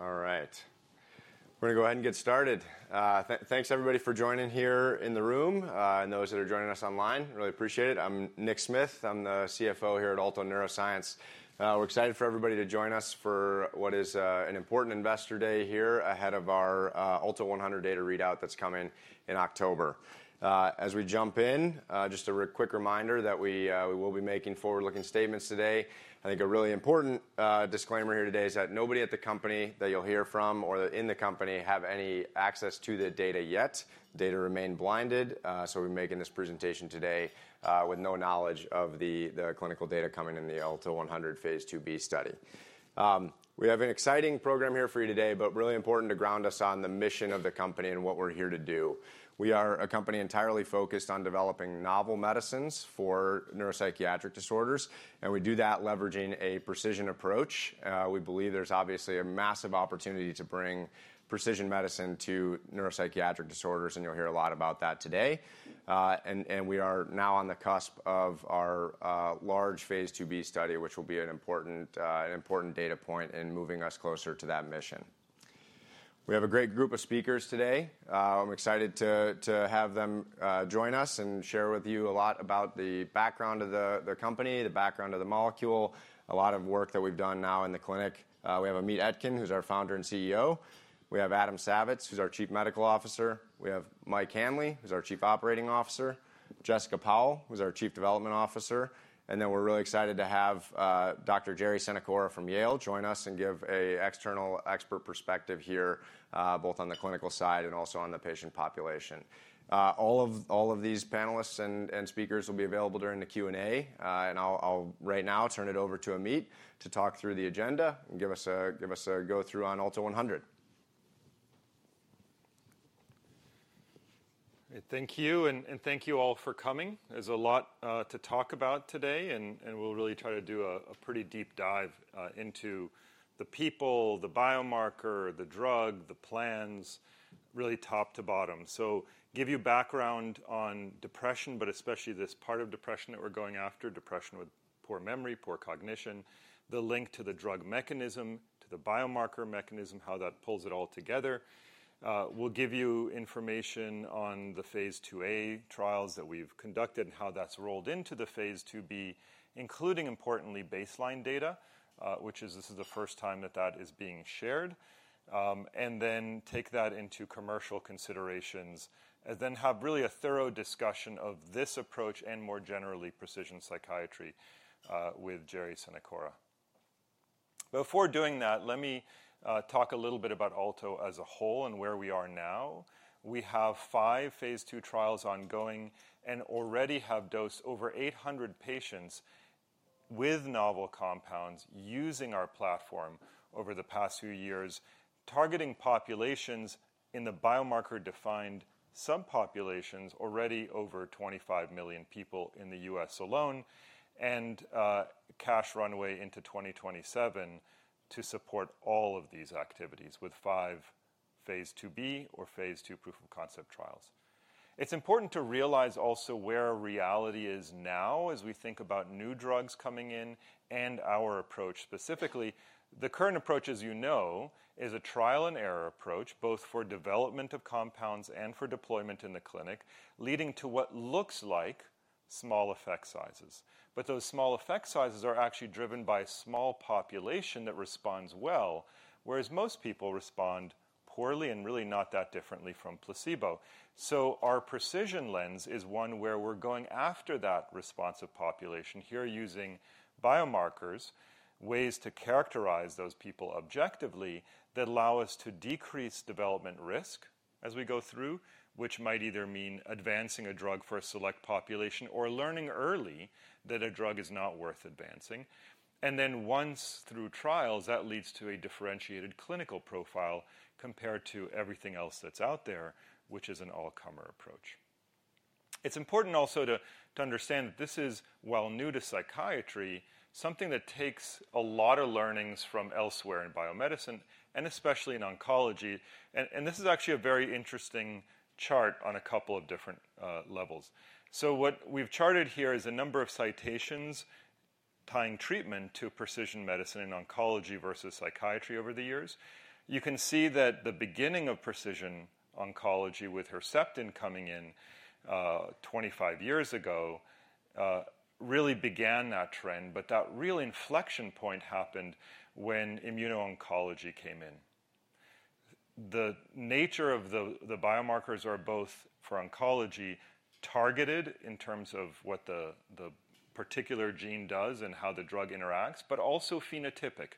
All right. We're gonna go ahead and get started. Thanks everybody for joining here in the room, and those that are joining us online. Really appreciate it. I'm Nick Smith. I'm the CFO here at Alto Neuroscience. We're excited for everybody to join us for what is, an important investor day here ahead of our, ALTO-100 data readout that's coming in October. As we jump in, just a quick reminder that we will be making forward-looking statements today. I think a really important disclaimer here today is that nobody at the company that you'll hear from or in the company have any access to the data yet. The data remain blinded, so we're making this presentation today, with no knowledge of the clinical data coming in the ALTO-100 Phase 2b study. We have an exciting program here for you today, but really important to ground us on the mission of the company and what we're here to do. We are a company entirely focused on developing novel medicines for neuropsychiatric disorders, and we do that leveraging a precision approach. We believe there's obviously a massive opportunity to bring precision medicine to neuropsychiatric disorders, and you'll hear a lot about that today. We are now on the cusp of our large Phase 2b study, which will be an important data point in moving us closer to that mission. We have a great group of speakers today. I'm excited to have them join us and share with you a lot about the background of the company, the background of the molecule, a lot of work that we've done now in the clinic. We have Amit Etkin, who's our Founder and CEO. We have Adam Savitz, who's our Chief Medical Officer. We have Mike Hanley, who's our Chief Operating Officer. Jessica Powell, who's our Chief Development Officer, and then we're really excited to have Dr. Jerry Sanacora from Yale join us and give an external expert perspective here, both on the clinical side and also on the patient population. All of these panelists and speakers will be available during the Q&A, and I'll right now turn it over to Amit to talk through the agenda and give us a go-through on ALTO-100. Thank you, and thank you all for coming. There's a lot to talk about today, and we'll really try to do a pretty deep dive into the people, the biomarker, the drug, the plans, really top to bottom. So give you background on depression, but especially this part of depression that we're going after, depression with poor memory, poor cognition, the link to the drug mechanism, to the biomarker mechanism, how that pulls it all together. We'll give you information on the phase 2A trials that we've conducted and how that's rolled into the phase 2B, including, importantly, baseline data, which is. This is the first time that that is being shared. And then take that into commercial considerations, and then have really a thorough discussion of this approach and more generally, precision psychiatry, with Jerry Sanacora. Before doing that, let me talk a little bit about Alto as a whole and where we are now. We have five phase 2 trials ongoing and already have dosed over 800 patients with novel compounds using our platform over the past few years, targeting populations in the biomarker-defined subpopulations, already over 25 million people in the US alone, and cash runway into 2027 to support all of these activities with five Phase 2b or phase 2 proof-of-concept trials. It's important to realize also where our reality is now as we think about new drugs coming in and our approach specifically. The current approach, as you know, is a trial-and-error approach, both for development of compounds and for deployment in the clinic, leading to what looks like small effect sizes. But those small effect sizes are actually driven by a small population that responds well, whereas most people respond poorly and really not that differently from placebo. So our precision lens is one where we're going after that responsive population here using biomarkers, ways to characterize those people objectively that allow us to decrease development risk as we go through, which might either mean advancing a drug for a select population or learning early that a drug is not worth advancing. And then once through trials, that leads to a differentiated clinical profile compared to everything else that's out there, which is an all-comer approach. It's important also to understand that this is, while new to psychiatry, something that takes a lot of learnings from elsewhere in biomedicine, and especially in oncology. And this is actually a very interesting chart on a couple of different levels. So what we've charted here is a number of citations tying treatment to precision medicine in oncology versus psychiatry over the years. You can see that the beginning of precision oncology, with Herceptin coming in, 25 years ago, really began that trend, but that real inflection point happened when immuno-oncology came in. The nature of the biomarkers are both for oncology, targeted in terms of what the particular gene does and how the drug interacts, but also phenotypic,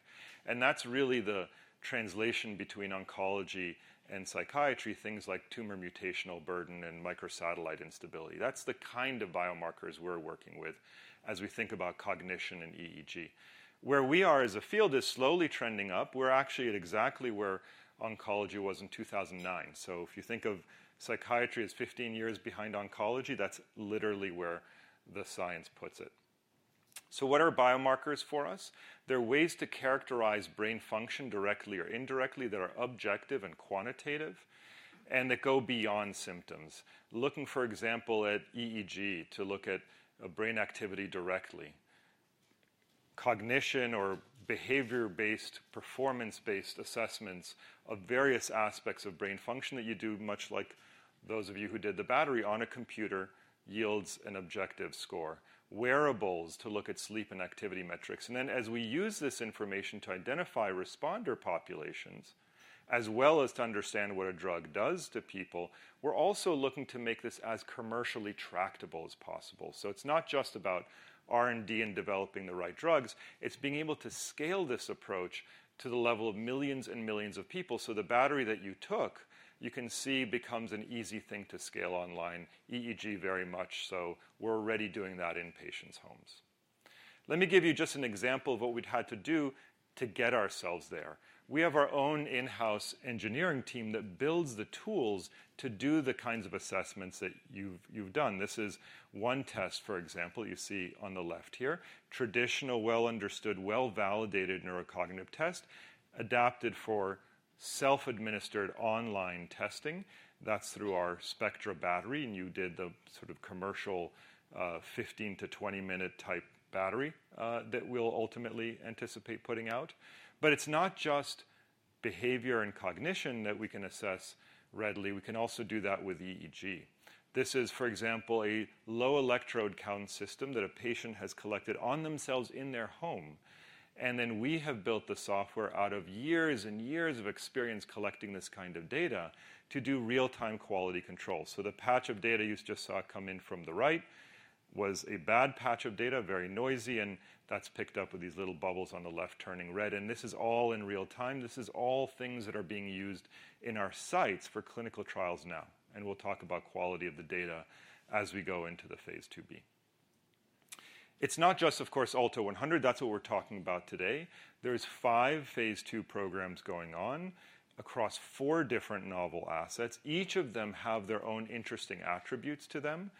and that's really the translation between oncology and psychiatry, things like tumor mutational burden and microsatellite instability. That's the kind of biomarkers we're working with as we think about cognition and EEG. Where we are as a field is slowly trending up. We're actually at exactly where oncology was in 2009. So if you think of psychiatry as 15 years behind oncology, that's literally where the science puts it. So what are biomarkers for us? They're ways to characterize brain function directly or indirectly, that are objective and quantitative, and that go beyond symptoms. Looking, for example, at EEG, to look at, brain activity directly. Cognition or behavior-based, performance-based assessments of various aspects of brain function that you do, much like those of you who did the battery on a computer, yields an objective score. Wearables to look at sleep and activity metrics. And then as we use this information to identify responder populations, as well as to understand what a drug does to people, we're also looking to make this as commercially tractable as possible. So it's not just about R&D and developing the right drugs, it's being able to scale this approach to the level of millions and millions of people. So the battery that you took, you can see becomes an easy thing to scale online, EEG very much so. We're already doing that in patients' homes. Let me give you just an example of what we'd had to do to get ourselves there. We have our own in-house engineering team that builds the tools to do the kinds of assessments that you've done. This is one test, for example, you see on the left here. Traditional, well-understood, well-validated neurocognitive test, adapted for self-administered online testing. That's through our Spectra battery, and you did the sort of commercial, 15 to 20 minute type battery, that we'll ultimately anticipate putting out. But it's not just behavior and cognition that we can assess readily. We can also do that with EEG. This is, for example, a low electrode count system that a patient has collected on themselves in their home, and then we have built the software out of years and years of experience collecting this kind of data to do real-time quality control. So the patch of data you just saw come in from the right was a bad patch of data, very noisy, and that's picked up with these little bubbles on the left turning red, and this is all in real time. This is all things that are being used in our sites for clinical trials now, and we'll talk about quality of the data as we go into the Phase IIb. It's not just, of course, ALTO-100. That's what we're talking about today. There's five phase 2 programs going on across four different novel assets. Each of them have their own interesting attributes to them,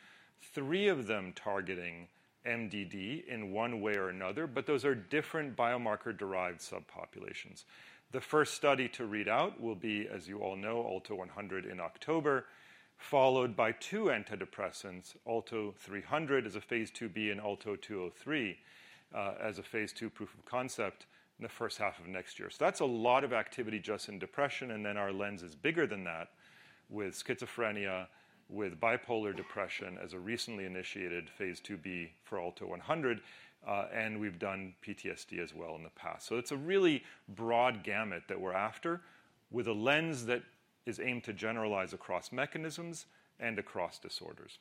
three of them targeting MDD in one way or another, but those are different biomarker-derived subpopulations. The first study to read out will be, as you all know, ALTO-100 in October, followed by two antidepressants, ALTO-300 as a Phase 2b and ALTO-203 as a phase 2 proof of concept in the first half of next year, so that's a lot of activity just in depression, and then our lens is bigger than that, with schizophrenia, with bipolar depression as a recently initiated Phase 2b for ALTO-100, and we've done PTSD as well in the past, so it's a really broad gamut that we're after, with a lens that is aimed to generalize across mechanisms and across disorders.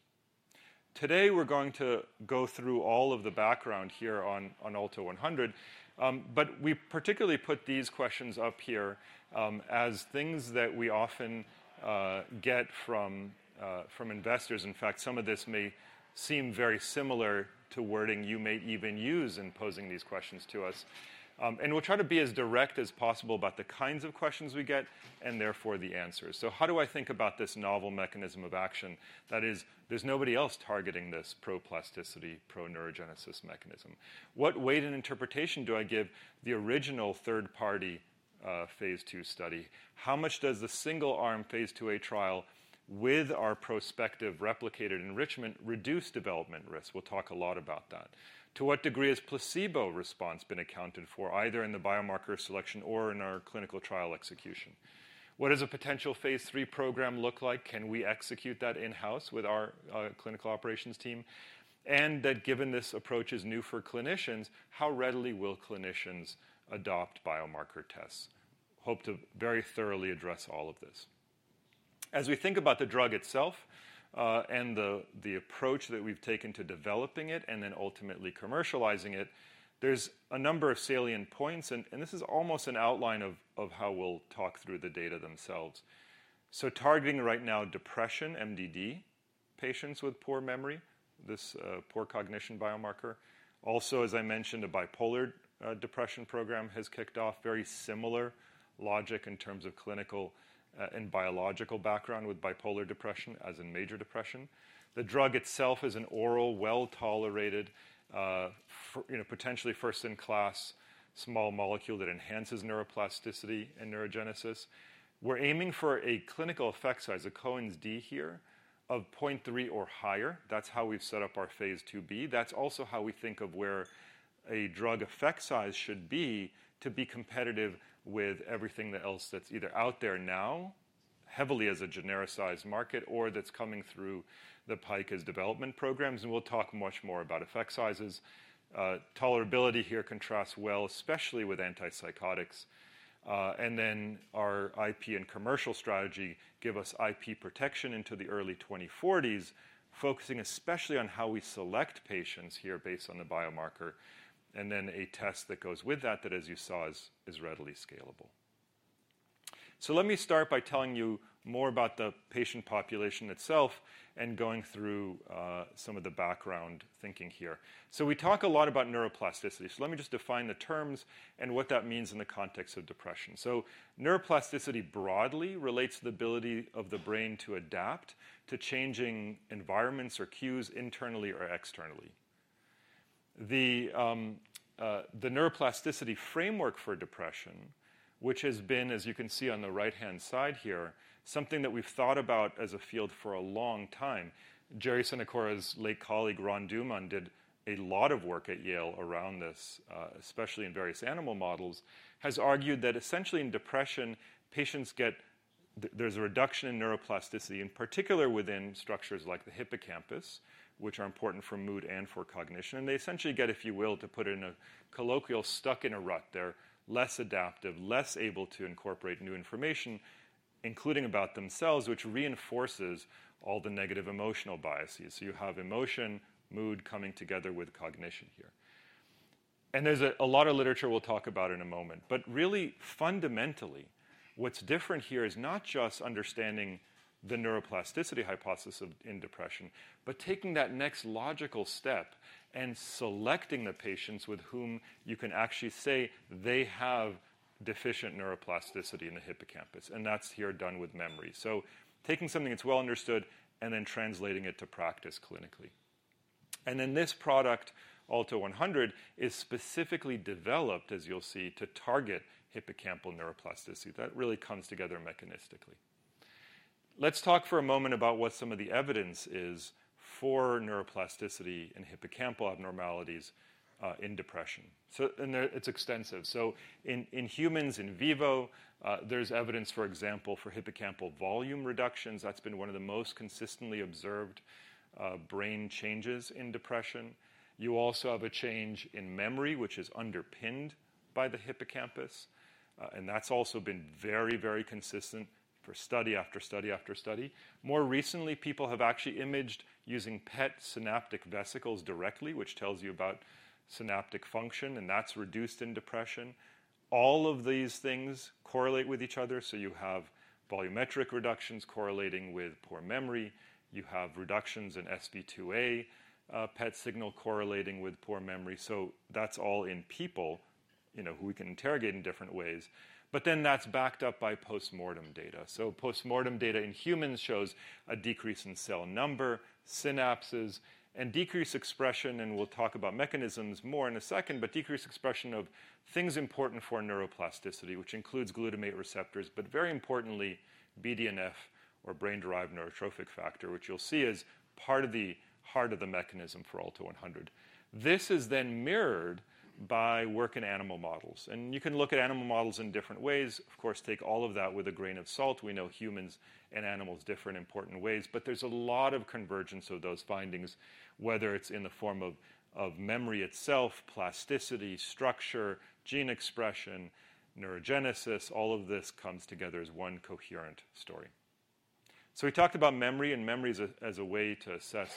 Today, we're going to go through all of the background here on ALTO-100, but we particularly put these questions up here, as things that we often get from investors. In fact, some of this may seem very similar to wording you may even use in posing these questions to us. And we'll try to be as direct as possible about the kinds of questions we get, and therefore the answers. So how do I think about this novel mechanism of action? That is, there's nobody else targeting this pro-plasticity, pro-neurogenesis mechanism. What weight and interpretation do I give the original third-party phase II study? How much does the single-arm Phase IIa trial with our prospective replicated enrichment reduce development risk? We'll talk a lot about that. To what degree has placebo response been accounted for, either in the biomarker selection or in our clinical trial execution? What does a potential Phase III program look like? Can we execute that in-house with our clinical operations team? And that given this approach is new for clinicians, how readily will clinicians adopt biomarker tests? Hope to very thoroughly address all of this. As we think about the drug itself, and the approach that we've taken to developing it, and then ultimately commercializing it, there's a number of salient points, and this is almost an outline of how we'll talk through the data themselves. So targeting right now, depression, MDD, patients with poor memory, this poor cognition biomarker. Also, as I mentioned, a bipolar depression program has kicked off very similar logic in terms of clinical and biological background with bipolar depression as in major depression. The drug itself is an oral, well-tolerated, you know, potentially first-in-class, small molecule that enhances neuroplasticity and neurogenesis. We're aiming for a clinical effect size, a Cohen's d here, of 0.3 or higher. That's how we've set up our Phase 2b. That's also how we think of where a drug effect size should be to be competitive with everything else that's either out there now, heavily as a genericized market, or that's coming through the pike as development programs, and we'll talk much more about effect sizes. Tolerability here contrasts well, especially with antipsychotics. And then our IP and commercial strategy give us IP protection into the early 2040s, focusing especially on how we select patients here based on the biomarker, and then a test that goes with that, as you saw, is readily scalable. So let me start by telling you more about the patient population itself and going through some of the background thinking here. So we talk a lot about neuroplasticity. So let me just define the terms and what that means in the context of depression. So neuroplasticity broadly relates to the ability of the brain to adapt to changing environments or cues internally or externally. The neuroplasticity framework for depression, which has been, as you can see on the right-hand side here, something that we've thought about as a field for a long time. Gerry Sanacora's late colleague, Ron Duman, did a lot of work at Yale around this, especially in various animal models, has argued that essentially in depression, patients, there's a reduction in neuroplasticity, in particular within structures like the hippocampus, which are important for mood and for cognition, and they essentially get, if you will, to put it in a colloquial, stuck in a rut. They're less adaptive, less able to incorporate new information, including about themselves, which reinforces all the negative emotional biases, so you have emotion, mood, coming together with cognition here. And there's a lot of literature we'll talk about in a moment, but really fundamentally, what's different here is not just understanding the neuroplasticity hypothesis in depression, but taking that next logical step and selecting the patients with whom you can actually say they have deficient neuroplasticity in the hippocampus, and that's here done with memory. So taking something that's well understood and then translating it to practice clinically. And then this product, ALTO-100, is specifically developed, as you'll see, to target hippocampal neuroplasticity. That really comes together mechanistically. Let's talk for a moment about what some of the evidence is for neuroplasticity and hippocampal abnormalities in depression. It's extensive. In humans, in vivo, there's evidence, for example, for hippocampal volume reductions. That's been one of the most consistently observed brain changes in depression. You also have a change in memory, which is underpinned by the hippocampus, and that's also been very, very consistent for study after study after study. More recently, people have actually imaged using PET synaptic vesicles directly, which tells you about synaptic function, and that's reduced in depression. All of these things correlate with each other, so you have volumetric reductions correlating with poor memory, you have reductions in SV2A PET signal correlating with poor memory. So that's all in people, you know, who we can interrogate in different ways. But then that's backed up by postmortem data. Postmortem data in humans shows a decrease in cell number, synapses, and decreased expression, and we'll talk about mechanisms more in a second, but decreased expression of things important for neuroplasticity, which includes glutamate receptors, but very importantly, BDNF or brain-derived neurotrophic factor, which you'll see is part of the heart of the mechanism for ALTO-100. This is then mirrored by work in animal models, and you can look at animal models in different ways. Of course, take all of that with a grain of salt. We know humans and animals differ in important ways, but there's a lot of convergence of those findings, whether it's in the form of memory itself, plasticity, structure, gene expression, neurogenesis, all of this comes together as one coherent story. So we talked about memory and memories as a way to assess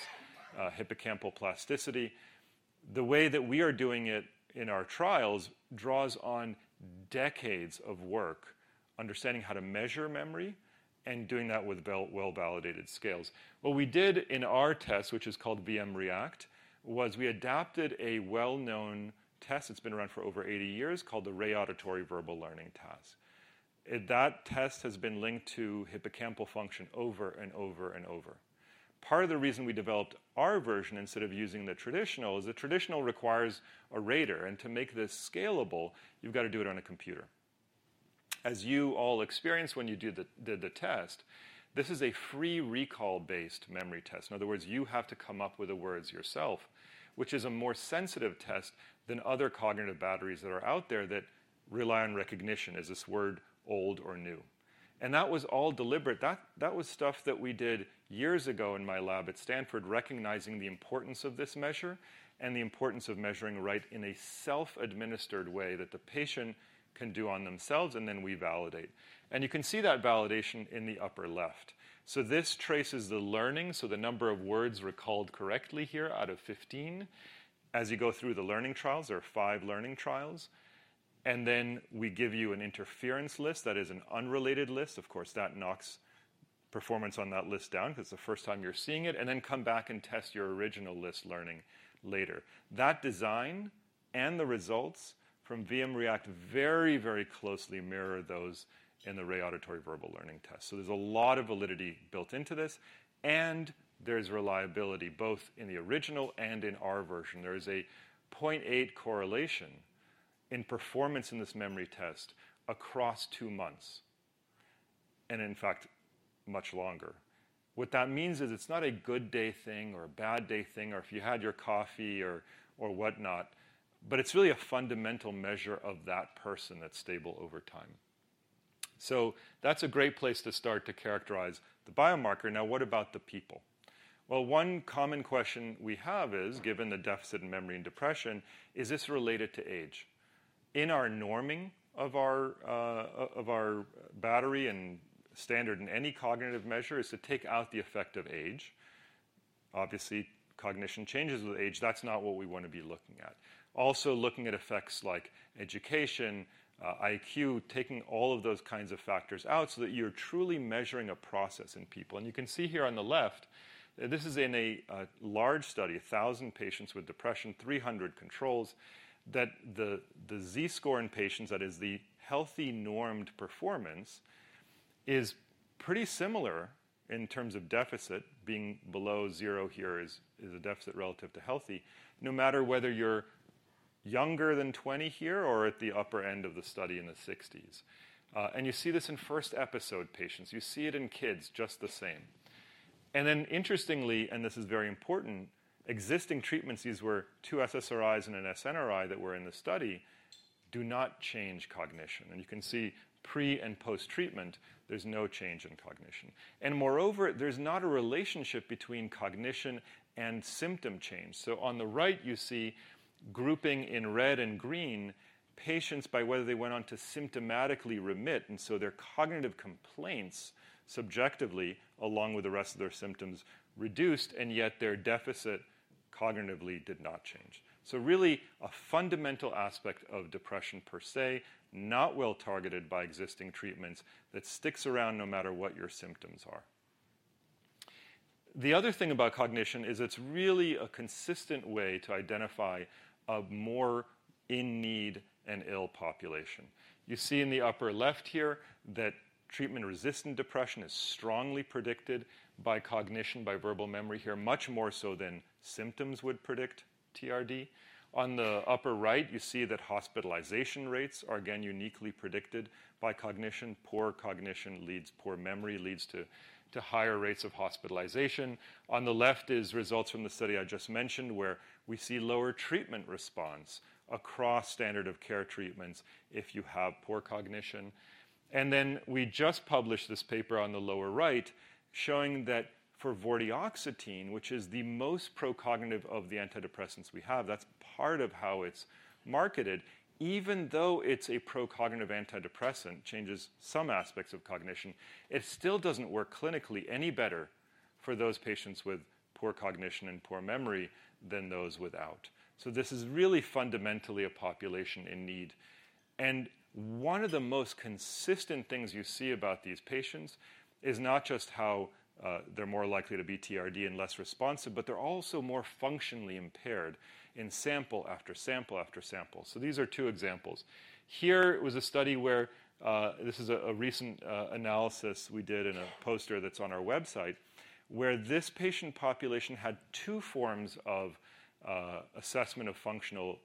hippocampal plasticity. The way that we are doing it in our trials draws on decades of work, understanding how to measure memory and doing that with well-validated scales. What we did in our test, which is called VM React, was we adapted a well-known test, it's been around for over eighty years, called the Rey Auditory Verbal Learning Test. And that test has been linked to hippocampal function over and over and over. Part of the reason we developed our version instead of using the traditional is the traditional requires a rater, and to make this scalable, you've got to do it on a computer. As you all experience when you do the test, this is a free recall-based memory test. In other words, you have to come up with the words yourself, which is a more sensitive test than other cognitive batteries that are out there that rely on recognition. Is this word old or new? And that was all deliberate. That, that was stuff that we did years ago in my lab at Stanford, recognizing the importance of this measure and the importance of measuring right in a self-administered way that the patient can do on themselves, and then we validate. And you can see that validation in the upper left. So this traces the learning, so the number of words recalled correctly here out of 15. As you go through the learning trials, there are five learning trials, and then we give you an interference list that is an unrelated list. Of course, that knocks performance on that list down because it's the first time you're seeing it, and then come back and test your original list learning later. That design and the results from VM React very, very closely mirror those in the Rey Auditory Verbal Learning Test. So there's a lot of validity built into this, and there's reliability both in the original and in our version. There is a 0.8 correlation in performance in this memory test across two months, and in fact, much longer. What that means is it's not a good day thing or a bad day thing, or if you had your coffee or, or whatnot, but it's really a fundamental measure of that person that's stable over time. So that's a great place to start to characterize the biomarker. Now, what about the people? One common question we have is, given the deficit in memory and depression, is this related to age? In our norming of our battery and standard in any cognitive measure is to take out the effect of age. Obviously, cognition changes with age. That's not what we want to be looking at. Also, looking at effects like education, IQ, taking all of those kinds of factors out so that you're truly measuring a process in people. And you can see here on the left, this is in a large study, a thousand patients with depression, three hundred controls, that the Z-score in patients, that is the healthy normed performance-... Is pretty similar in terms of deficit, being below zero here is a deficit relative to healthy, no matter whether you're younger than twenty here or at the upper end of the study in the sixties, and you see this in first episode patients. You see it in kids just the same, and then interestingly, and this is very important, existing treatments, these were two SSRIs and an SNRI that were in the study, do not change cognition, and you can see pre- and post-treatment, there's no change in cognition, and moreover, there's not a relationship between cognition and symptom change, so on the right, you see grouping in red and green, patients by whether they went on to symptomatically remit, and so their cognitive complaints, subjectively, along with the rest of their symptoms, reduced, and yet their deficit cognitively did not change. So really, a fundamental aspect of depression per se, not well targeted by existing treatments, that sticks around no matter what your symptoms are. The other thing about cognition is it's really a consistent way to identify a more in need and ill population. You see in the upper left here that treatment-resistant depression is strongly predicted by cognition, by verbal memory here, much more so than symptoms would predict TRD. On the upper right, you see that hospitalization rates are again uniquely predicted by cognition. Poor cognition leads poor memory, leads to higher rates of hospitalization. On the left is results from the study I just mentioned, where we see lower treatment response across standard of care treatments if you have poor cognition. And then we just published this paper on the lower right, showing that for vortioxetine, which is the most pro-cognitive of the antidepressants we have, that's part of how it's marketed, even though it's a pro-cognitive antidepressant, changes some aspects of cognition, it still doesn't work clinically any better for those patients with poor cognition and poor memory than those without. So this is really fundamentally a population in need. And one of the most consistent things you see about these patients is not just how they're more likely to be TRD and less responsive, but they're also more functionally impaired in sample, after sample, after sample. So these are two examples. Here was a study where this is a recent analysis we did in a poster that's on our website, where this patient population had two forms of assessment of functional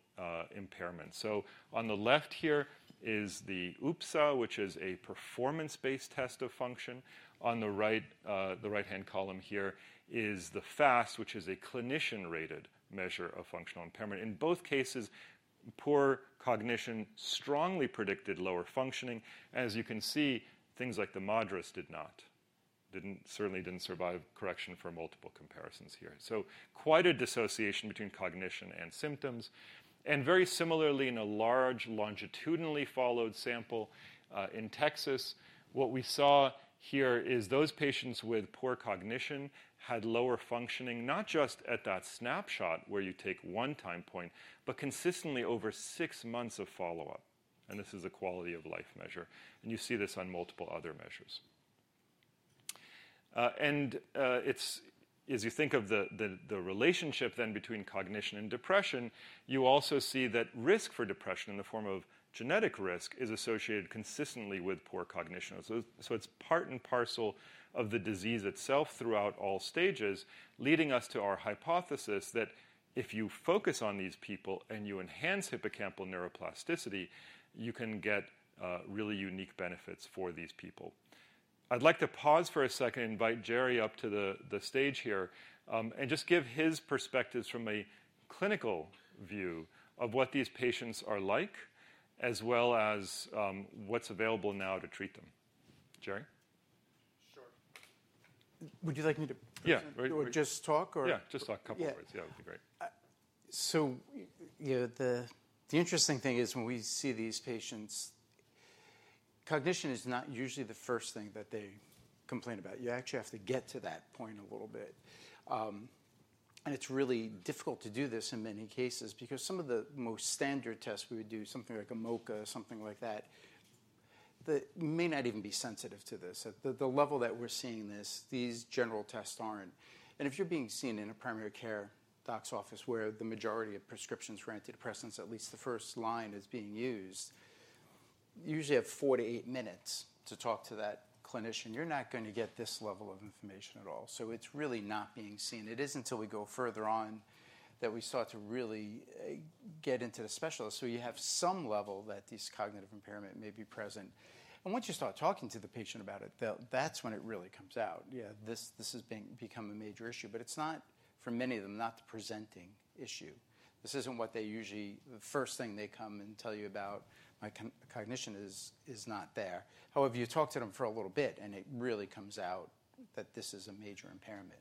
impairment. So on the left here is the UPSA, which is a performance-based test of function. On the right, the right-hand column here is the FAST, which is a clinician-rated measure of functional impairment. In both cases, poor cognition strongly predicted lower functioning. As you can see, things like the MADRS did not. Certainly didn't survive correction for multiple comparisons here. So quite a dissociation between cognition and symptoms, and very similarly, in a large, longitudinally followed sample, in Texas, what we saw here is those patients with poor cognition had lower functioning, not just at that snapshot, where you take one time point, but consistently over six months of follow-up. And this is a quality-of-life measure, and you see this on multiple other measures. It's... As you think of the relationship then between cognition and depression, you also see that risk for depression, in the form of genetic risk, is associated consistently with poor cognition. So it's part and parcel of the disease itself throughout all stages, leading us to our hypothesis that if you focus on these people and you enhance hippocampal neuroplasticity, you can get really unique benefits for these people. I'd like to pause for a second, invite Jerry up to the stage here, and just give his perspectives from a clinical view of what these patients are like, as well as what's available now to treat them. Jerry? Sure. Would you like me to- Yeah. Or just talk, or? Yeah, just talk a couple words. Yeah. Yeah, that'd be great. So yeah, the interesting thing is when we see these patients, cognition is not usually the first thing that they complain about. You actually have to get to that point a little bit. And it's really difficult to do this in many cases because some of the most standard tests we would do, something like a MoCA, something like that, that may not even be sensitive to this. At the level that we're seeing this, these general tests aren't. And if you're being seen in a primary care doc's office where the majority of prescriptions for antidepressants, at least the first line, is being used, you usually have four to eight minutes to talk to that clinician. You're not going to get this level of information at all, so it's really not being seen. It isn't until we go further on that we start to really get into the specialist. So you have some level that this cognitive impairment may be present. And once you start talking to the patient about it, that's when it really comes out. Yeah, this has become a major issue, but it's not, for many of them, the presenting issue. This isn't what they usually come and tell you about first. "My cognition is not there." However, you talk to them for a little bit, and it really comes out that this is a major impairment.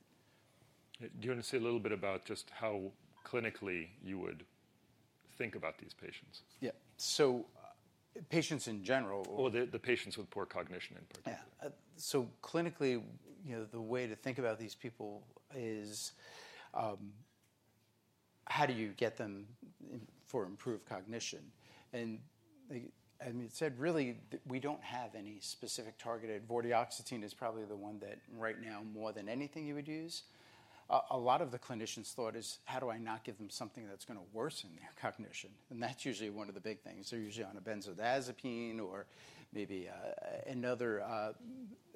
Do you want to say a little bit about just how clinically you would think about these patients? Yeah. So, patients in general- The patients with poor cognition in particular. Yeah. So clinically, you know, the way to think about these people is, how do you get them in for improved cognition? And like, I mean, really, we don't have any specific targeted, vortioxetine is probably the one that right now, more than anything you would use. A lot of the clinicians' thought is: How do I not give them something that's gonna worsen their cognition? And that's usually one of the big things. They're usually on a benzodiazepine or maybe, another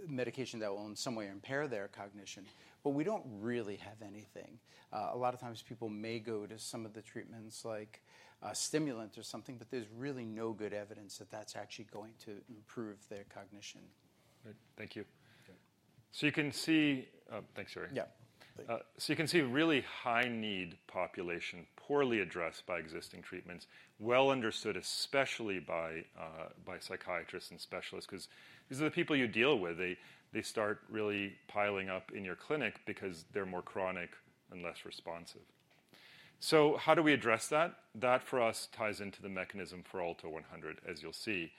medication that will in some way impair their cognition. But we don't really have anything. A lot of times people may go to some of the treatments like, stimulants or something, but there's really no good evidence that that's actually going to improve their cognition. Good. Thank you. So you can see - thanks, Eric. Yeah. So you can see a really high-need population, poorly addressed by existing treatments, well understood, especially by, by psychiatrists and specialists, 'cause these are the people you deal with. They start really piling up in your clinic because they're more chronic and less responsive. So how do we address that? That, for us, ties into the mechanism for ALTO-100, as you'll see.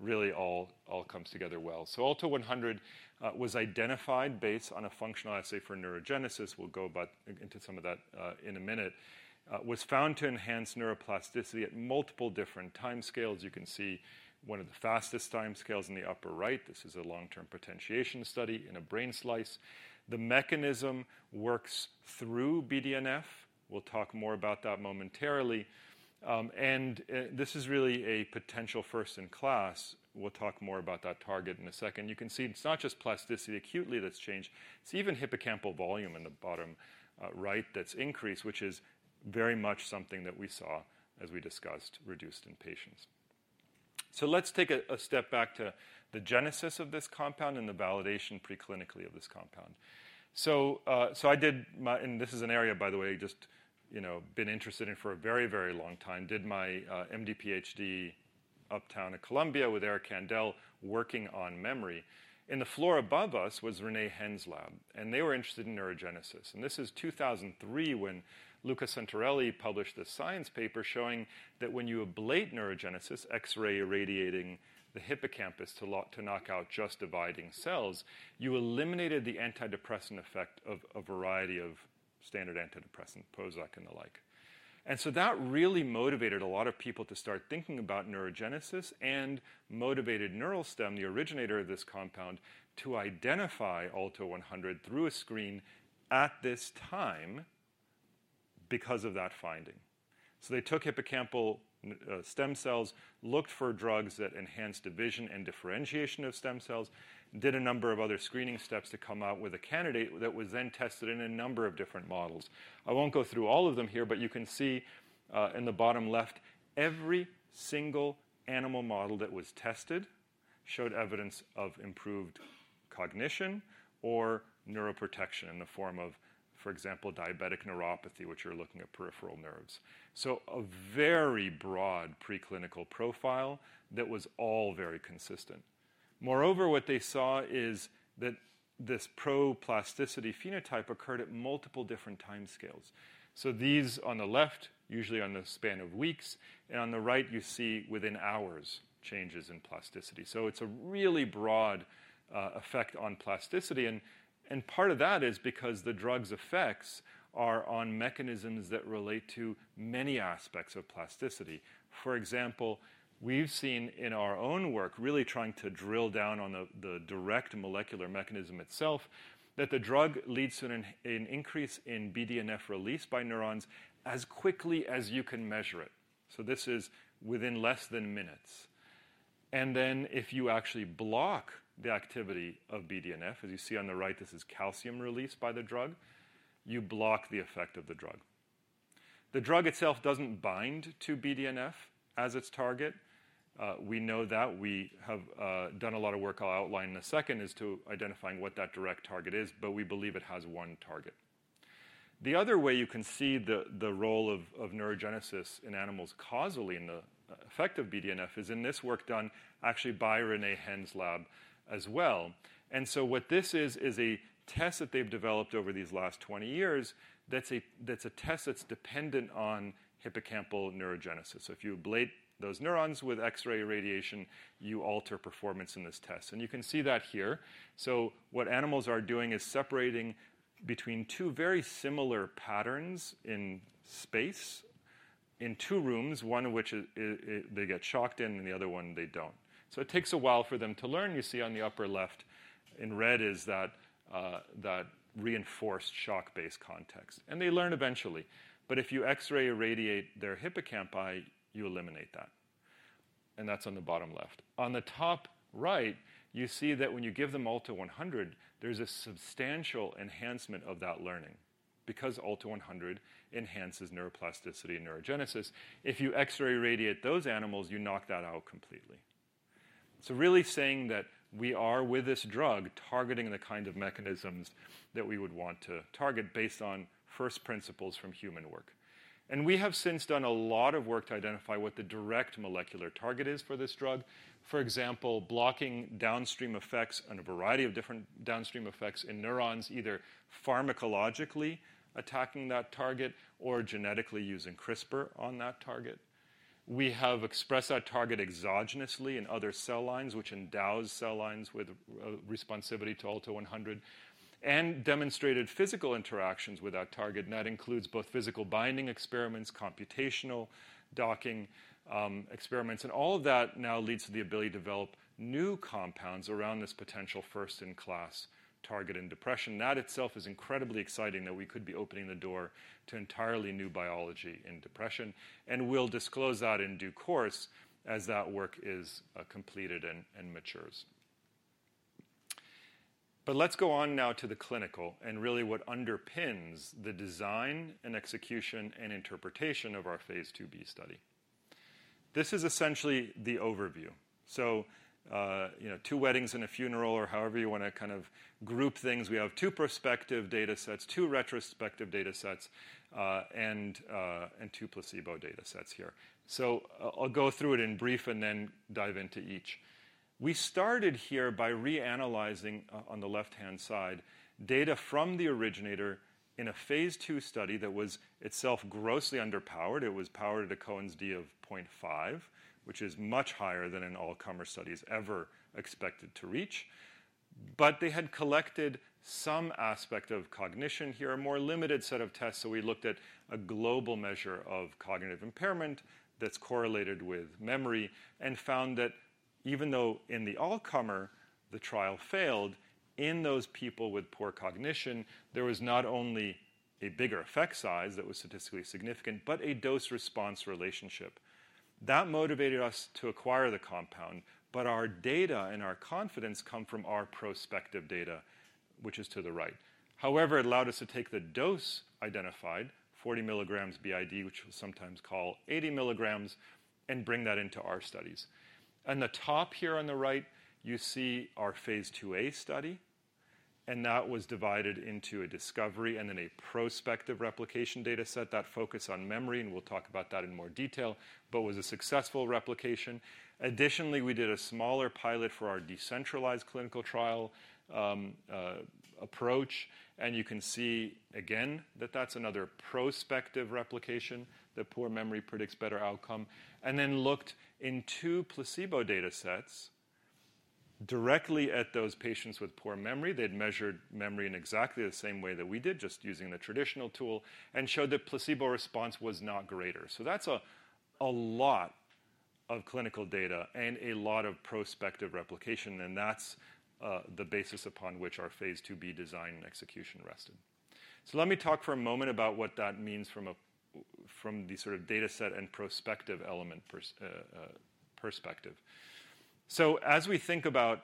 Really all comes together well. So ALTO-100 was identified based on a functional assay for neurogenesis. We'll go about into some of that in a minute. Was found to enhance neuroplasticity at multiple different timescales. You can see one of the fastest timescales in the upper right. This is a long-term potentiation study in a brain slice. The mechanism works through BDNF. We'll talk more about that momentarily. And this is really a potential first in class. We'll talk more about that target in a second. You can see it's not just plasticity acutely that's changed, it's even hippocampal volume in the bottom, right, that's increased, which is very much something that we saw, as we discussed, reduced in patients, so let's take a step back to the genesis of this compound and the validation preclinically of this compound, and this is an area, by the way, just, you know, been interested in for a very, very long time, did my MD-PhD uptown at Columbia with Eric Kandel, working on memory, and the floor above us was René Hen's lab, and they were interested in neurogenesis. This is 2003, when Luca Santarelli published this science paper showing that when you ablate neurogenesis, X-ray irradiating the hippocampus to knock out just dividing cells, you eliminated the antidepressant effect of a variety of standard antidepressant, Prozac and the like. That really motivated a lot of people to start thinking about neurogenesis and motivated Neuralstem, the originator of this compound, to identify ALTO-100 through a screen at this time because of that finding. They took hippocampal stem cells, looked for drugs that enhanced division and differentiation of stem cells, did a number of other screening steps to come out with a candidate that was then tested in a number of different models. I won't go through all of them here, but you can see in the bottom left, every single animal model that was tested showed evidence of improved cognition or neuroprotection in the form of, for example, diabetic neuropathy, which you're looking at peripheral nerves. So a very broad preclinical profile that was all very consistent. Moreover, what they saw is that this pro-plasticity phenotype occurred at multiple different timescales. So these on the left, usually on the span of weeks, and on the right, you see within hours, changes in plasticity. So it's a really broad effect on plasticity, and part of that is because the drug's effects are on mechanisms that relate to many aspects of plasticity. For example, we've seen in our own work, really trying to drill down on the direct molecular mechanism itself, that the drug leads to an increase in BDNF release by neurons as quickly as you can measure it. So this is within less than minutes. And then, if you actually block the activity of BDNF, as you see on the right, this is calcium release by the drug, you block the effect of the drug. The drug itself doesn't bind to BDNF as its target. We know that. We have done a lot of work, I'll outline in a second, as to identifying what that direct target is, but we believe it has one target. The other way you can see the role of neurogenesis in animals causally in the effect of BDNF is in this work done actually by René Hen's lab as well. What this is is a test that they've developed over these last 20 years, that's a test that's dependent on hippocampal neurogenesis. If you ablate those neurons with X-ray radiation, you alter performance in this test. You can see that here. What animals are doing is separating between two very similar patterns in space, in two rooms, one of which is they get shocked in, and the other one they don't. It takes a while for them to learn. You see on the upper left in red is that reinforced shock-based context, and they learn eventually. But if you X-ray irradiate their hippocampi, you eliminate that, and that's on the bottom left. On the top right, you see that when you give them ALTO-100, there's a substantial enhancement of that learning because ALTO-100 enhances neuroplasticity and neurogenesis. If you X-ray irradiate those animals, you knock that out completely. So really saying that we are, with this drug, targeting the kind of mechanisms that we would want to target based on first principles from human work. And we have since done a lot of work to identify what the direct molecular target is for this drug. For example, blocking downstream effects and a variety of different downstream effects in neurons, either pharmacologically attacking that target or genetically using CRISPR on that target. We have expressed that target exogenously in other cell lines, which endows cell lines with responsivity to ALTO-100, and demonstrated physical interactions with that target, and that includes both physical binding experiments, computational docking experiments, and all of that now leads to the ability to develop new compounds around this potential first-in-class target in depression. That itself is incredibly exciting that we could be opening the door to entirely new biology in depression, and we'll disclose that in due course as that work is completed and matures. But let's go on now to the clinical, and really what underpins the design and execution and interpretation of our Phase 2b study. This is essentially the overview. So, you know, two weddings and a funeral, or however you want to kind of group things. We have two prospective datasets, two retrospective datasets, and two placebo datasets here. So I'll go through it in brief and then dive into each. We started here by reanalyzing, on the left-hand side, data from the originator in a phase II study that was itself grossly underpowered. It was powered at a Cohen's d of 0.5, which is much higher than an all-comer study is ever expected to reach. But they had collected some aspect of cognition here, a more limited set of tests, so we looked at a global measure of cognitive impairment that's correlated with memory and found that even though in the all-comer, the trial failed, in those people with poor cognition, there was not only a bigger effect size that was statistically significant, but a dose-response relationship. That motivated us to acquire the compound, but our data and our confidence come from our prospective data, which is to the right. However, it allowed us to take the dose identified, 40 milligrams BID, which we sometimes call 80 milligrams, and bring that into our studies. On the top here on the right, you see our Phase IIa study, and that was divided into a discovery and then a prospective replication dataset, that focus on memory, and we'll talk about that in more detail, but was a successful replication. Additionally, we did a smaller pilot for our decentralized clinical trial approach, and you can see again, that that's another prospective replication, that poor memory predicts better outcome. And then looked in two placebo datasets directly at those patients with poor memory. They'd measured memory in exactly the same way that we did, just using the traditional tool, and showed that placebo response was not greater. So that's a lot of clinical data and a lot of prospective replication, and that's the basis upon which our Phase IIb design and execution rested. So let me talk for a moment about what that means from the sort of dataset and prospective element perspective. So as we think about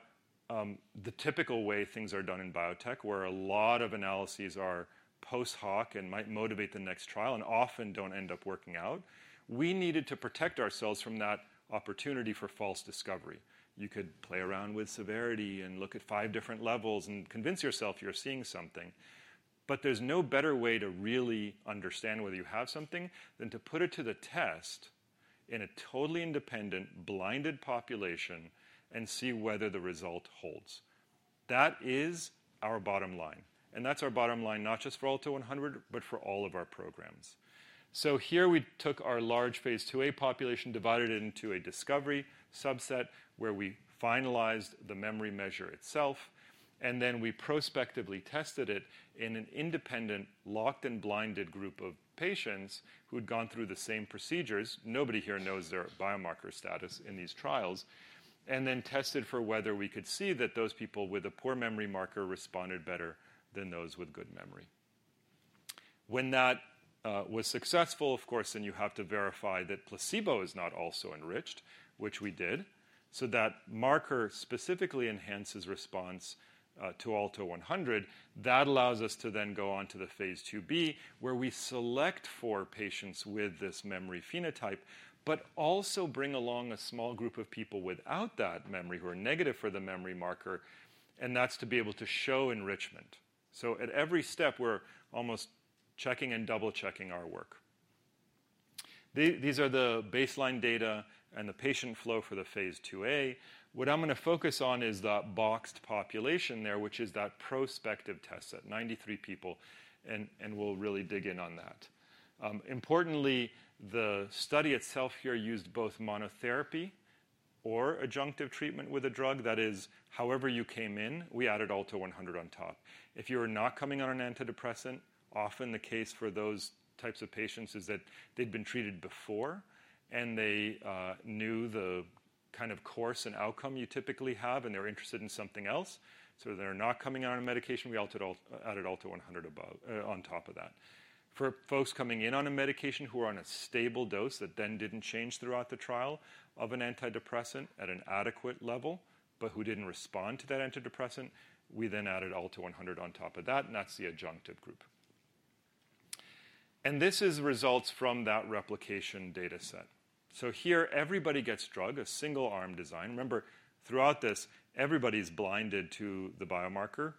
the typical way things are done in biotech, where a lot of analyses are post-hoc and might motivate the next trial and often don't end up working out, we needed to protect ourselves from that opportunity for false discovery. You could play around with severity and look at five different levels and convince yourself you're seeing something, but there's no better way to really understand whether you have something than to put it to the test in a totally independent, blinded population and see whether the result holds. That is our bottom line, and that's our bottom line, not just for ALTO-100, but for all of our programs. So here we took our large Phase IIa population, divided it into a discovery subset, where we finalized the memory measure itself, and then we prospectively tested it in an independent, locked and blinded group of patients who'd gone through the same procedures. Nobody here knows their biomarker status in these trials and then tested for whether we could see that those people with a poor memory marker responded better than those with good memory. When that was successful, of course, then you have to verify that placebo is not also enriched, which we did. So that marker specifically enhances response to ALTO-100. That allows us to then go on to the Phase IIb, where we select for patients with this memory phenotype, but also bring along a small group of people without that memory, who are negative for the memory marker, and that's to be able to show enrichment. So at every step, we're almost checking and double-checking our work. These are the baseline data and the patient flow for the Phase IIa. What I'm gonna focus on is that boxed population there, which is that prospective test set, ninety-three people, and we'll really dig in on that. Importantly, the study itself here used both monotherapy or adjunctive treatment with a drug. That is, however you came in, we added ALTO-100 on top. If you were not coming on an antidepressant, often the case for those types of patients is that they'd been treated before, and they knew the kind of course and outcome you typically have, and they were interested in something else. So they're not coming on a medication, we added ALTO-100 above, on top of that. For folks coming in on a medication who are on a stable dose that then didn't change throughout the trial of an antidepressant at an adequate level, but who didn't respond to that antidepressant, we then added ALTO-100 on top of that, and that's the adjunctive group. This is results from that replication dataset. So here, everybody gets drug, a single-arm design. Remember, throughout this, everybody's blinded to the biomarker,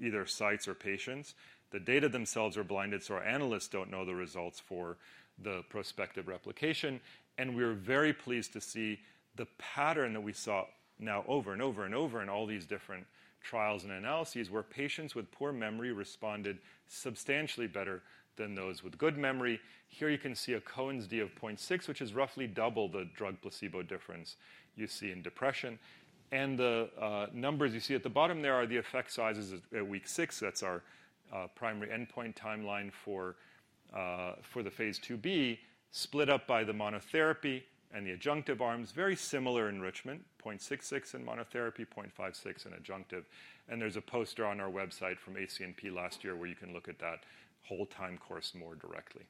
either sites or patients. The data themselves are blinded, so our analysts don't know the results for the prospective replication. And we're very pleased to see the pattern that we saw now over and over and over in all these different trials and analyses, where patients with poor memory responded substantially better than those with good memory. Here you can see a Cohen's d of 0.6, which is roughly double the drug placebo difference you see in depression. And the numbers you see at the bottom there are the effect sizes at week six. That's our primary endpoint timeline for the Phase 2b, split up by the monotherapy and the adjunctive arms. Very similar enrichment, 0.66 in monotherapy, 0.56 in adjunctive. And there's a poster on our website from ACMP last year where you can look at that whole time course more directly.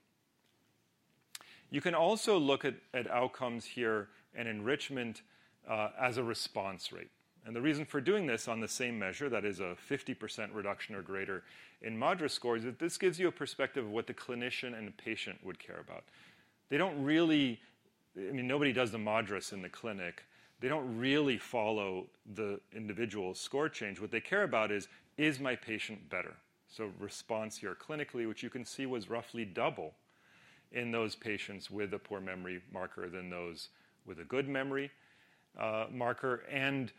You can also look at outcomes here and enrichment as a response rate. And the reason for doing this on the same measure, that is a 50% reduction or greater in MADRS scores, is this gives you a perspective of what the clinician and the patient would care about. They don't really, I mean, nobody does the MADRS in the clinic. They don't really follow the individual score change. What they care about is: Is my patient better? So response here clinically, which you can see was roughly double in those patients with a poor memory marker than those with a good memory marker. And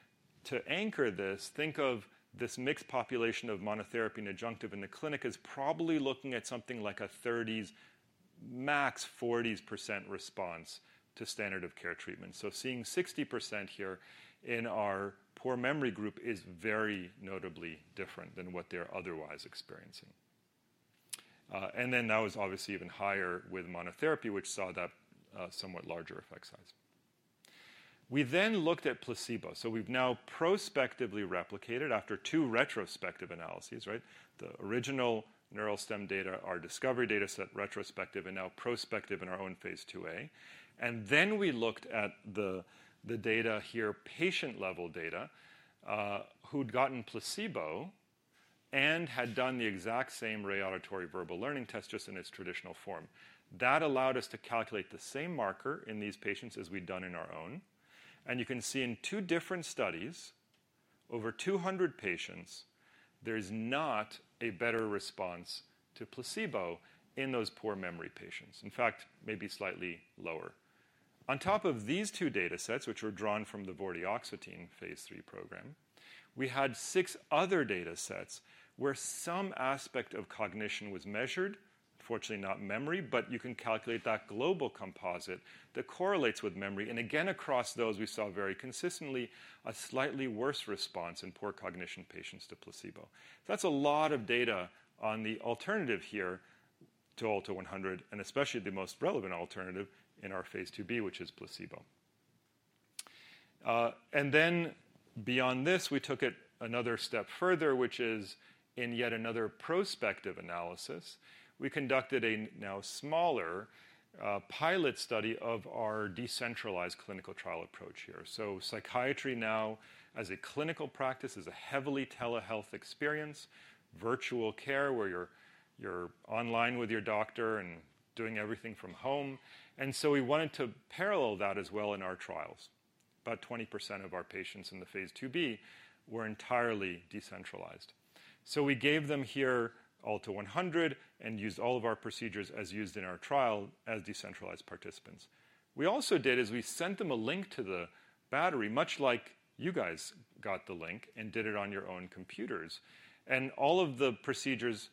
to anchor this, think of this mixed population of monotherapy and adjunctive, and the clinic is probably looking at something like 30s, max 40s% response to standard of care treatment. So seeing 60% here in our poor memory group is very notably different than what they're otherwise experiencing. And then that was obviously even higher with monotherapy, which saw that, somewhat larger effect size. We then looked at placebo. So we've now prospectively replicated after two retrospective analyses, right? The original Neuralstem data, our discovery data set retrospective, and now prospective in our own phase 2a. And then we looked at the data here, patient-level data, who'd gotten placebo and had done the exact same Rey Auditory Verbal Learning Test, just in its traditional form. That allowed us to calculate the same marker in these patients as we'd done in our own. And you can see in two different studies, over 200 patients, there's not a better response to placebo in those poor memory patients. In fact, maybe slightly lower. On top of these two datasets, which were drawn from the Vortioxetine Phase III program, we had six other datasets where some aspect of cognition was measured, unfortunately not memory, but you can calculate that global composite that correlates with memory, and again across those, we saw very consistently a slightly worse response in poor cognition patients to placebo. That's a lot of data on the alternative here to ALTO-100, and especially the most relevant alternative in our Phase IIb, which is placebo, and then beyond this, we took it another step further, which is in yet another prospective analysis. We conducted a now smaller pilot study of our decentralized clinical trial approach here, so psychiatry now, as a clinical practice, is a heavily telehealth experience, virtual care, where you're online with your doctor and doing everything from home. We wanted to parallel that as well in our trials. About 20% of our patients in the Phase IIb were entirely decentralized. We gave them their ALTO-100 and used all of our procedures as used in our trial as decentralized participants. We also sent them a link to the battery, much like you guys got the link and did it on your own computers, and all of the procedures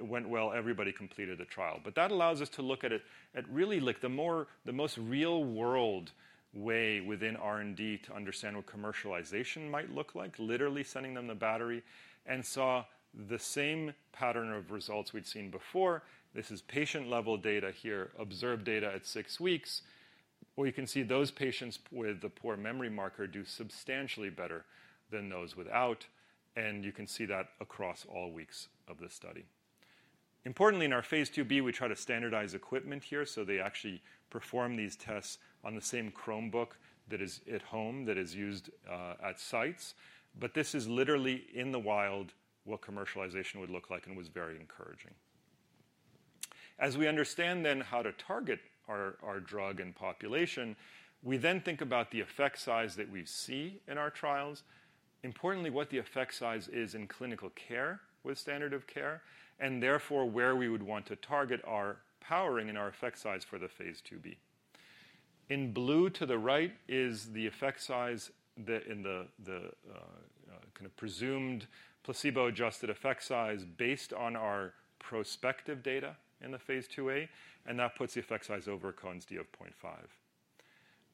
went well. Everybody completed the trial, but that allows us to look at it really, like, the most real-world way within R&D to understand what commercialization might look like, literally sending them the battery, and saw the same pattern of results we'd seen before. This is patient-level data here, observed data at six weeks, where you can see those patients with the poor memory marker do substantially better than those without, and you can see that across all weeks of the study. Importantly, in our Phase 2b, we try to standardize equipment here, so they actually perform these tests on the same Chromebook that is at home, that is used at sites. But this is literally in the wild, what commercialization would look like, and was very encouraging. As we understand then, how to target our drug and population, we then think about the effect size that we see in our trials. Importantly, what the effect size is in clinical care with standard of care, and therefore, where we would want to target our powering and our effect size for the Phase 2b. In blue, to the right is the effect size, kind of presumed placebo-adjusted effect size based on our prospective data in the phase 2a, and that puts the effect size over a Cohen's d of 0.5.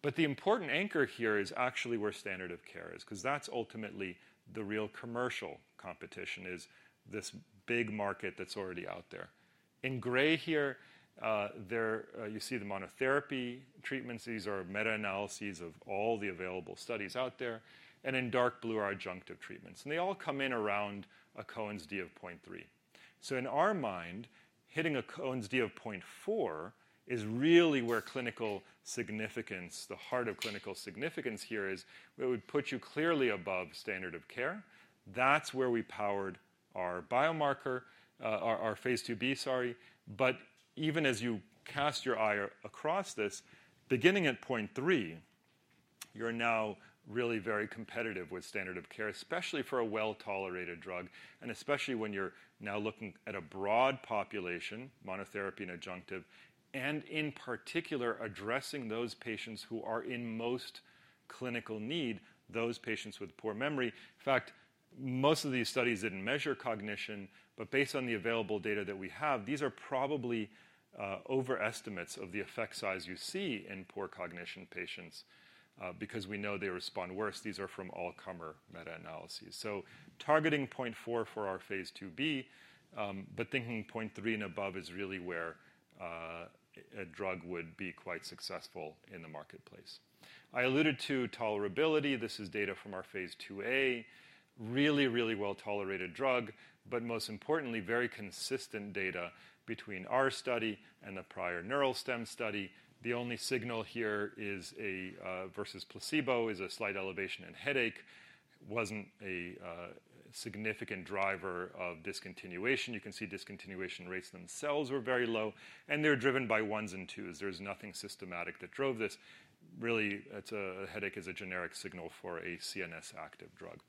But the important anchor here is actually where standard of care is, 'cause that's ultimately the real commercial competition, is this big market that's already out there. In gray here, you see the monotherapy treatments. These are meta-analyses of all the available studies out there, and in dark blue are adjunctive treatments. And they all come in around a Cohen's d of 0.3. So in our mind, hitting a Cohen's d of 0.4 is really where clinical significance, the heart of clinical significance here is, where it would put you clearly above standard of care. That's where we powered our biomarker, our Phase 2b, sorry. But even as you cast your eye across this, beginning at point three, you're now really very competitive with standard of care, especially for a well-tolerated drug, and especially when you're now looking at a broad population, monotherapy and adjunctive, and in particular, addressing those patients who are in most clinical need, those patients with poor memory. In fact, most of these studies didn't measure cognition, but based on the available data that we have, these are probably overestimates of the effect size you see in poor cognition patients, because we know they respond worse. These are from all-comer meta-analyses. Targeting point four for our Phase 2b, but thinking point three and above is really where a drug would be quite successful in the marketplace. I alluded to tolerability. This is data from our Phase IIa. Really, really well-tolerated drug, but most importantly, very consistent data between our study and the prior Neuralstem study. The only signal here is a versus placebo, is a slight elevation in headaches. It wasn't a significant driver of discontinuation. You can see discontinuation rates themselves were very low, and they're driven by ones and twos. There's nothing systematic that drove this. Really, it's a headache is a generic signal for a CNS active drug.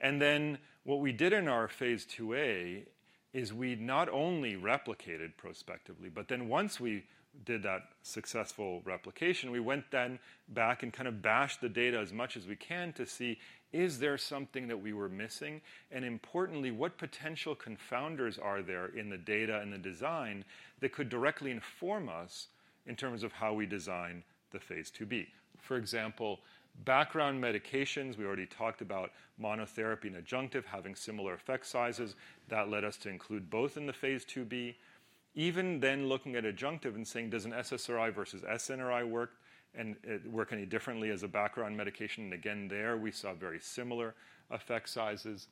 And then what we did in our Phase IIa is we not only replicated prospectively, but then once we did that successful replication, we went then back and kind of bashed the data as much as we can to see, is there something that we were missing? Importantly, what potential confounders are there in the data and the design that could directly inform us in terms of how we design the Phase IIb? For example, background medications, we already talked about monotherapy and adjunctive having similar effect sizes. That led us to include both in the Phase IIb. Even then, looking at adjunctive and saying, "Does an SSRI versus SNRI work, and, work any differently as a background medication?" Again, there, we saw very similar effect sizes.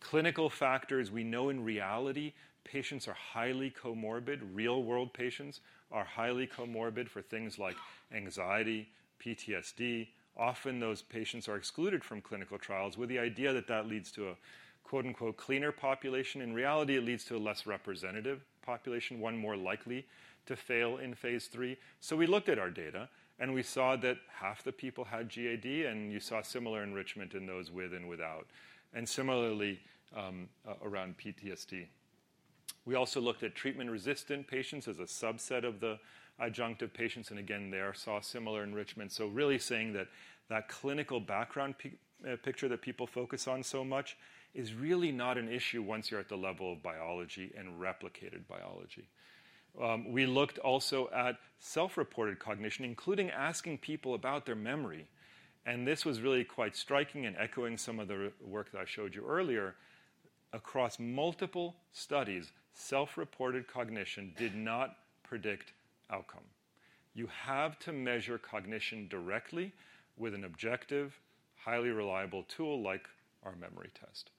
Clinical factors, we know in reality, patients are highly comorbid. Real-world patients are highly comorbid for things like anxiety, PTSD. Often, those patients are excluded from clinical trials with the idea that that leads to a, quote-unquote, "cleaner population." In reality, it leads to a less representative population, one more likely to fail in Phase III. So we looked at our data, and we saw that half the people had GAD, and you saw similar enrichment in those with and without, and similarly around PTSD. We also looked at treatment-resistant patients as a subset of the adjunctive patients, and again saw similar enrichment. So really saying that clinical background picture that people focus on so much is really not an issue once you're at the level of biology and replicated biology. We looked also at self-reported cognition, including asking people about their memory, and this was really quite striking and echoing some of the work that I showed you earlier. Across multiple studies, self-reported cognition did not predict outcome. You have to measure cognition directly with an objective, highly reliable tool, like our memory test.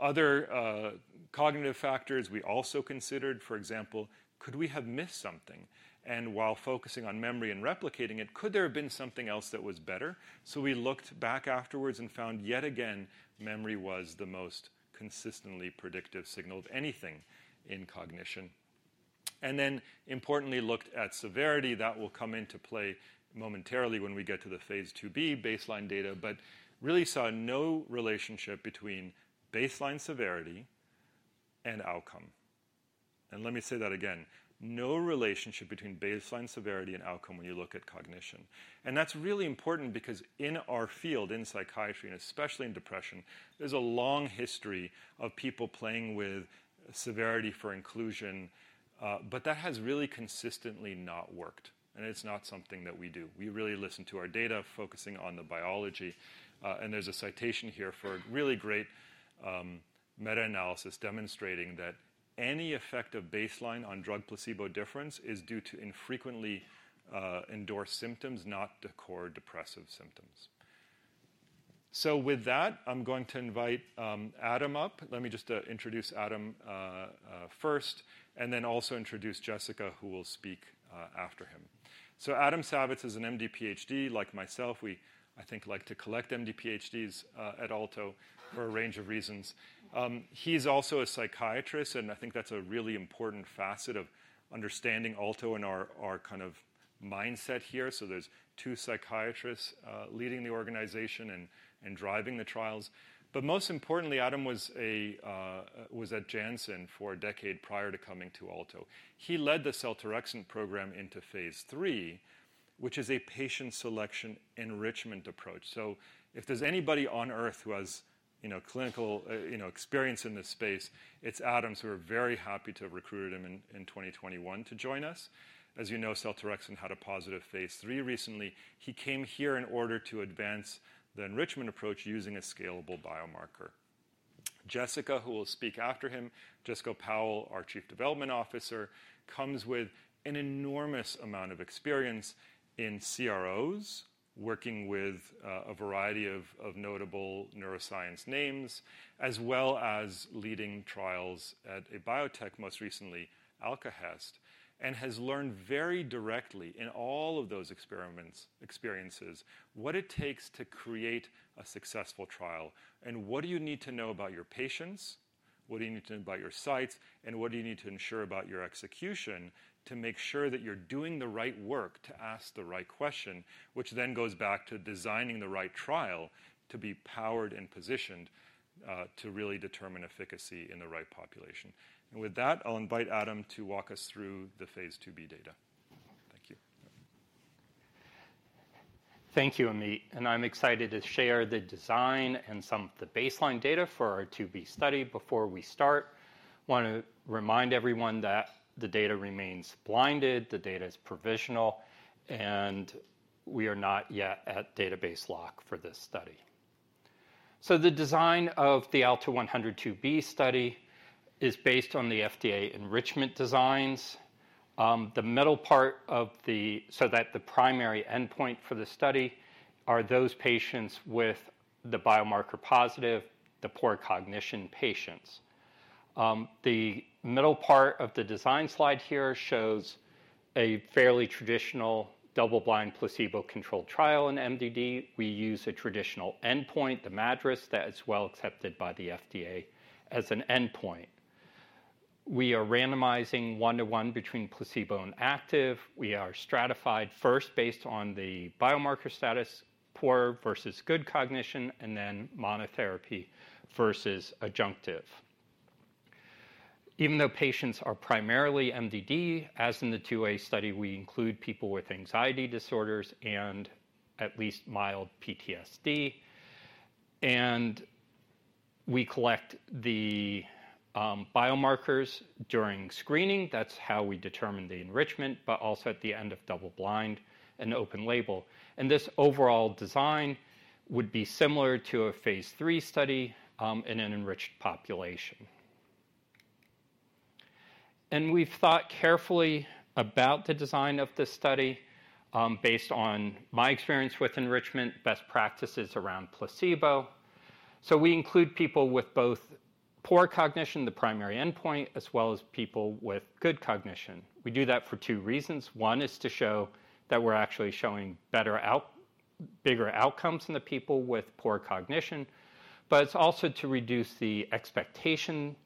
Other cognitive factors we also considered, for example, could we have missed something? While focusing on memory and replicating it, could there have been something else that was better? We looked back afterwards and found, yet again, memory was the most consistently predictive signal of anything in cognition. Then, importantly, looked at severity. That will come into play momentarily when we get to the Phase 2b baseline data, but really saw no relationship between baseline severity and outcome. Let me say that again. No relationship between baseline severity and outcome when you look at cognition. That's really important because in our field, in psychiatry, and especially in depression, there's a long history of people playing with severity for inclusion, but that has really consistently not worked, and it's not something that we do. We really listen to our data, focusing on the biology, and there's a citation here for a really great meta-analysis demonstrating that any effect of baseline on drug-placebo difference is due to infrequently endorsed symptoms, not the core depressive symptoms. With that, I'm going to invite Adam up. Let me just introduce Adam first, and then also introduce Jessica, who will speak after him. Adam Savitz is an MD, PhD, like myself. We, I think, like to collect MD, PhDs at Alto for a range of reasons. He's also a psychiatrist, and I think that's a really important facet of understanding Alto and our kind of mindset here. There's two psychiatrists leading the organization and driving the trials. But most importantly, Adam was at Janssen for a decade prior to coming to Alto. He led the seltorexant program into Phase III, which is a patient selection enrichment approach. So if there's anybody on earth who has, you know, clinical, you know, experience in this space, it's Adam, so we're very happy to have recruited him in 2021 to join us. As you know, seltorexant had a positive Phase III recently. He came here in order to advance the enrichment approach using a scalable biomarker. Jessica, who will speak after him, Jessica Powell, our Chief Development Officer, comes with an enormous amount of experience in CROs, working with a variety of notable neuroscience names, as well as leading trials at a biotech, most recently, Alkahest, and has learned very directly in all of those experiments, experiences, what it takes to create a successful trial, and what do you need to know about your patients, what do you need to know about your sites, and what do you need to ensure about your execution to make sure that you're doing the right work to ask the right question, which then goes back to designing the right trial to be powered and positioned to really determine efficacy in the right population, and with that, I'll invite Adam to walk us through the Phase IIb data. Thank you. Thank you, Amit, and I'm excited to share the design and some of the baseline data for our IIb study. Before we start, I want to remind everyone that the data remains blinded, the data is provisional, and we are not yet at database lock for this study, so the design of the ALTO-100-2B study is based on the FDA enrichment designs, so that the primary endpoint for the study are those patients with the biomarker positive, the poor cognition patients. The middle part of the design slide here shows a fairly traditional double-blind, placebo-controlled trial in MDD. We use a traditional endpoint, the MADRS, that is well accepted by the FDA as an endpoint. We are randomizing one-to-one between placebo and active. We are stratified first based on the biomarker status, poor versus good cognition, and then monotherapy versus adjunctive. Even though patients are primarily MDD, as in the IIa study, we include people with anxiety disorders and at least mild PTSD. And we collect the biomarkers during screening. That's how we determine the enrichment, but also at the end of double blind and open label. And this overall design would be similar to a Phase III study in an enriched population. And we've thought carefully about the design of this study, based on my experience with enrichment, best practices around placebo. So we include people with both poor cognition, the primary endpoint, as well as people with good cognition. We do that for two reasons. One is to show that we're actually showing bigger outcomes in the people with poor cognition, but it's also to reduce the expectation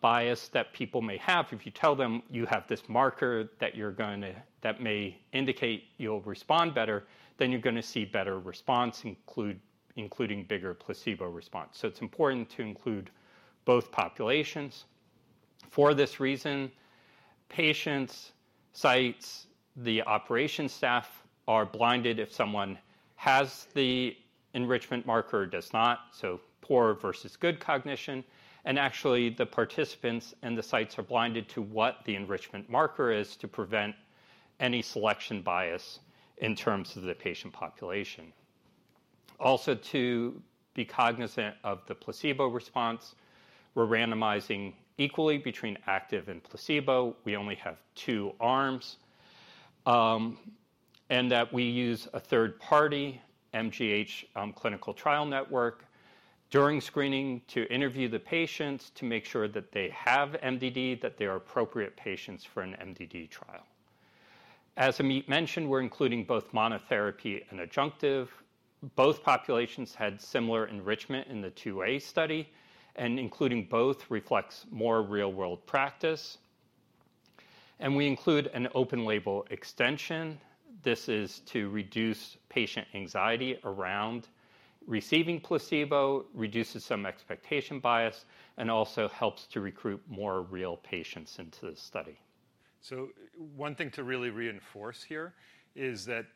bias that people may have. If you tell them, "You have this marker, that may indicate you'll respond better," then you're gonna see better response, including bigger placebo response. So it's important to include both populations. For this reason, patients, sites, the operation staff are blinded if someone has the enrichment marker or does not, so poor versus good cognition, and actually, the participants and the sites are blinded to what the enrichment marker is, to prevent any selection bias in terms of the patient population. Also, to be cognizant of the placebo response, we're randomizing equally between active and placebo. We only have two arms, and that we use a third party, MGH Clinical Trial Network, during screening to interview the patients to make sure that they have MDD, that they are appropriate patients for an MDD trial. As Amit mentioned, we're including both monotherapy and adjunctive. Both populations had similar enrichment in the IIa study, and including both reflects more real-world practice, and we include an open-label extension. This is to reduce patient anxiety around receiving placebo, reduces some expectation bias, and also helps to recruit more real patients into the study. One thing to really reinforce here is that,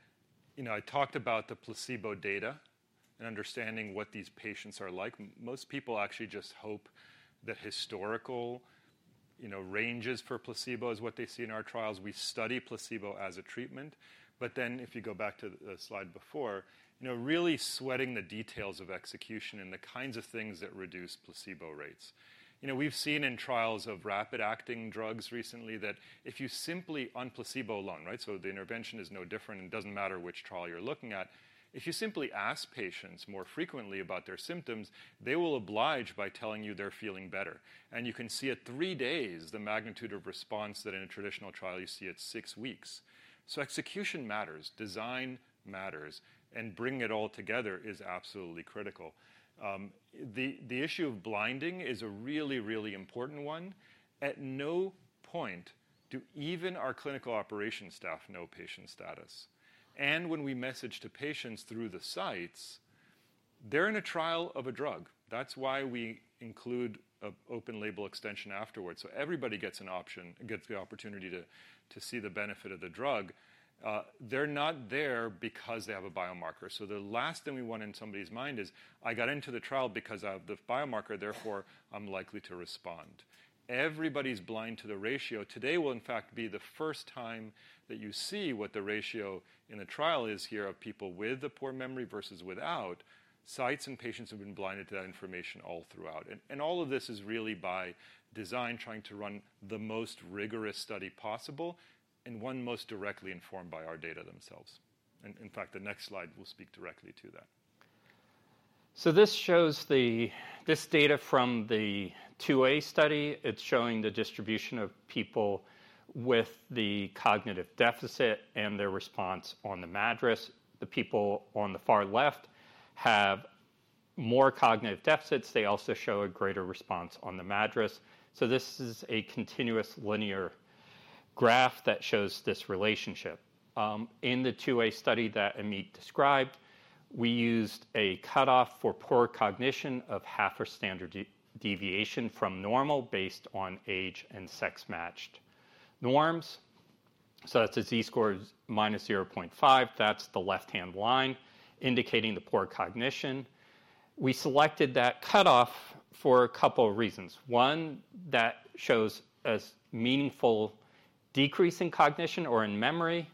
you know, I talked about the placebo data and understanding what these patients are like. Most people actually just hope the historical, you know, ranges for placebo is what they see in our trials. We study placebo as a treatment, but then if you go back to the slide before, you know, really sweating the details of execution and the kinds of things that reduce placebo rates. You know, we've seen in trials of rapid-acting drugs recently that if you simply on placebo alone, right? So the intervention is no different, and it doesn't matter which trial you're looking at. If you simply ask patients more frequently about their symptoms, they will oblige by telling you they're feeling better, and you can see at three days the magnitude of response that in a traditional trial, you see at six weeks. So execution matters, design matters, and bringing it all together is absolutely critical. The issue of blinding is a really, really important one. At no point do even our clinical operations staff know patient status, and when we message to patients through the sites, they're in a trial of a drug. That's why we include an open label extension afterwards, so everybody gets an option and gets the opportunity to see the benefit of the drug. They're not there because they have a biomarker, so the last thing we want in somebody's mind is, "I got into the trial because I have the biomarker, therefore, I'm likely to respond." Everybody's blind to the ratio. Today will, in fact, be the first time that you see what the ratio in the trial is here of people with the poor memory versus without. Sites and patients have been blinded to that information all throughout. And all of this is really by design, trying to run the most rigorous study possible and one most directly informed by our data themselves. And in fact, the next slide will speak directly to that. This shows this data from the 2a study. It's showing the distribution of people with the cognitive deficit and their response on the MADRS. The people on the far left have more cognitive deficits. They also show a greater response on the MADRS. This is a continuous linear graph that shows this relationship. In the IIa study that Amit described, we used a cutoff for poor cognition of half a standard deviation from normal based on age and sex-matched norms. That's a Z-score minus 0.5. That's the left-hand line indicating the poor cognition. We selected that cutoff for a couple of reasons. One, that shows a meaningful decrease in cognition or in memory.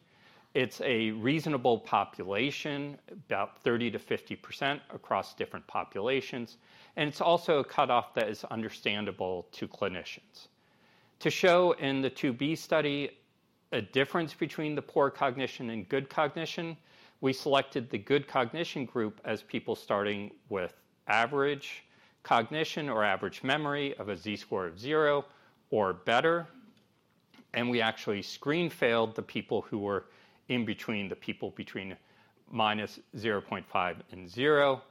It's a reasonable population, about 30% to 50% across different populations, and it's also a cutoff that is understandable to clinicians. To show in the 2B study a difference between the poor cognition and good cognition, we selected the good cognition group as people starting with average cognition or average memory of a Z-score of zero or better, and we actually screen failed the people who were in between minus 0.5 and zero.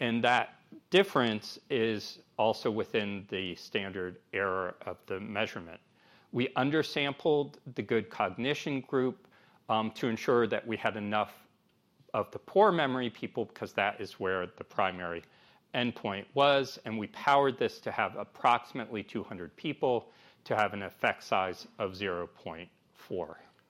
And that difference is also within the standard error of the measurement. We undersampled the good cognition group, to ensure that we had enough of the poor memory people, because that is where the primary endpoint was, and we powered this to have approximately 200 people to have an effect size of 0.4.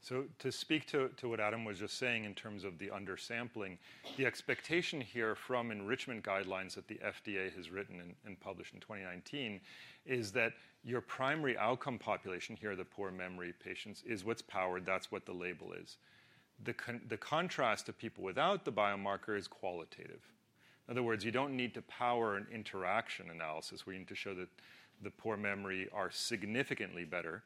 So to speak to what Adam was just saying in terms of the undersampling, the expectation here from enrichment guidelines that the FDA has written and published in twenty nineteen is that your primary outcome population, here are the poor memory patients, is what's powered. That's what the label is. The contrast to people without the biomarker is qualitative. In other words, you don't need to power an interaction analysis. We need to show that the poor memory are significantly better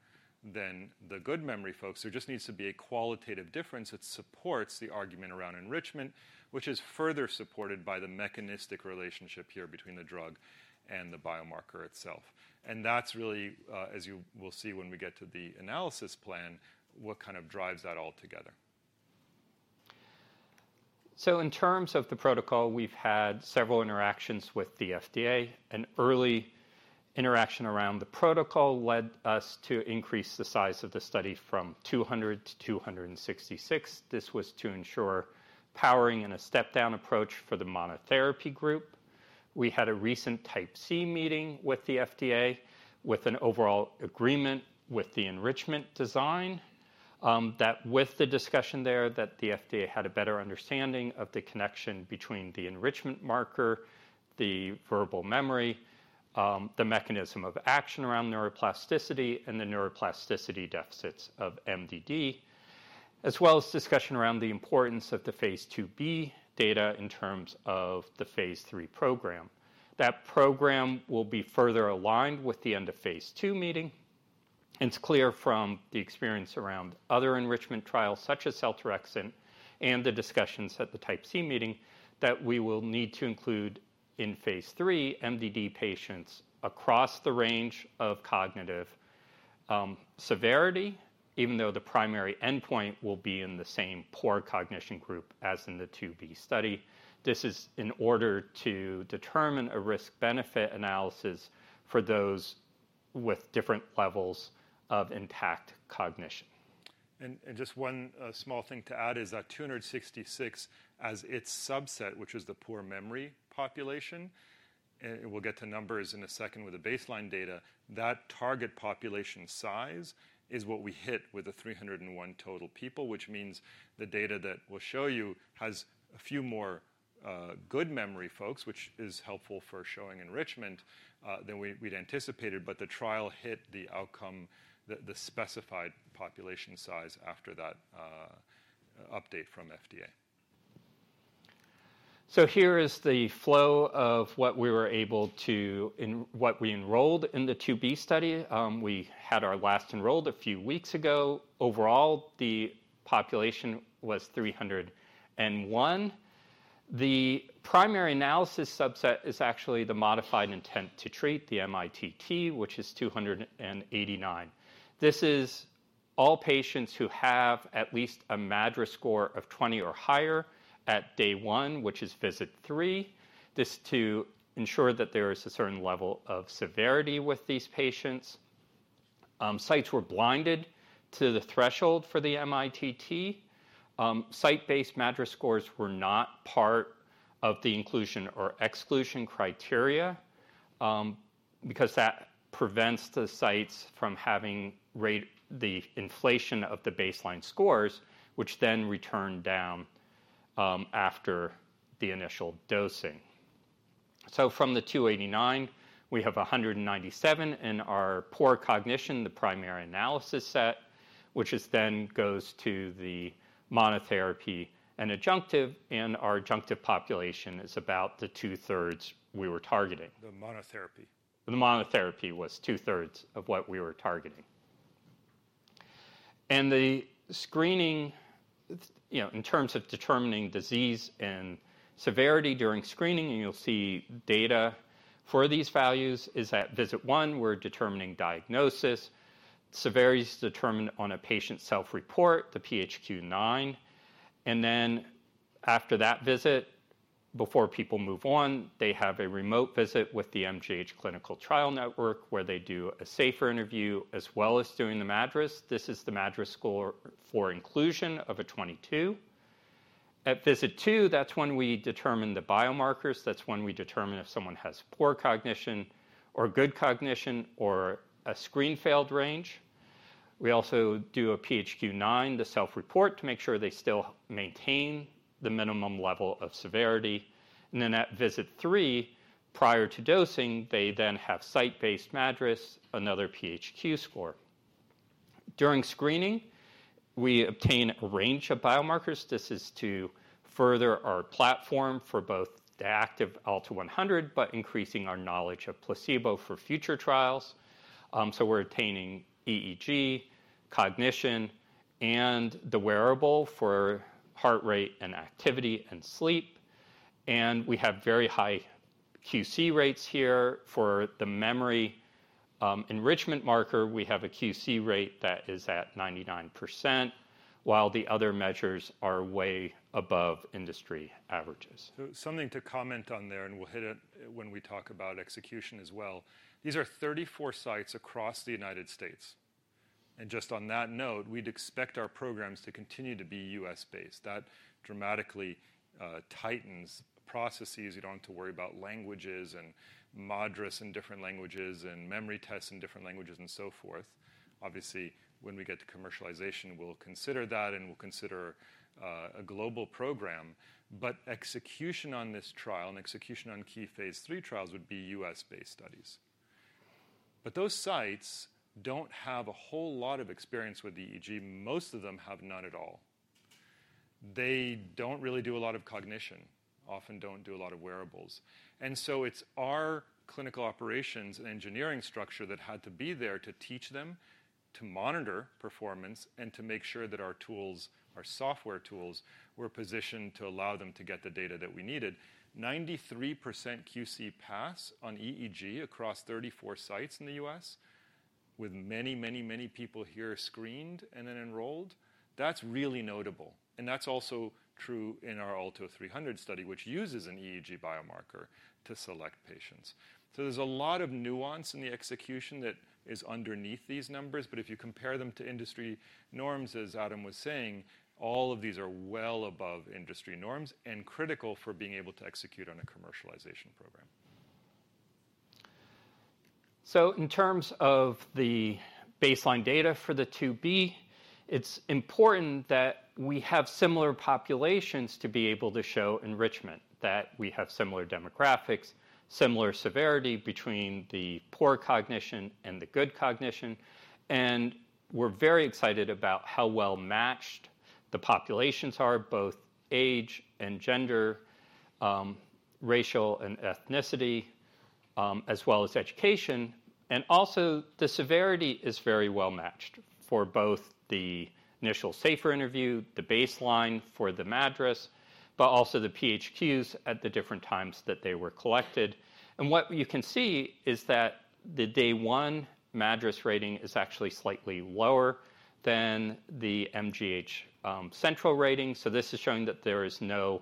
than the good memory folks. There just needs to be a qualitative difference that supports the argument around enrichment, which is further supported by the mechanistic relationship here between the drug and the biomarker itself. And that's really, as you will see when we get to the analysis plan, what kind of drives that all together. So in terms of the protocol, we've had several interactions with the FDA. An early interaction around the protocol led us to increase the size of the study from 200 to 266. This was to ensure powering in a step-down approach for the monotherapy group. We had a recent Type C meeting with the FDA, with an overall agreement with the enrichment design, that with the discussion there, that the FDA had a better understanding of the connection between the enrichment marker, the verbal memory, the mechanism of action around neuroplasticity and the neuroplasticity deficits of MDD, as well as discussion around the importance of the Phase 2b data in terms of the Phase 3 program. That program will be further aligned with the end of phase 2 meeting. It's clear from the experience around other enrichment trials, such as seltorexant and the discussions at the Type C meeting, that we will need to include in Phase 3, MDD patients across the range of cognitive severity, even though the primary endpoint will be in the same poor cognition group as in the phase 2B study. This is in order to determine a risk-benefit analysis for those with different levels of intact cognition. Just one small thing to add is that 266 as its subset, which is the poor memory population, and we'll get to numbers in a second with the baseline data. That target population size is what we hit with the 301 total people, which means the data that we'll show you has a few more good memory folks, which is helpful for showing enrichment than we'd anticipated, but the trial hit the outcome, the specified population size after that update from FDA. Here is the flow of what we enrolled in the 2B study. We had our last enrolled a few weeks ago. Overall, the population was 301. The primary analysis subset is actually the modified intent to treat, the MITT, which is 289. This is all patients who have at least a MADRS score of 20 or higher at day 1, which is visit 3. This to ensure that there is a certain level of severity with these patients. Sites were blinded to the threshold for the MITT. Site-based MADRS scores were not part of the inclusion or exclusion criteria, because that prevents the sites from having to rate the inflation of the baseline scores, which then come down after the initial dosing. So from the 289, we have 197 in our poor cognition, the primary analysis set, which is then goes to the monotherapy and adjunctive, and our adjunctive population is about the two-thirds we were targeting. The monotherapy. The monotherapy was two-thirds of what we were targeting. And the screening, you know, in terms of determining disease and severity during screening, and you'll see data for these values, is at visit one, we're determining diagnosis. Severity is determined on a patient self-report, the PHQ-9. And then after that visit, before people move on, they have a remote visit with the MGH Clinical Trial Network, where they do a SAFER interview as well as doing the MADRS. This is the MADRS score for inclusion of a 22. At visit two, that's when we determine the biomarkers. That's when we determine if someone has poor cognition or good cognition or a screen failed range. We also do a PHQ-9, the self-report, to make sure they still maintain the minimum level of severity. And then at visit three, prior to dosing, they then have site-based MADRS, another PHQ score.... During screening, we obtain a range of biomarkers. This is to further our platform for both the active ALTO-100, but increasing our knowledge of placebo for future trials. So we're attaining EEG, cognition, and the wearable for heart rate and activity and sleep, and we have very high QC rates here. For the memory, enrichment marker, we have a QC rate that is at 99%, while the other measures are way above industry averages. So something to comment on there, and we'll hit it when we talk about execution as well. These are 34 sites across the United States, and just on that note, we'd expect our programs to continue to be US-based. That dramatically tightens processes. You don't have to worry about languages and MADRS in different languages and memory tests in different languages, and so forth. Obviously, when we get to commercialization, we'll consider that, and we'll consider a global program. But execution on this trial and execution on key Phase 3 trials would be US-based studies. But those sites don't have a whole lot of experience with EEG. Most of them have none at all. They don't really do a lot of cognition, often don't do a lot of wearables. It's our clinical operations and engineering structure that had to be there to teach them, to monitor performance, and to make sure that our tools, our software tools, were positioned to allow them to get the data that we needed. 93% QC pass on EEG across 34 sites in the US, with many, many, many people here screened and then enrolled, that's really notable, and that's also true in our ALTO-300 study, which uses an EEG biomarker to select patients. There's a lot of nuance in the execution that is underneath these numbers, but if you compare them to industry norms, as Adam was saying, all of these are well above industry norms and critical for being able to execute on a commercialization program. So in terms of the baseline data for the two arms, it's important that we have similar populations to be able to show enrichment, that we have similar demographics, similar severity between the poor cognition and the good cognition. And we're very excited about how well matched the populations are, both age and gender, race and ethnicity, as well as education. And also, the severity is very well matched for both the initial SAFER interview, the baseline for the MADRS, but also the PHQs at the different times that they were collected. And what you can see is that the day one MADRS rating is actually slightly lower than the MGH central rating. So this is showing that there is no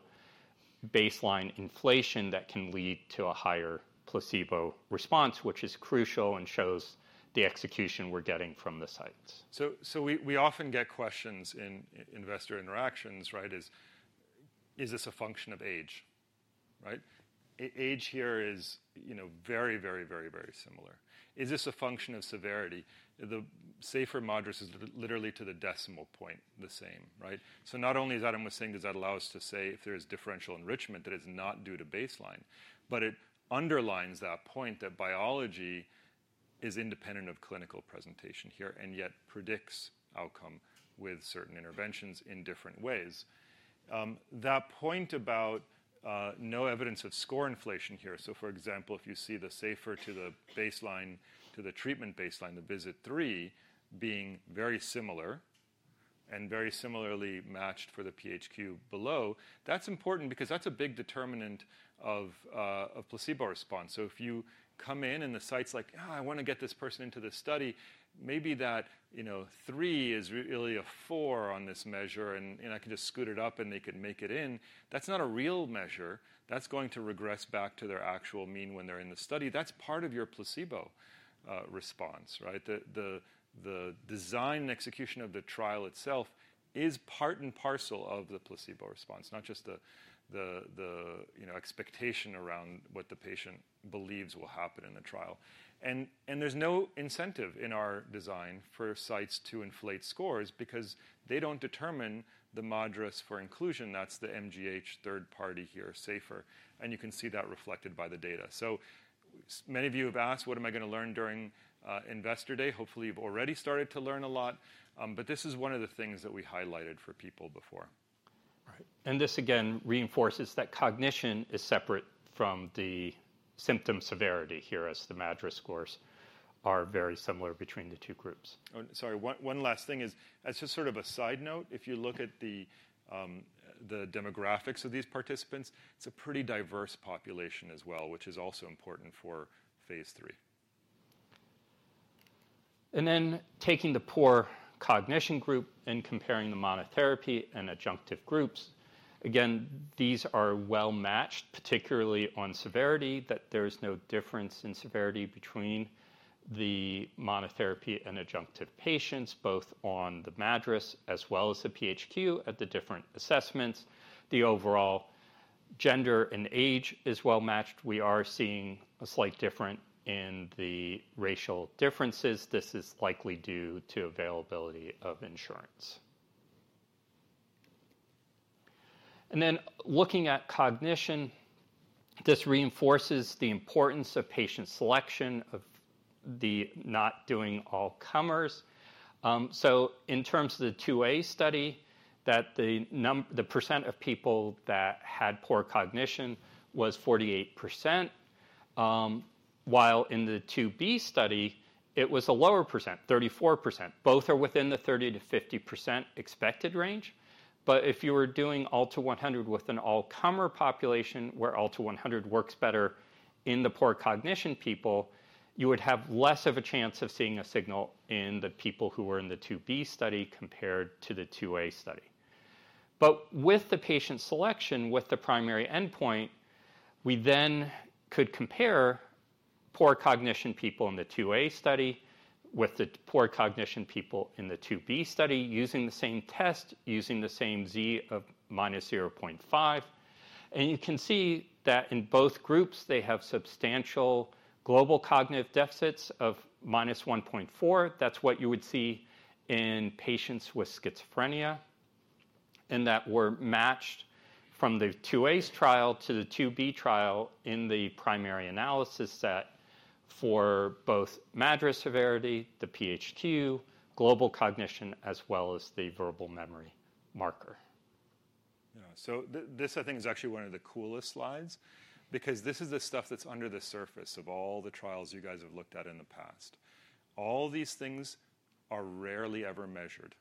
baseline inflation that can lead to a higher placebo response, which is crucial and shows the execution we're getting from the sites. So we often get questions in investor interactions, right? Is this a function of age, right? Age here is, you know, very similar. Is this a function of severity? The SAFER MADRS is literally to the decimal point the same, right? So not only, as Adam was saying, does that allow us to say if there is differential enrichment, that it's not due to baseline, but it underlines that point that biology is independent of clinical presentation here, and yet predicts outcome with certain interventions in different ways. That point about no evidence of score inflation here. So, for example, if you see the SAFER to the baseline, to the treatment baseline, the visit three being very similar and very similarly matched for the PHQ-9 below, that's important because that's a big determinant of placebo response. So if you come in and the site's like, "Ah, I wanna get this person into this study," maybe that, you know, three is really a four on this measure, and I can just scoot it up, and they can make it in. That's not a real measure. That's going to regress back to their actual mean when they're in the study. That's part of your placebo response, right? The design and execution of the trial itself is part and parcel of the placebo response, not just the expectation around what the patient believes will happen in the trial. And there's no incentive in our design for sites to inflate scores because they don't determine the MADRS for inclusion. That's the MGH third party here, SAFER, and you can see that reflected by the data. Many of you have asked, what am I gonna learn during Investor Day? Hopefully, you've already started to learn a lot, but this is one of the things that we highlighted for people before. Right, and this again reinforces that cognition is separate from the symptom severity here, as the MADRS scores are very similar between the two groups. Oh, sorry, one last thing is, as just sort of a side note, if you look at the demographics of these participants, it's a pretty diverse population as well, which is also important for Phase Three. Then taking the poor cognition group and comparing the monotherapy and adjunctive groups, again, these are well matched, particularly on severity, that there is no difference in severity between the monotherapy and adjunctive patients, both on the MADRS as well as the PHQ at the different assessments. The overall gender and age is well matched. We are seeing a slight difference in the racial differences. This is likely due to availability of insurance. Then looking at cognition, this reinforces the importance of patient selection, of not doing all comers. So in terms of the 2A study, the percent of people that had poor cognition was 48%, while in the 2B study, it was a lower percent, 34%. Both are within the 30% to 50% expected range. But if you were doing ALTO-100 with an all-comer population, where ALTO-100 works better in the poor cognition people, you would have less of a chance of seeing a signal in the people who were in the 2B study compared to the 2A study. But with the patient selection, with the primary endpoint, we then could compare poor cognition people in the 2A study with the poor cognition people in the 2B study using the same test, using the same Z-score of minus 0.5. And you can see that in both groups, they have substantial global cognitive deficits of minus 1.4. That's what you would see in patients with schizophrenia, and that were matched from the 2a trial to the 2B trial in the primary analysis set for both MADRS severity, the PHQ, global cognition, as well as the verbal memory marker. Yeah. So this, I think, is actually one of the coolest slides because this is the stuff that's under the surface of all the trials you guys have looked at in the past. All these things are rarely ever measured,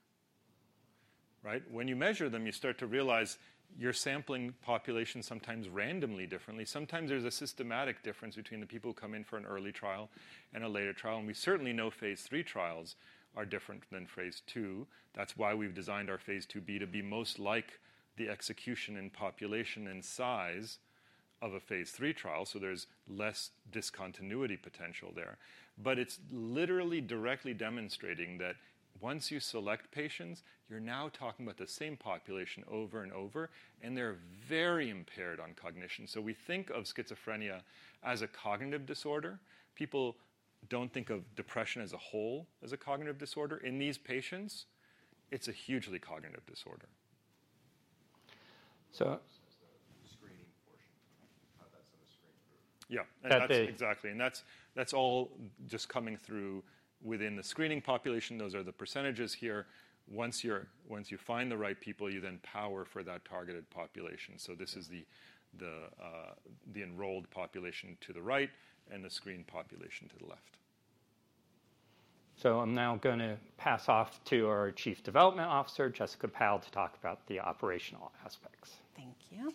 right? When you measure them, you start to realize you're sampling populations sometimes randomly differently. Sometimes there's a systematic difference between the people who come in for an early trial and a later trial, and we certainly know Phase 3 trials are different than phase 2. That's why we've designed our Phase 2b to be most like the execution and population and size of a Phase 3 trial, so there's less discontinuity potential there. But it's literally directly demonstrating that once you select patients, you're now talking about the same population over and over, and they're very impaired on cognition. So we think of schizophrenia as a cognitive disorder. People don't think of depression as a whole, as a cognitive disorder. In these patients, it's a hugely cognitive disorder. So- The screening portion, how that's in the screen through. Yeah. That they- Exactly, and that's all just coming through within the screening population. Those are the percentages here. Once you find the right people, you then power for that targeted population. So this is the enrolled population to the right and the screened population to the left. So I'm now gonna pass off to our Chief Development Officer, Jessica Powell, to talk about the operational aspects. Thank you.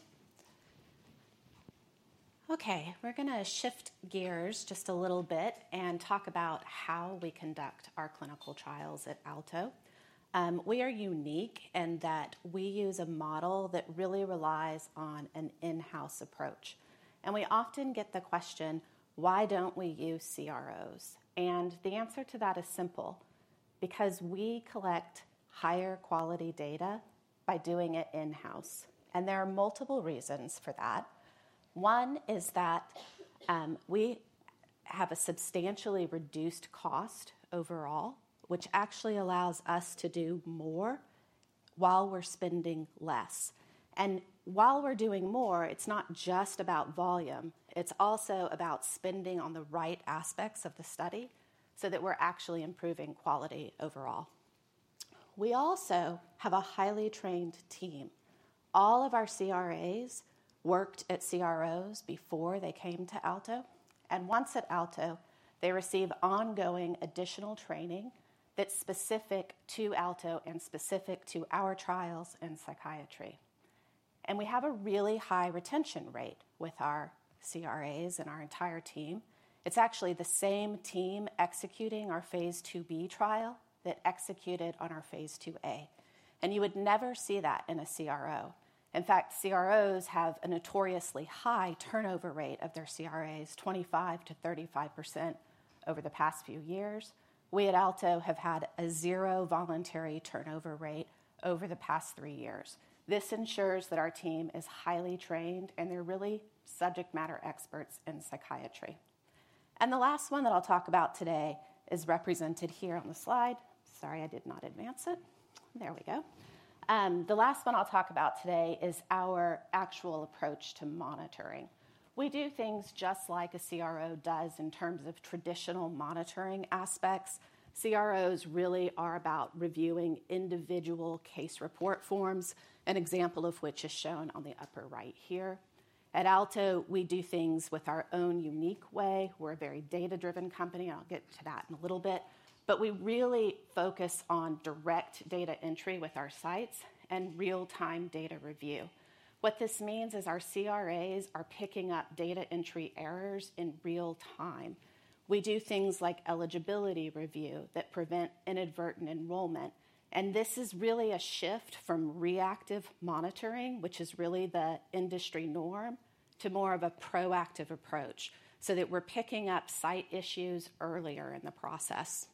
Okay, we're gonna shift gears just a little bit and talk about how we conduct our clinical trials at Alto. We are unique in that we use a model that really relies on an in-house approach, and we often get the question: Why don't we use CROs? And the answer to that is simple: because we collect higher quality data by doing it in-house, and there are multiple reasons for that. One is that, we have a substantially reduced cost overall, which actually allows us to do more while we're spending less, and while we're doing more, it's not just about volume, it's also about spending on the right aspects of the study so that we're actually improving quality overall. We also have a highly trained team. All of our CRAs worked at CROs before they came to Alto, and once at Alto, they receive ongoing additional training that's specific to Alto and specific to our trials in psychiatry. We have a really high retention rate with our CRAs and our entire team. It's actually the same team executing our Phase 2b trial that executed on our phase 2a, and you would never see that in a CRO. In fact, CROs have a notoriously high turnover rate of their CRAs, 25%-35% over the past few years. We at Alto have had a zero voluntary turnover rate over the past three years. This ensures that our team is highly trained, and they're really subject matter experts in psychiatry. The last one that I'll talk about today is represented here on the slide. Sorry, I did not advance it. There we go. The last one I'll talk about today is our actual approach to monitoring. We do things just like a CRO does in terms of traditional monitoring aspects. CROs really are about reviewing individual case report forms, an example of which is shown on the upper right here. At Alto, we do things with our own unique way. We're a very data-driven company. I'll get to that in a little bit. But we really focus on direct data entry with our sites and real-time data review. What this means is our CRAs are picking up data entry errors in real time. We do things like eligibility review that prevent inadvertent enrollment, and this is really a shift from reactive monitoring, which is really the industry norm, to more of a proactive approach, so that we're picking up site issues earlier in the process.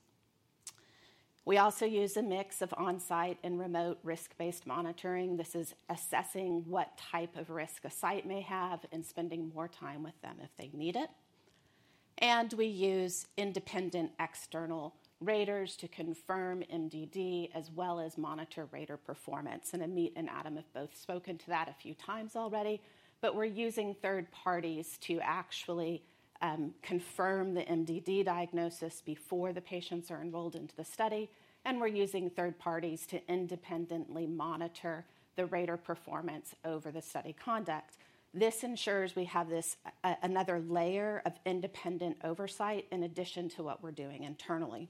We also use a mix of on-site and remote risk-based monitoring. This is assessing what type of risk a site may have and spending more time with them if they need it, and we use independent external raters to confirm MDD as well as monitor rater performance, and Amit and Adam have both spoken to that a few times already, but we're using third parties to actually, confirm the MDD diagnosis before the patients are enrolled into the study, and we're using third parties to independently monitor the rater performance over the study conduct. This ensures we have this, another layer of independent oversight in addition to what we're doing internally,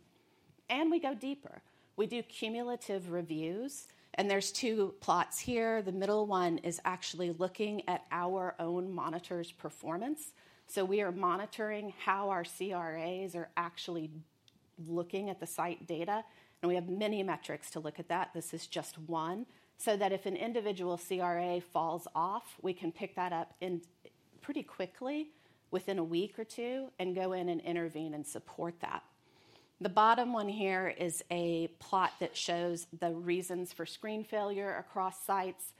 and we go deeper. We do cumulative reviews, and there's two plots here. The middle one is actually looking at our own monitors' performance. We are monitoring how our CRAs are actually looking at the site data, and we have many metrics to look at that. This is just one, so that if an individual CRA falls off, we can pick that up pretty quickly, within a week or two, and go in and intervene and support that. The bottom one here is a plot that shows the reasons for screen failure across sites.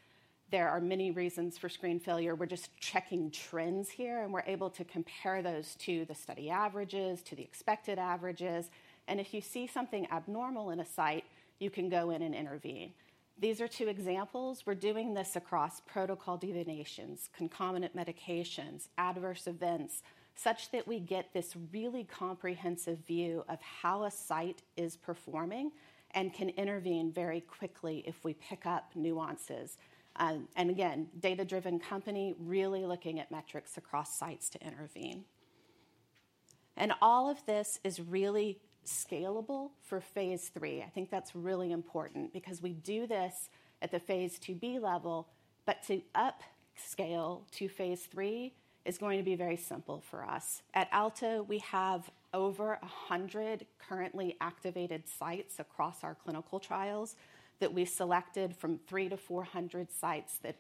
There are many reasons for screen failure. We're just checking trends here, and we're able to compare those to the study averages, to the expected averages, and if you see something abnormal in a site, you can go in and intervene. These are two examples. We're doing this across protocol deviations, concomitant medications, adverse events, such that we get this really comprehensive view of how a site is performing and can intervene very quickly if we pick up nuances. And again, data-driven company really looking at metrics across sites to intervene. All of this is really scalable for Phase III. I think that's really important because we do this at the Phase IIB level, but to upscale to Phase III is going to be very simple for us. At Alto, we have over a hundred currently activated sites across our clinical trials that we selected from three to four hundred sites that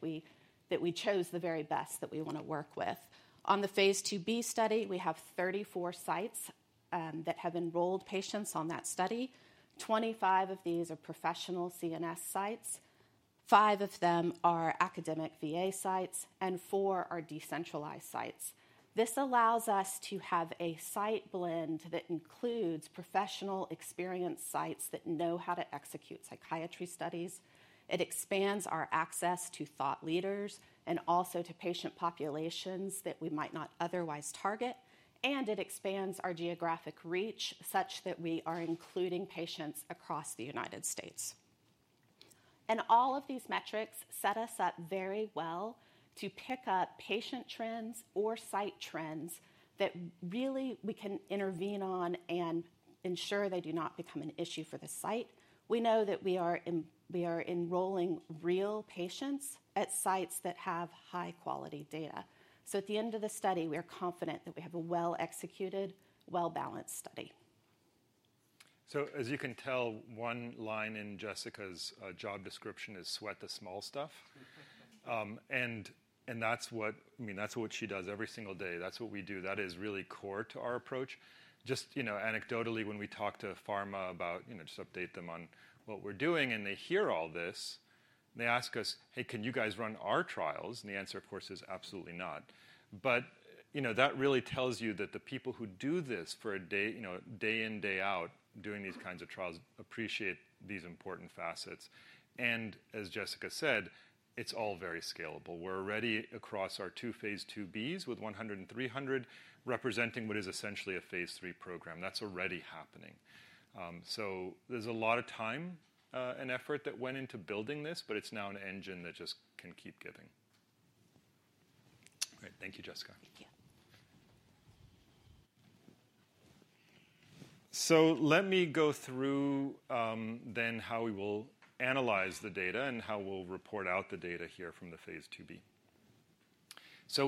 we chose the very best that we wanna work with. On the Phase IIB study, we have 34 sites that have enrolled patients on that study. 25 of these are professional CNS sites, 5 of them are academic VA sites, and 4 are decentralized sites. This allows us to have a site blend that includes professional experienced sites that know how to execute psychiatry studies. It expands our access to thought leaders and also to patient populations that we might not otherwise target, and it expands our geographic reach such that we are including patients across the United States, and all of these metrics set us up very well to pick up patient trends or site trends that really we can intervene on and ensure they do not become an issue for the site. We know that we are enrolling real patients at sites that have high-quality data, so at the end of the study, we are confident that we have a well-executed, well-balanced study. So as you can tell, one line in Jessica's job description is, "Sweat the small stuff." And that's what, I mean, that's what she does every single day. That's what we do. That is really core to our approach. Just, you know, anecdotally, when we talk to pharma about, you know, just update them on what we're doing, and they hear all this, they ask us: "Hey, can you guys run our trials?" And the answer, of course, is absolutely not. But, you know, that really tells you that the people who do this for a day, you know, day in, day out, doing these kinds of trials, appreciate these important facets. And as Jessica said, it's all very scalable. We're already across our two Phase IIBs with ALTO-100 and ALTO-300, representing what is essentially a Phase III program. That's already happening. There's a lot of time and effort that went into building this, but it's now an engine that just can keep giving. Great. Thank you, Jessica. Yeah. Let me go through then how we will analyze the data and how we'll report out the data here from the Phase IIB.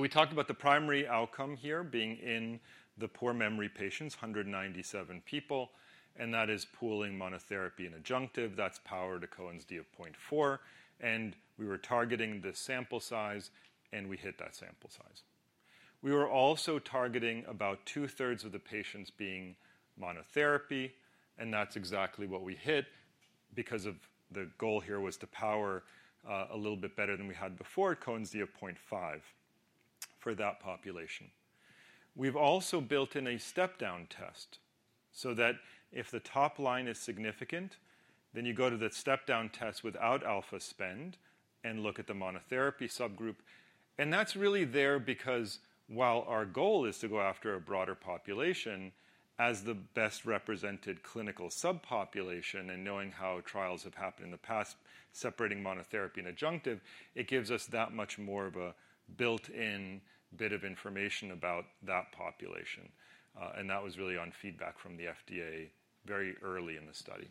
We talked about the primary outcome here being in the poor memory patients, 197 people, and that is pooling monotherapy and adjunctive. That's powered to Cohen's d of 0.4, and we were targeting the sample size, and we hit that sample size. We were also targeting about two-thirds of the patients being monotherapy, and that's exactly what we hit because the goal here was to power a little bit better than we had before, Cohen's d of 0.5 for that population. We've also built in a step-down test so that if the top line is significant, then you go to the step-down test without alpha spend and look at the monotherapy subgroup. And that's really there because, while our goal is to go after a broader population, as the best represented clinical subpopulation and knowing how trials have happened in the past, separating monotherapy and adjunctive, it gives us that much more of a built-in bit of information about that population, and that was really on feedback from the FDA very early in the study.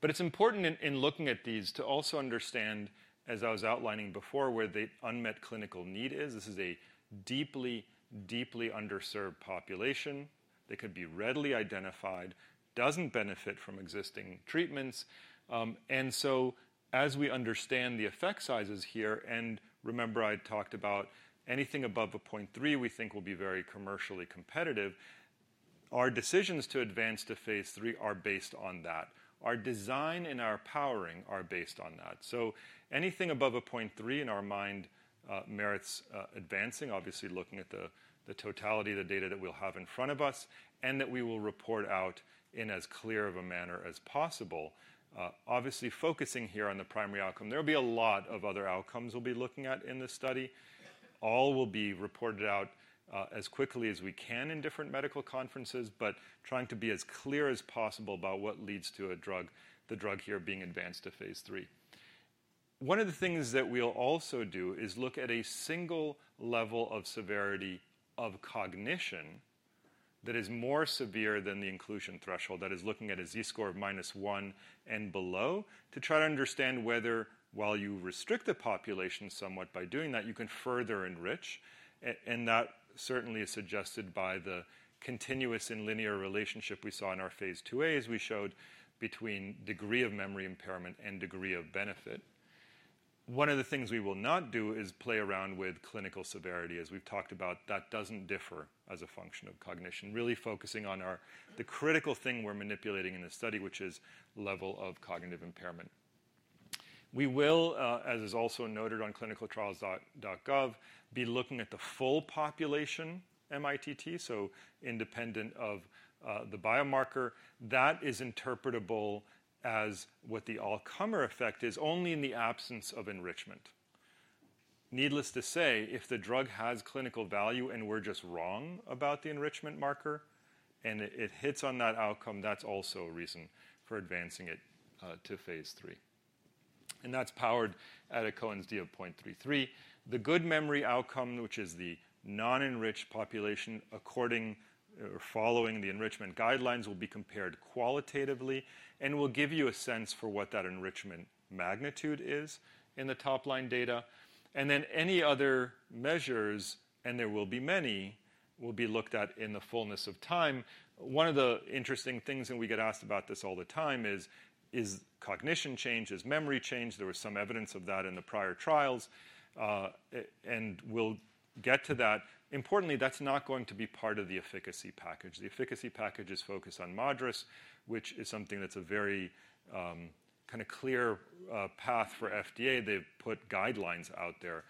But it's important in looking at these to also understand, as I was outlining before, where the unmet clinical need is. This is a deeply, deeply underserved population that could be readily identified, doesn't benefit from existing treatments. And so as we understand the effect sizes here, and remember I talked about anything above a point three we think will be very commercially competitive... Our decisions to advance to Phase III are based on that. Our design and our powering are based on that. So anything above a point three in our mind merits advancing, obviously, looking at the totality of the data that we'll have in front of us, and that we will report out in as clear of a manner as possible. Obviously, focusing here on the primary outcome, there'll be a lot of other outcomes we'll be looking at in this study. All will be reported out as quickly as we can in different medical conferences, but trying to be as clear as possible about what leads to a drug, the drug here being advanced to Phase III. One of the things that we'll also do is look at a single level of severity of cognition that is more severe than the inclusion threshold, that is, looking at a Z-score of minus one and below, to try to understand whether, while you restrict the population somewhat by doing that, you can further enrich. And that certainly is suggested by the continuous and linear relationship we saw in our Phase 2As we showed between degree of memory impairment and degree of benefit. One of the things we will not do is play around with clinical severity. As we've talked about, that doesn't differ as a function of cognition. Really focusing on our, the critical thing we're manipulating in this study, which is level of cognitive impairment. We will, as is also noted on ClinicalTrials.gov, be looking at the full population MITT, so independent of, the biomarker. That is interpretable as what the all-comer effect is only in the absence of enrichment. Needless to say, if the drug has clinical value, and we're just wrong about the enrichment marker, and it hits on that outcome, that's also a reason for advancing it to Phase III. That's powered at a Cohen's d of 0.33. The good memory outcome, which is the non-enriched population, according or following the enrichment guidelines, will be compared qualitatively and will give you a sense for what that enrichment magnitude is in the top-line data. Then, any other measures, and there will be many, will be looked at in the fullness of time. One of the interesting things, and we get asked about this all the time, is: Is cognition changed? Has memory changed? There was some evidence of that in the prior trials, and we'll get to that. Importantly, that's not going to be part of the efficacy package. The efficacy package is focused on MADRS, which is something that's a very kinda clear path for FDA. They've put guidelines out there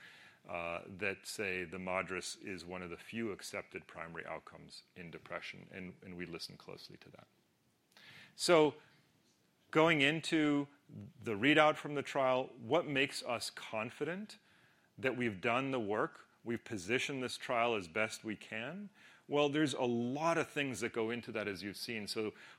that say the MADRS is one of the few accepted primary outcomes in depression, and we listen closely to that. Going into the readout from the trial, what makes us confident that we've done the work, we've positioned this trial as best we can? There's a lot of things that go into that, as you've seen.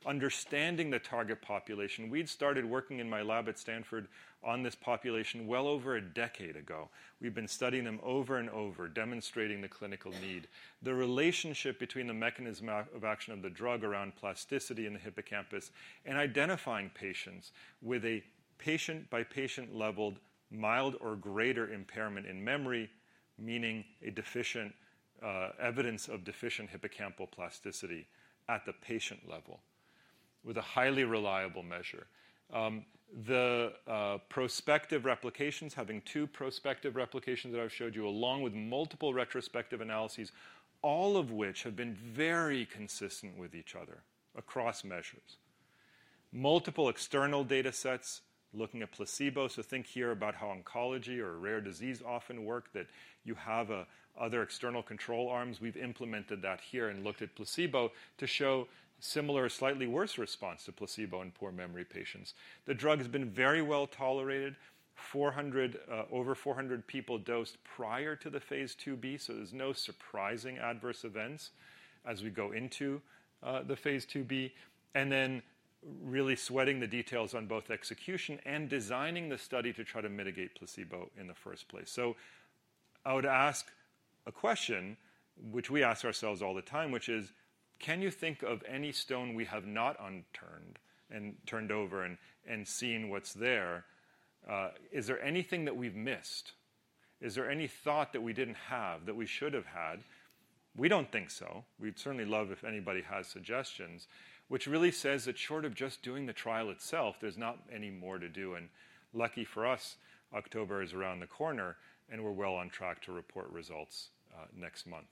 Understanding the target population, we'd started working in my lab at Stanford on this population well over a decade ago. We've been studying them over and over, demonstrating the clinical need, the relationship between the mechanism of action of the drug around plasticity in the hippocampus, and identifying patients with a patient-by-patient leveled mild or greater impairment in memory, meaning evidence of deficient hippocampal plasticity at the patient level, with a highly reliable measure. The prospective replications, having two prospective replications that I've showed you, along with multiple retrospective analyses, all of which have been very consistent with each other across measures. Multiple external datasets looking at placebos. So think here about how oncology or rare disease often work, that you have other external control arms. We've implemented that here and looked at placebo to show similar or slightly worse response to placebo in poor memory patients. The drug has been very well tolerated. 400, over 400 people dosed prior to the Phase 2b, so there's no surprising adverse events as we go into the Phase 2b. And then really sweating the details on both execution and designing the study to try to mitigate placebo in the first place. So I would ask a question, which we ask ourselves all the time, which is: Can you think of any stone we have not unturned and turned over and seen what's there? Is there anything that we've missed? Is there any thought that we didn't have that we should have had? We don't think so. We'd certainly love if anybody has suggestions, which really says that short of just doing the trial itself, there's not any more to do. And lucky for us, October is around the corner, and we're well on track to report results next month.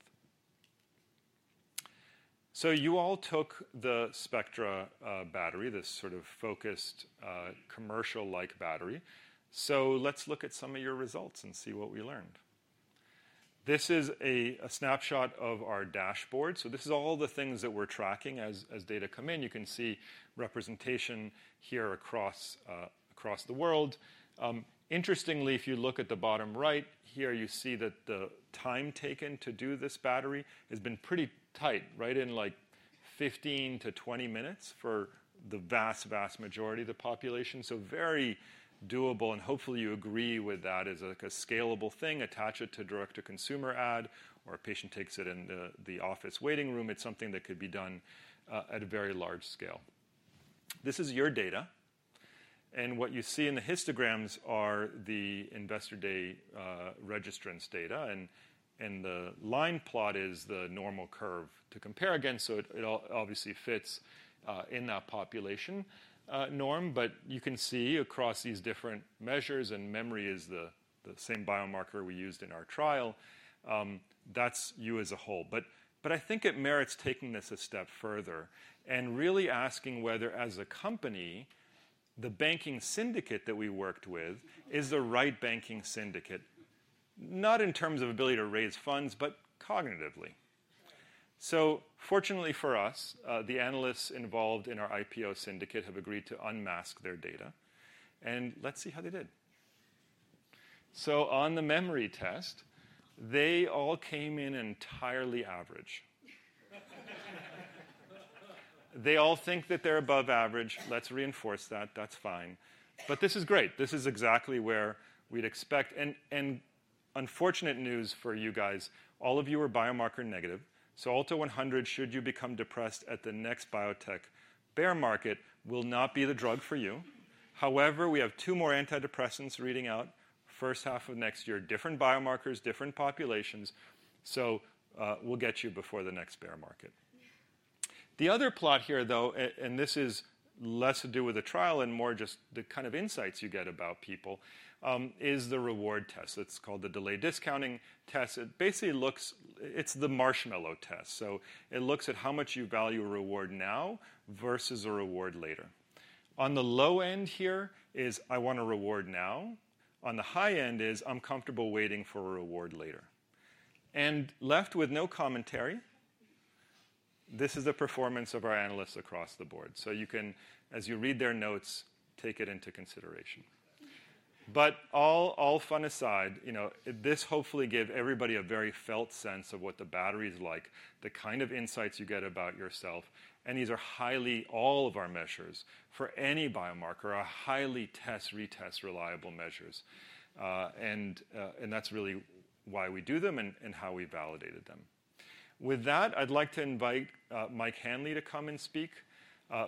So you all took the Spectra battery, this sort of focused commercial-like battery. So let's look at some of your results and see what we learned. This is a snapshot of our dashboard. So this is all the things that we're tracking as data come in. You can see representation here across the world. Interestingly, if you look at the bottom right here, you see that the time taken to do this battery has been pretty tight, right in, like, fifteen to twenty minutes for the vast, vast majority of the population, so very doable, and hopefully, you agree with that as, like, a scalable thing. Attach it to direct-to-consumer ad, or a patient takes it in the office waiting room. It's something that could be done at a very large scale. This is your data, and what you see in the histograms are the Investor Day registrants' data, and the line plot is the normal curve to compare against. So it obviously fits in that population norm. But you can see across these different measures, and memory is the same biomarker we used in our trial, that's you as a whole. But I think it merits taking this a step further and really asking whether, as a company the banking syndicate that we worked with is the right banking syndicate, not in terms of ability to raise funds, but cognitively. So fortunately for us, the analysts involved in our IPO syndicate have agreed to unmask their data, and let's see how they did. So on the memory test, they all came in entirely average. They all think that they're above average. Let's reinforce that. That's fine. But this is great. This is exactly where we'd expect. And unfortunate news for you guys, all of you are biomarker negative, so ALTO-100, should you become depressed at the next biotech bear market, will not be the drug for you. However, we have two more antidepressants reading out, first half of next year. Different biomarkers, different populations, so we'll get you before the next bear market. The other plot here, though, and this is less to do with the trial and more just the kind of insights you get about people, is the reward test. It's called the delay discounting test. It basically looks, it's the marshmallow test, so it looks at how much you value a reward now versus a reward later. On the low end here is, "I want a reward now." On the high end is, "I'm comfortable waiting for a reward later," and left with no commentary, this is the performance of our analysts across the board. So you can, as you read their notes, take it into consideration. But all fun aside, you know, this hopefully gave everybody a very felt sense of what the battery is like, the kind of insights you get about yourself, and these are highly, all of our measures, for any biomarker, are highly test-retest reliable measures. And that's really why we do them and how we validated them. With that, I'd like to invite Mike Hanley to come and speak.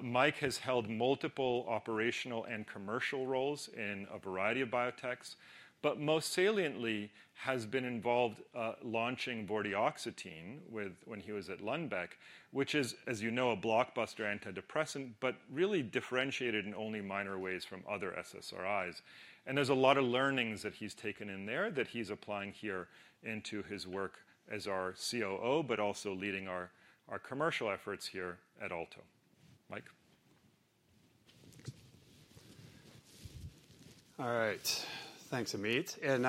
Mike has held multiple operational and commercial roles in a variety of biotechs, but most saliently, has been involved launching Vortioxetine when he was at Lundbeck, which is, as you know, a blockbuster antidepressant, but really differentiated in only minor ways from other SSRIs. And there's a lot of learnings that he's taken in there that he's applying here into his work as our COO, but also leading our commercial efforts here at Alto. Mike? All right. Thanks, Amit, and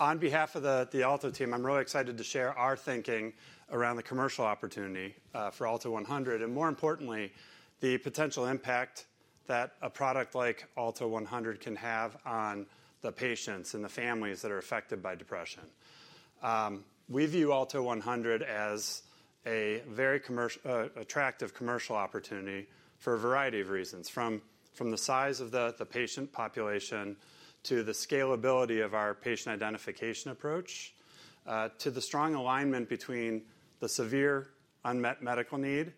on behalf of the Alto team, I'm really excited to share our thinking around the commercial opportunity for ALTO-100, and more importantly, the potential impact that a product like ALTO-100 can have on the patients and the families that are affected by depression. We view ALTO-100 as a very attractive commercial opportunity for a variety of reasons, from the size of the patient population to the scalability of our patient identification approach, to the strong alignment between the severe unmet medical need,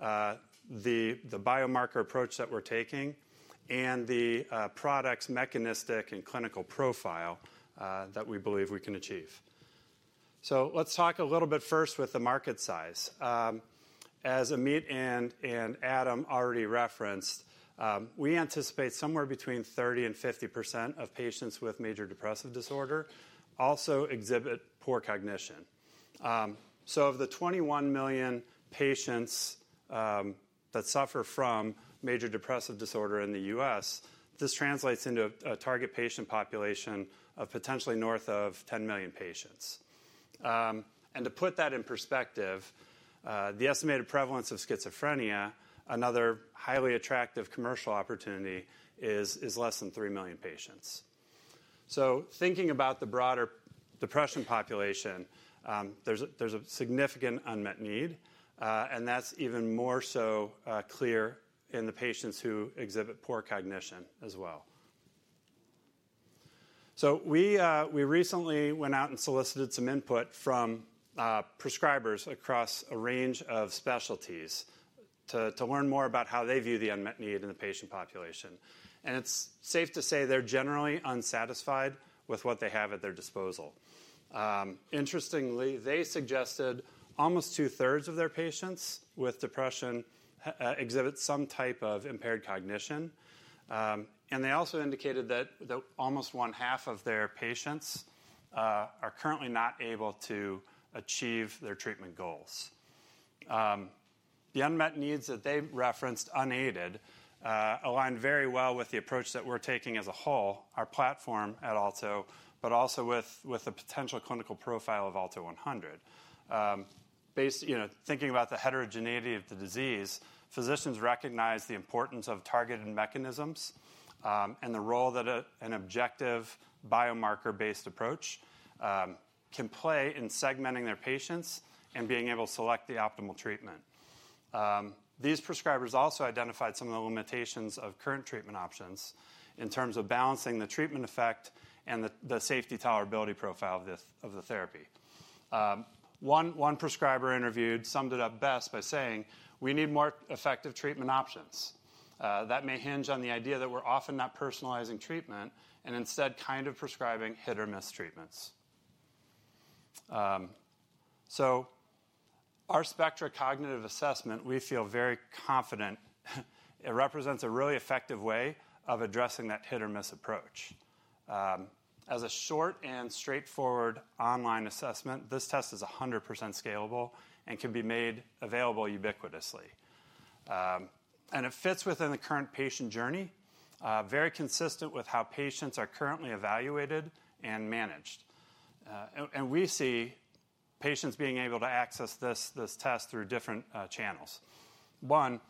the biomarker approach that we're taking, and the product's mechanistic and clinical profile that we believe we can achieve. So let's talk a little bit first with the market size. As Amit and Adam already referenced, we anticipate somewhere between 30% and 50% of patients with major depressive disorder also exhibit poor cognition. So of the 21 million patients that suffer from major depressive disorder in the US, this translates into a target patient population of potentially north of 10 million patients. And to put that in perspective, the estimated prevalence of schizophrenia, another highly attractive commercial opportunity, is less than 3 million patients. So thinking about the broader depression population, there's a significant unmet need, and that's even more so clear in the patients who exhibit poor cognition as well. So we recently went out and solicited some input from prescribers across a range of specialties to learn more about how they view the unmet need in the patient population. It's safe to say they're generally unsatisfied with what they have at their disposal. Interestingly, they suggested almost two-thirds of their patients with depression exhibit some type of impaired cognition, and they also indicated that almost one-half of their patients are currently not able to achieve their treatment goals. The unmet needs that they referenced, unaided, align very well with the approach that we're taking as a whole, our platform at Alto, but also with the potential clinical profile of ALTO-100. You know, thinking about the heterogeneity of the disease, physicians recognize the importance of targeted mechanisms, and the role that an objective biomarker-based approach can play in segmenting their patients and being able to select the optimal treatment. These prescribers also identified some of the limitations of current treatment options in terms of balancing the treatment effect and the safety tolerability profile of the therapy. One prescriber interviewed summed it up best by saying: "We need more effective treatment options. That may hinge on the idea that we're often not personalizing treatment and instead kind of prescribing hit-or-miss treatments." So our Spectra cognitive assessment, we feel very confident it represents a really effective way of addressing that hit-or-miss approach. As a short and straightforward online assessment, this test is 100% scalable and can be made available ubiquitously. And it fits within the current patient journey, very consistent with how patients are currently evaluated and managed. And we see patients being able to access this test through different channels. One,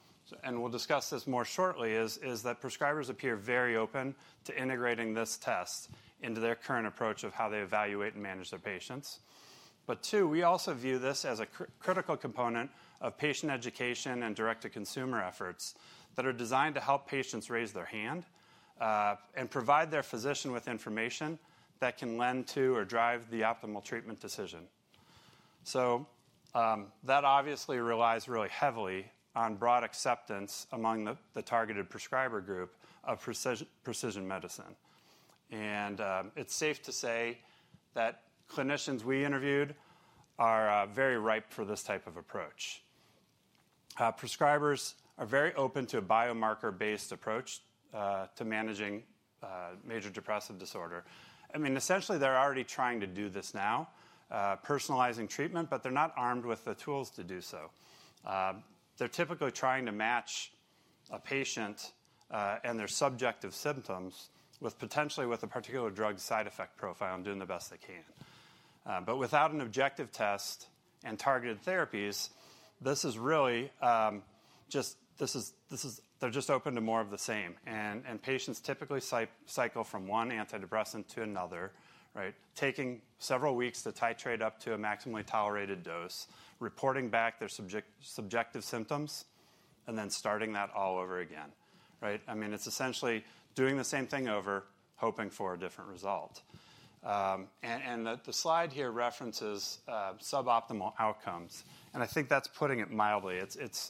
and we'll discuss this more shortly, is that prescribers appear very open to integrating this test into their current approach of how they evaluate and manage their patients. But two, we also view this as a critical component of patient education and direct-to-consumer efforts that are designed to help patients raise their hand and provide their physician with information that can lend to or drive the optimal treatment decision. So, that obviously relies really heavily on broad acceptance among the targeted prescriber group of precision medicine. And, it's safe to say that clinicians we interviewed are very ripe for this type of approach. Prescribers are very open to a biomarker-based approach to managing major depressive disorder. I mean, essentially, they're already trying to do this now, personalizing treatment, but they're not armed with the tools to do so. They're typically trying to match a patient and their subjective symptoms with potentially with a particular drug side effect profile and doing the best they can. But without an objective test and targeted therapies, this is really just this is they're just open to more of the same, and patients typically cycle from one antidepressant to another, right? Taking several weeks to titrate up to a maximally tolerated dose, reporting back their subjective symptoms, and then starting that all over again, right? I mean, it's essentially doing the same thing over, hoping for a different result. And the slide here references suboptimal outcomes, and I think that's putting it mildly. It's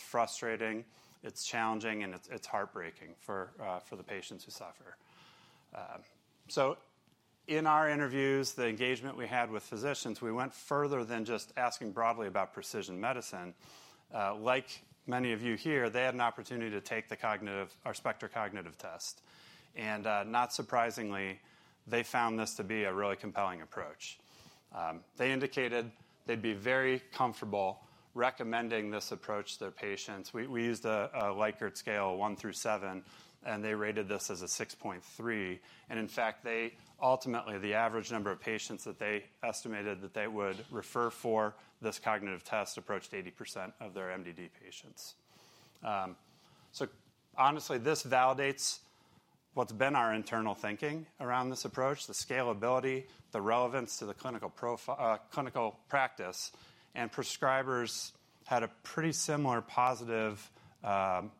frustrating, it's challenging, and it's heartbreaking for the patients who suffer. So in our interviews, the engagement we had with physicians, we went further than just asking broadly about precision medicine. Like many of you here, they had an opportunity to take our Spectra cognitive test, and not surprisingly, they found this to be a really compelling approach. They indicated they'd be very comfortable recommending this approach to their patients. We used a Likert scale, one through seven, and they rated this as a six point three, and in fact, ultimately, the average number of patients that they estimated that they would refer for this cognitive test approached 80% of their MDD patients. So honestly, this validates what's been our internal thinking around this approach, the scalability, the relevance to the clinical practice, and prescribers had a pretty similar positive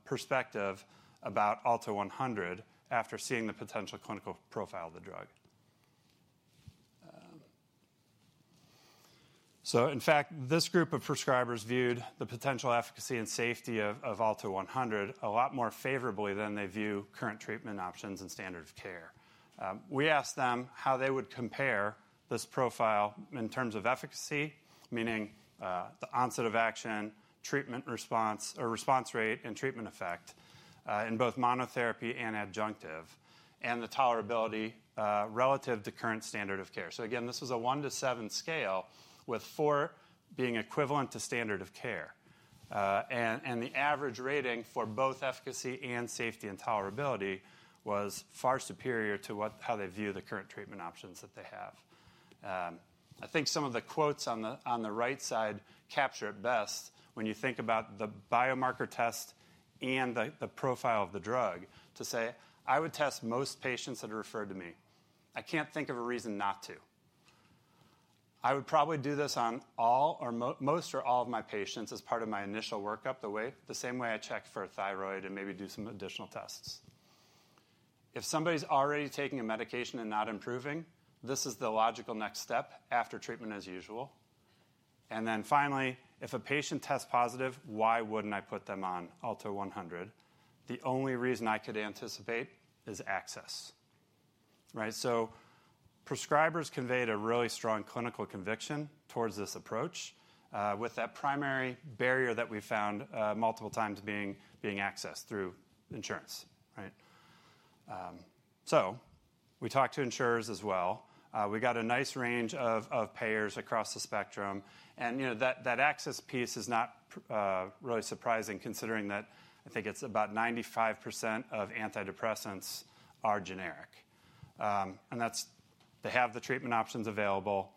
perspective about ALTO-100 after seeing the potential clinical profile of the drug. So in fact, this group of prescribers viewed the potential efficacy and safety of ALTO-100 a lot more favorably than they view current treatment options and standard of care. We asked them how they would compare this profile in terms of efficacy, meaning the onset of action, treatment response, or response rate, and treatment effect in both monotherapy and adjunctive, and the tolerability relative to current standard of care. So again, this was a one to seven scale, with four being equivalent to standard of care. The average rating for both efficacy and safety and tolerability was far superior to what, how they view the current treatment options that they have. I think some of the quotes on the right side capture it best when you think about the biomarker test and the profile of the drug to say, "I would test most patients that are referred to me. I can't think of a reason not to." "I would probably do this on all or most or all of my patients as part of my initial workup, the way, the same way I check for a thyroid and maybe do some additional tests." "If somebody's already taking a medication and not improving, this is the logical next step after treatment as usual." Then finally, "If a patient tests positive, why wouldn't I put them on ALTO-100? The only reason I could anticipate is access." Right, so prescribers conveyed a really strong clinical conviction towards this approach with that primary barrier that we found multiple times being access through insurance, right? We talked to insurers as well. We got a nice range of payers across the spectrum, and you know that access piece is not really surprising considering that I think it's about 95% of antidepressants are generic, and that's... They have the treatment options available.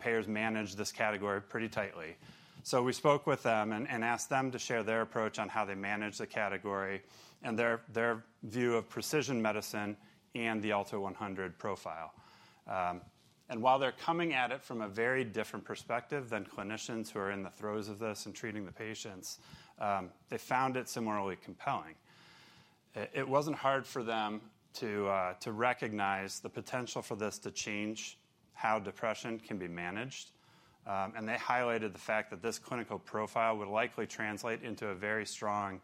Payers manage this category pretty tightly, so we spoke with them and asked them to share their approach on how they manage the category and their view of precision medicine and the ALTO-100 profile. While they're coming at it from a very different perspective than clinicians who are in the throes of this and treating the patients, they found it similarly compelling. It wasn't hard for them to recognize the potential for this to change how depression can be managed, and they highlighted the fact that this clinical profile would likely translate into a very strong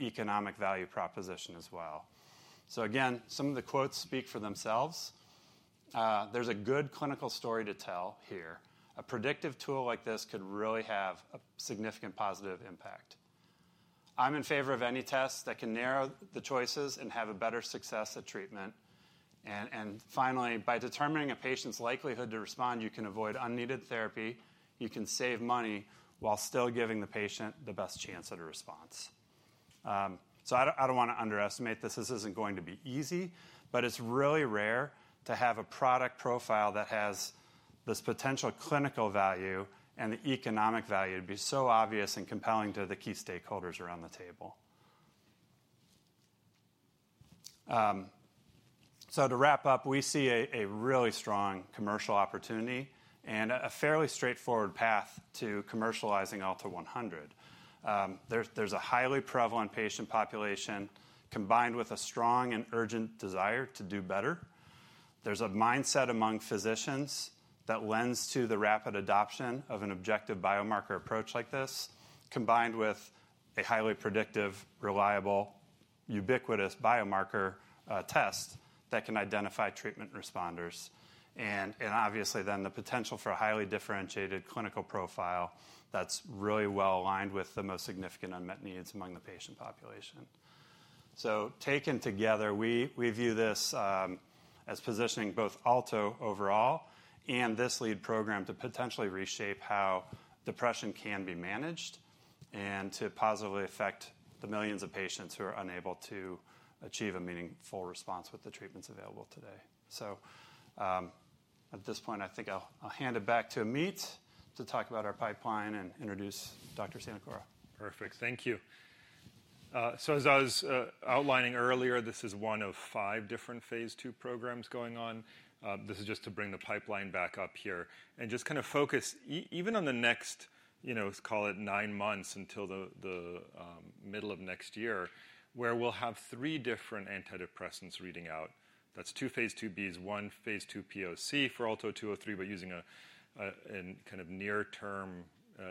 economic value proposition as well. So again, some of the quotes speak for themselves... There's a good clinical story to tell here. A predictive tool like this could really have a significant positive impact. I'm in favor of any test that can narrow the choices and have a better success at treatment, and finally, by determining a patient's likelihood to respond, you can avoid unneeded therapy. You can save money while still giving the patient the best chance at a response. So I don't wanna underestimate this. This isn't going to be easy, but it's really rare to have a product profile that has this potential clinical value and the economic value to be so obvious and compelling to the key stakeholders around the table. So to wrap up, we see a really strong commercial opportunity and a fairly straightforward path to commercializing ALTO-100. There's a highly prevalent patient population, combined with a strong and urgent desire to do better. There's a mindset among physicians that lends to the rapid adoption of an objective biomarker approach like this, combined with a highly predictive, reliable, ubiquitous biomarker test that can identify treatment responders, and obviously then, the potential for a highly differentiated clinical profile that's really well-aligned with the most significant unmet needs among the patient population. So taken together, we view this as positioning both Alto overall and this lead program to potentially reshape how depression can be managed and to positively affect the millions of patients who are unable to achieve a meaningful response with the treatments available today. So at this point, I think I'll hand it back to Amit to talk about our pipeline and introduce Dr. Sanacora. Perfect. Thank you. So as I was outlining earlier, this is one of five different phase 2 programs going on. This is just to bring the pipeline back up here and just kind of focus even on the next, you know, let's call it nine months until the middle of next year, where we'll have three different antidepressants reading out. That's two Phase 2bs, one phase 2 POC for ALTO-203, but using a kind of near-term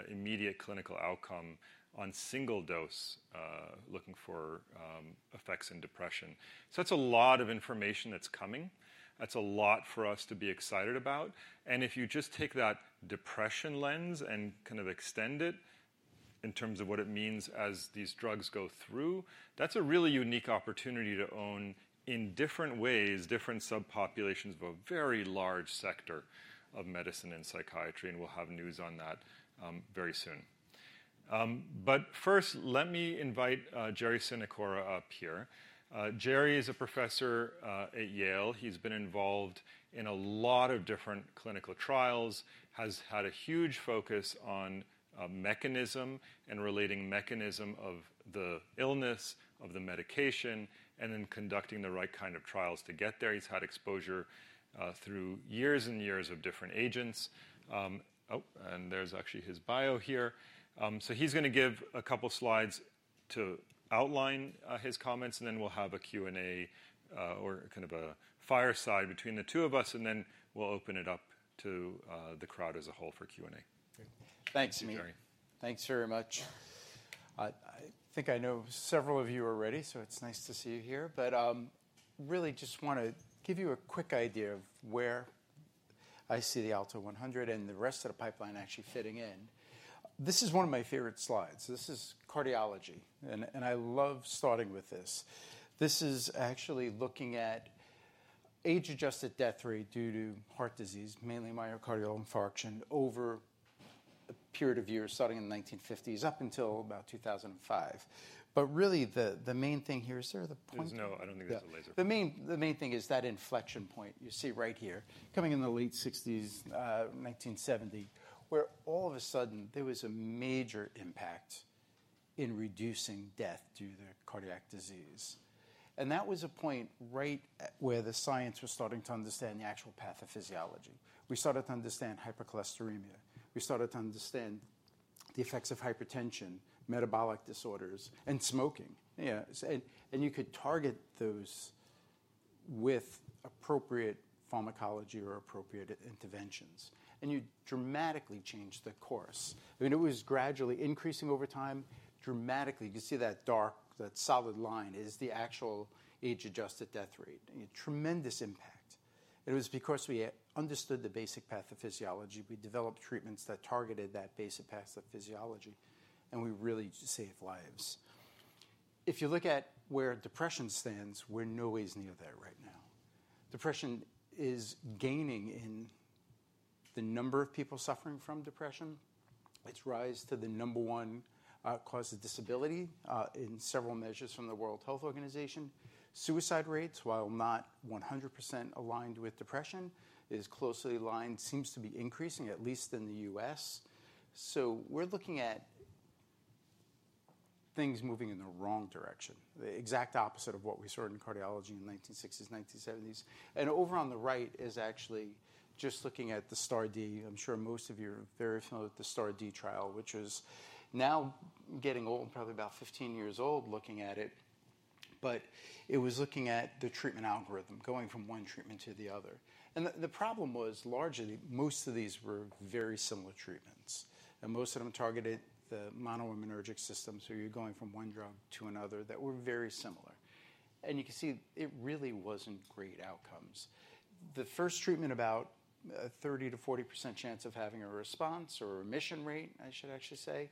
immediate clinical outcome on single-dose looking for effects in depression. So that's a lot of information that's coming. That's a lot for us to be excited about, and if you just take that depression lens and kind of extend it, in terms of what it means as these drugs go through, that's a really unique opportunity to own, in different ways, different subpopulations of a very large sector of medicine and psychiatry, and we'll have news on that, very soon. But first, let me invite Jerry Sanacora up here. Jerry is a professor at Yale. He's been involved in a lot of different clinical trials, has had a huge focus on mechanism and relating mechanism of the illness, of the medication, and then conducting the right kind of trials to get there. He's had exposure through years and years of different agents. Oh, and there's actually his bio here. So he's gonna give a couple slides to outline his comments, and then we'll have a Q&A or kind of a fireside between the two of us, and then we'll open it up to the crowd as a whole for Q&A. Thank you. Jerry. Thanks, Amit. Thanks very much. I think I know several of you already, so it's nice to see you here. But really just want to give you a quick idea of where I see the Alto 100 and the rest of the pipeline actually fitting in. This is one of my favorite slides. This is cardiology, and I love starting with this. This is actually looking at age-adjusted death rate due to heart disease, mainly myocardial infarction, over a period of years starting in the 1950s up until about 2005. But really, the main thing here. Is there the pointer? No, I don't think there's a laser. The main, the main thing is that inflection point you see right here, coming in the late 1960s, 1970, where all of a sudden there was a major impact in reducing death due to cardiac disease. And that was a point right at where the science was starting to understand the actual pathophysiology. We started to understand hypercholesterolemia. We started to understand the effects of hypertension, metabolic disorders, and smoking. Yeah, so and you could target those with appropriate pharmacology or appropriate interventions, and you dramatically changed the course. I mean, it was gradually increasing over time. Dramatically, you can see that dark, that solid line is the actual age-adjusted death rate, and a tremendous impact. It was because we understood the basic pathophysiology. We developed treatments that targeted that basic pathophysiology, and we really saved lives. If you look at where depression stands, we're nowhere near there right now. Depression is gaining in the number of people suffering from depression. It's rise to the number one cause of disability in several measures from the World Health Organization. Suicide rates, while not one hundred percent aligned with depression, is closely aligned, seems to be increasing, at least in the US. So we're looking at things moving in the wrong direction, the exact opposite of what we saw in cardiology in 1960s, 1970s, and over on the right is actually just looking at the STAR*D. I'm sure most of you are very familiar with the STAR*D trial, which is now getting old, probably about 15 years old, looking at it, but it was looking at the treatment algorithm, going from one treatment to the other. The problem was largely most of these were very similar treatments, and most of them targeted the monoaminergic system, so you're going from one drug to another that were very similar, and you can see it really wasn't great outcomes. The first treatment, about 30% to 40% chance of having a response or a remission rate, I should actually say.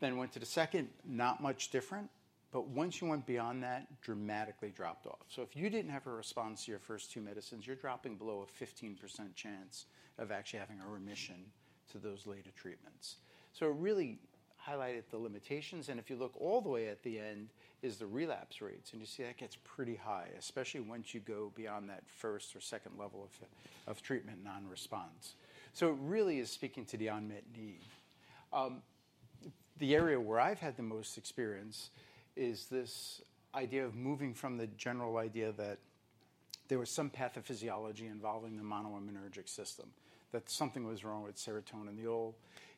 Then went to the second, not much different, but once you went beyond that, dramatically dropped off. If you didn't have a response to your first two medicines, you're dropping below a 15% chance of actually having a remission to those later treatments. It really highlighted the limitations, and if you look all the way at the end, is the relapse rates, and you see that gets pretty high, especially once you go beyond that first or second level of treatment non-response. So it really is speaking to the unmet need. The area where I've had the most experience is this idea of moving from the general idea that there was some pathophysiology involving the monoaminergic system, that something was wrong with serotonin, the old,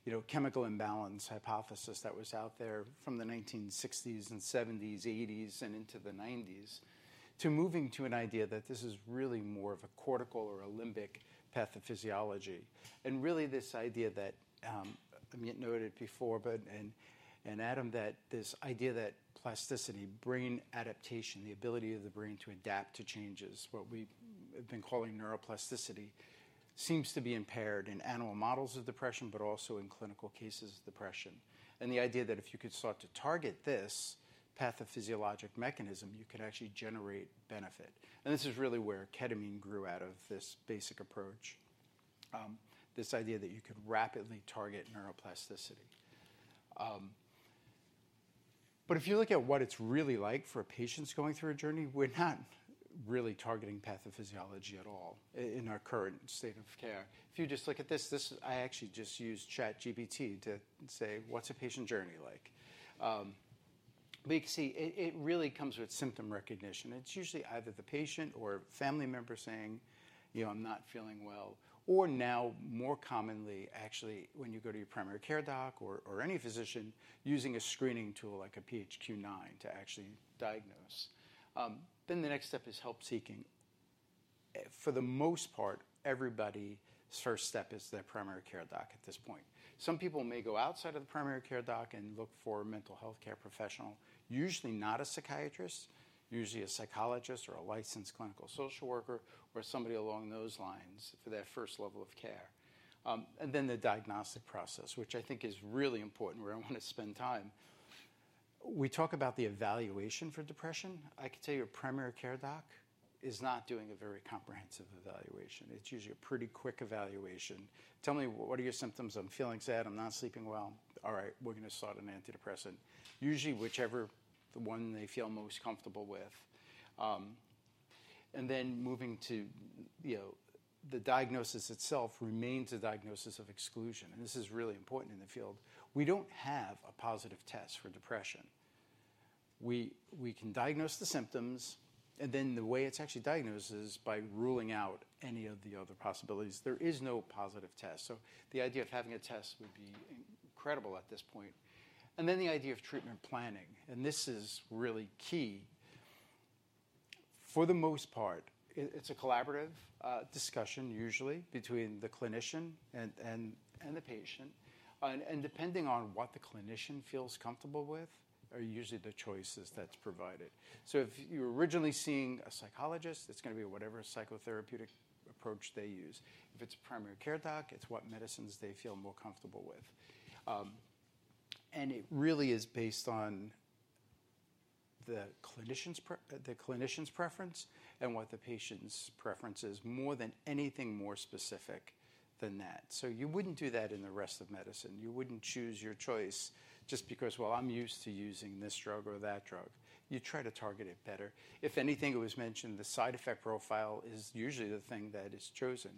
you know, chemical imbalance hypothesis that was out there from the nineteen sixties and seventies, eighties, and into the nineties, to moving to an idea that this is really more of a cortical or a limbic pathophysiology. And really, this idea that Amit noted before, but and Adam, that this idea that plasticity, brain adaptation, the ability of the brain to adapt to changes, what we've been calling neuroplasticity, seems to be impaired in animal models of depression, but also in clinical cases of depression. And the idea that if you could seek to target this pathophysiologic mechanism, you could actually generate benefit. And this is really where ketamine grew out of, this basic approach, this idea that you could rapidly target neuroplasticity. But if you look at what it's really like for patients going through a journey, we're not really targeting pathophysiology at all in our current state of care. If you just look at this, I actually just used ChatGPT to say, "What's a patient journey like?" But you can see it, it really comes with symptom recognition. It's usually either the patient or a family member saying, "You know, I'm not feeling well," or now, more commonly, actually, when you go to your primary care doc or any physician, using a screening tool like a PHQ-9 to actually diagnose. Then the next step is help seeking. For the most part, everybody's first step is their primary care doc at this point. Some people may go outside of the primary care doc and look for a mental health care professional, usually not a psychiatrist, usually a psychologist or a licensed clinical social worker or somebody along those lines for their first level of care, and then the diagnostic process, which I think is really important, where I want to spend time. We talk about the evaluation for depression. I can tell you, a primary care doc is not doing a very comprehensive evaluation. It's usually a pretty quick evaluation. "Tell me, what are your symptoms?" "I'm feeling sad. I'm not sleeping well." "All right, we're going to start an antidepressant." Usually, whichever the one they feel most comfortable with, and then moving to, you know... The diagnosis itself remains a diagnosis of exclusion, and this is really important in the field. We don't have a positive test for depression. We can diagnose the symptoms, and then the way it's actually diagnosed is by ruling out any of the other possibilities. There is no positive test, so the idea of having a test would be incredible at this point, and then the idea of treatment planning, and this is really key. For the most part, it's a collaborative discussion, usually between the clinician and the patient, and depending on what the clinician feels comfortable with, are usually the choices that's provided, so if you're originally seeing a psychologist, it's going to be whatever psychotherapeutic approach they use. If it's a primary care doc, it's what medicines they feel more comfortable with, and it really is based on the clinician's preference and what the patient's preference is, more than anything more specific than that. So you wouldn't do that in the rest of medicine. You wouldn't choose your choice just because, well, I'm used to using this drug or that drug. You try to target it better. If anything, it was mentioned, the side effect profile is usually the thing that is chosen.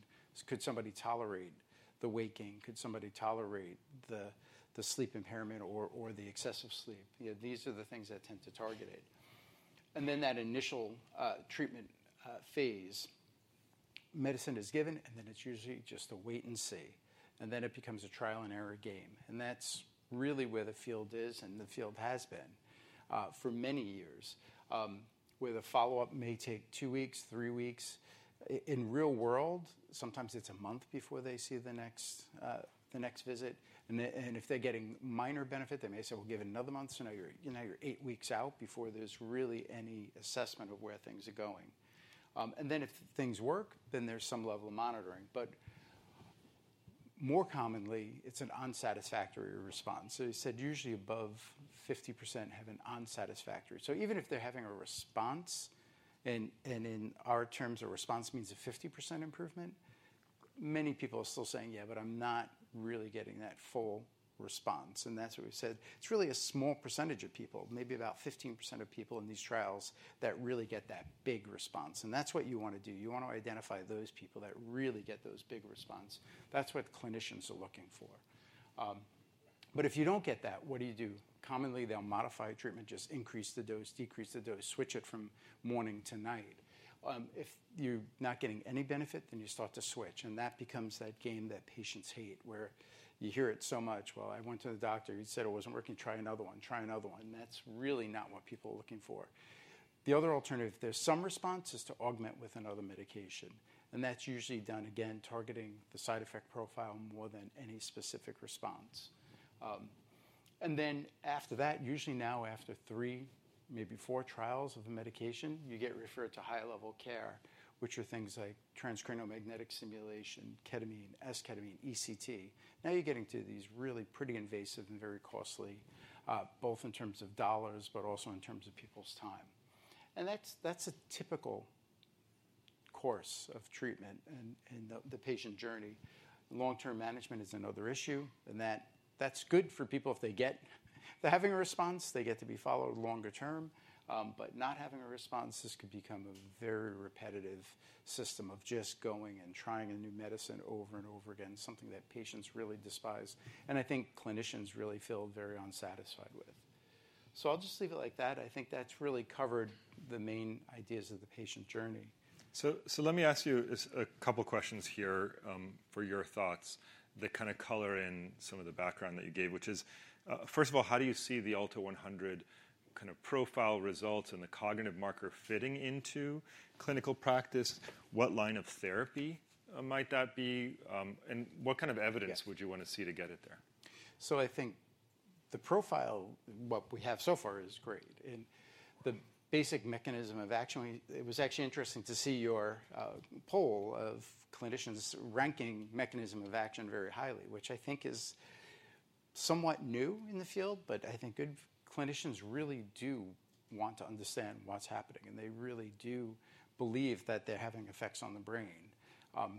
Could somebody tolerate the weight gain? Could somebody tolerate the sleep impairment or the excessive sleep? You know, these are the things that tend to target it. And then that initial treatment phase, medicine is given, and then it's usually just a wait and see, and then it becomes a trial and error game. And that's really where the field is, and the field has been for many years, where the follow-up may take two weeks, three weeks. In real world, sometimes it's a month before they see the next visit. And then, and if they're getting minor benefit, they may say, "Well, give it another month." So now you're, you know, you're eight weeks out before there's really any assessment of where things are going. And then if things work, then there's some level of monitoring, but more commonly, it's an unsatisfactory response. So I said, usually above 50% have an unsatisfactory... So even if they're having a response, and, and in our terms, a response means a 50% improvement, many people are still saying, "Yeah, but I'm not really getting that full response," and that's what we said. It's really a small percentage of people, maybe about 15% of people in these trials, that really get that big response, and that's what you want to do. You want to identify those people that really get those big response. That's what clinicians are looking for. But if you don't get that, what do you do? Commonly, they'll modify treatment, just increase the dose, decrease the dose, switch it from morning to night. If you're not getting any benefit, then you start to switch, and that becomes that game that patients hate, where you hear it so much. "Well, I went to the doctor, he said it wasn't working. Try another one. Try another one." That's really not what people are looking for. The other alternative, if there's some response, is to augment with another medication, and that's usually done, again, targeting the side effect profile more than any specific response. And then after that, usually now after three, maybe four trials of a medication, you get referred to high-level care, which are things like transcranial magnetic stimulation, ketamine, esketamine, ECT. Now you're getting to these really pretty invasive and very costly, both in terms of dollars, but also in terms of people's time. And that's a typical course of treatment and the patient journey. Long-term management is another issue, and that's good for people if they're having a response. They get to be followed longer term. But not having a response, this could become a very repetitive system of just going and trying a new medicine over and over again, something that patients really despise, and I think clinicians really feel very unsatisfied with. So I'll just leave it like that. I think that's really covered the main ideas of the patient journey. So, let me ask you just a couple questions here for your thoughts, that kind of color in some of the background that you gave, which is, first of all, how do you see the ALTO-100 kind of profile results and the cognitive marker fitting into clinical practice? What line of therapy might that be? And what kind of evidence- Yeah... would you want to see to get it there? So I think the profile, what we have so far is great, and the basic mechanism. It was actually interesting to see your poll of clinicians ranking mechanism of action very highly, which I think is somewhat new in the field, but I think good clinicians really do want to understand what's happening, and they really do believe that they're having effects on the brain.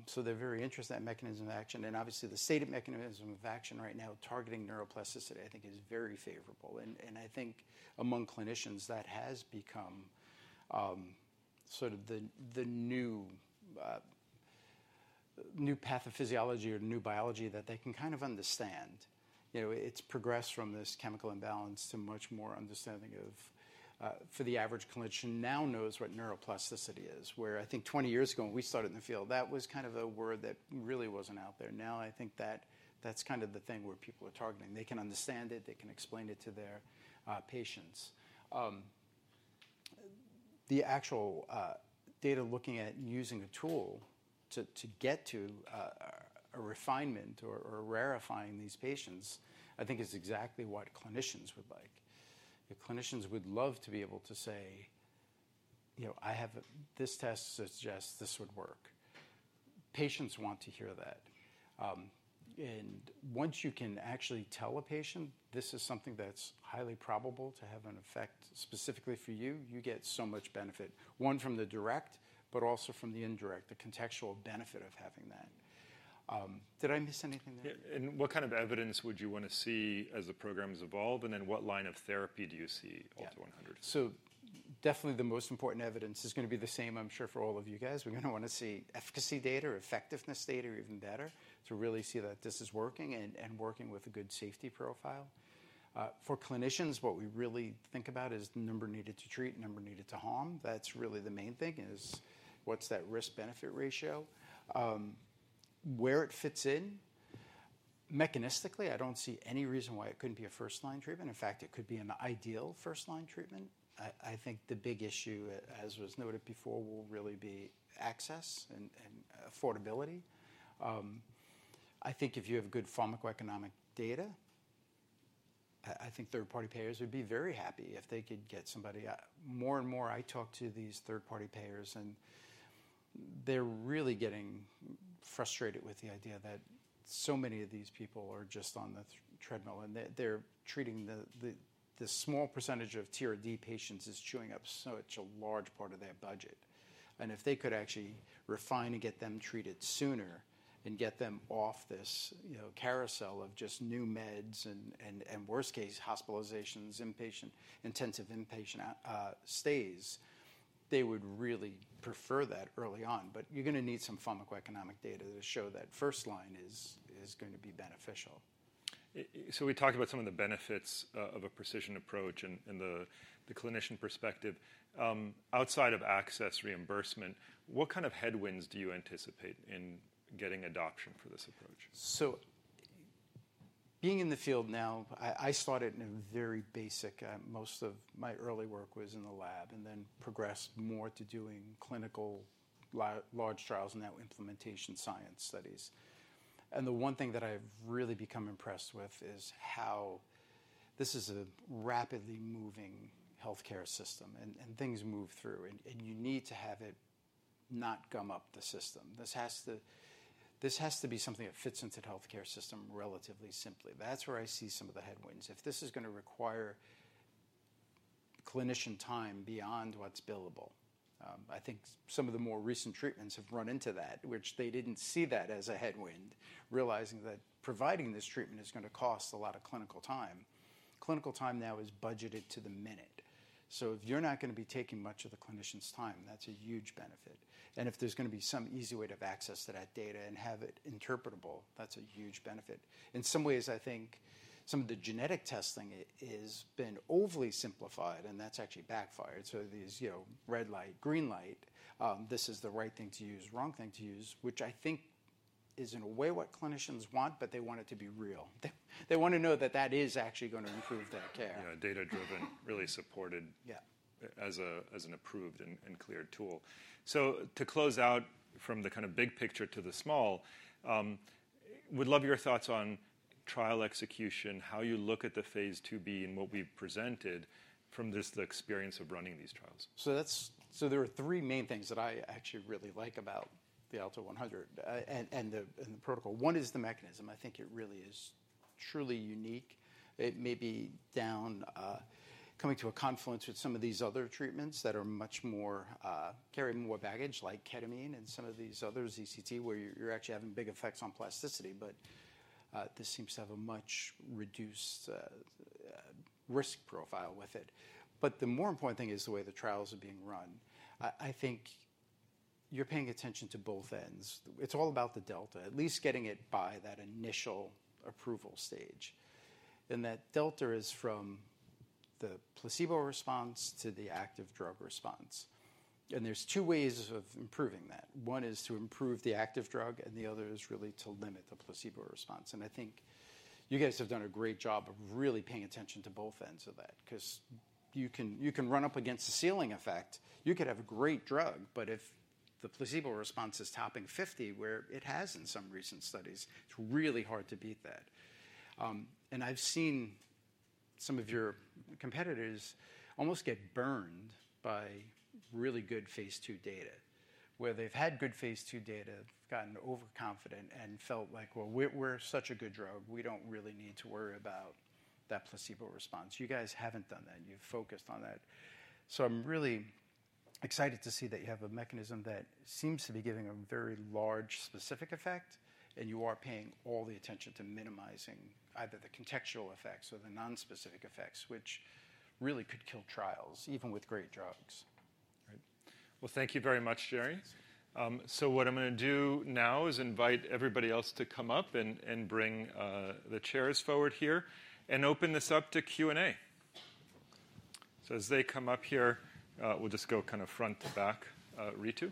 So they're very interested in that mechanism of action, and obviously, the state of mechanism of action right now, targeting neuroplasticity, I think is very favorable, and I think among clinicians, that has become sort of the new pathophysiology or new biology that they can kind of understand. You know, it's progressed from this chemical imbalance to much more understanding of for the average clinician now knows what neuroplasticity is. Where I think twenty years ago, when we started in the field, that was kind of a word that really wasn't out there. Now, I think that that's kind of the thing where people are targeting. They can understand it, they can explain it to their patients. The actual data looking at using a tool to get to a refinement or rarifying these patients, I think is exactly what clinicians would like. The clinicians would love to be able to say, "You know, I have... This test suggests this would work." Patients want to hear that. And once you can actually tell a patient, "This is something that's highly probable to have an effect specifically for you," you get so much benefit. One, from the direct, but also from the indirect, the contextual benefit of having that. Did I miss anything there? Yeah, and what kind of evidence would you want to see as the programs evolve, and then what line of therapy do you see- Yeah... ALTO-100? So definitely the most important evidence is gonna be the same, I'm sure, for all of you guys. We're gonna want to see efficacy data or effectiveness data, even better, to really see that this is working and, and working with a good safety profile. For clinicians, what we really think about is the number needed to treat, number needed to harm. That's really the main thing, is what's that risk-benefit ratio? Where it fits in, mechanistically, I don't see any reason why it couldn't be a first-line treatment. In fact, it could be an ideal first-line treatment. I, I think the big issue, as was noted before, will really be access and, and affordability. I think if you have good pharmacoeconomic data, I, I think third-party payers would be very happy if they could get somebody... More and more, I talk to these third-party payers, and they're really getting frustrated with the idea that so many of these people are just on the treadmill, and they're treating the small percentage of TRD patients is chewing up such a large part of their budget. And if they could actually refine and get them treated sooner and get them off this, you know, carousel of just new meds and worst case, hospitalizations, intensive inpatient stays, they would really prefer that early on. But you're gonna need some pharmacoeconomic data to show that first line is going to be beneficial. So we talked about some of the benefits of a precision approach and the clinician perspective. Outside of access reimbursement, what kind of headwinds do you anticipate in getting adoption for this approach? So being in the field now, I started in a very basic. Most of my early work was in the lab and then progressed more to doing clinical large trials, now implementation science studies. And the one thing that I've really become impressed with is how this is a rapidly moving healthcare system, and things move through, and you need to have it not gum up the system. This has to be something that fits into the healthcare system relatively simply. That's where I see some of the headwinds. If this is gonna require clinician time beyond what's billable, I think some of the more recent treatments have run into that, which they didn't see that as a headwind, realizing that providing this treatment is gonna cost a lot of clinical time. Clinical time now is budgeted to the minute. So if you're not gonna be taking much of the clinician's time, that's a huge benefit, and if there's gonna be some easy way to access that data and have it interpretable, that's a huge benefit. In some ways, I think some of the genetic testing has been overly simplified, and that's actually backfired. So these, you know, red light, green light, this is the right thing to use, wrong thing to use, which I think is, in a way, what clinicians want, but they want it to be real. They want to know that that is actually gonna improve their care. Yeah, data-driven, really supported. Yeah.... as an approved and cleared tool. So to close out from the kind of big picture to the small, would love your thoughts on trial execution, how you look at the Phase IIb and what we've presented from just the experience of running these trials. There are three main things that I actually really like about the ALTO-100 and the protocol. One is the mechanism. I think it really is truly unique. It may be down, coming to a confluence with some of these other treatments that are much more carrying more baggage, like ketamine and some of these others, ECT, where you're actually having big effects on plasticity, but this seems to have a much reduced risk profile with it. The more important thing is the way the trials are being run. I think you're paying attention to both ends. It's all about the delta, at least getting it by that initial approval stage. That delta is from the placebo response to the active drug response, and there's two ways of improving that. One is to improve the active drug, and the other is really to limit the placebo response, and I think you guys have done a great job of really paying attention to both ends of that. 'Cause you can run up against a ceiling effect. You could have a great drug, but if the placebo response is topping fifty, where it has in some recent studies, it's really hard to beat that. And I've seen some of your competitors almost get burned by really good phase II data, where they've had good phase II data, gotten overconfident, and felt like, "Well, we're such a good drug, we don't really need to worry about that placebo response." You guys haven't done that, and you've focused on that. So I'm really excited to see that you have a mechanism that seems to be giving a very large specific effect, and you are paying all the attention to minimizing either the contextual effects or the non-specific effects, which really could kill trials, even with great drugs. Right. Thank you very much, Jerry. What I'm gonna do now is invite everybody else to come up and bring the chairs forward here, and open this up to Q&A. As they come up here, we'll just go kind of front to back. Ritu? Oh,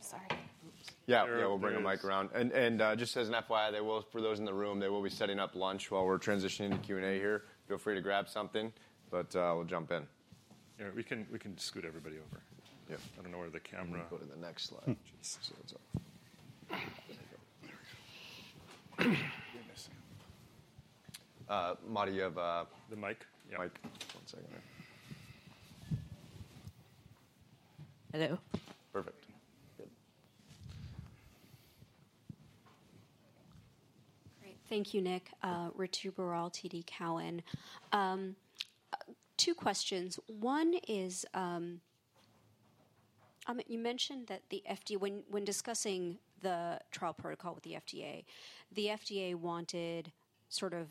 sorry. Oops. Yeah, yeah, we'll bring the mic around. Here it is. Just as an FYI, for those in the room, they will be setting up lunch while we're transitioning to Q&A here. Feel free to grab something, but we'll jump in. Yeah, we can, we can scoot everybody over. Yeah. I don't know where the camera- Go to the next slide. Hmm. See what's up. There we go. Ma, do you have? The mic? Mic. One second here. Hello? Perfect. Good. Great. Thank you, Nick. Ritu Baral, TD Cowen. Two questions. One is, you mentioned that when discussing the trial protocol with the FDA, the FDA wanted sort of,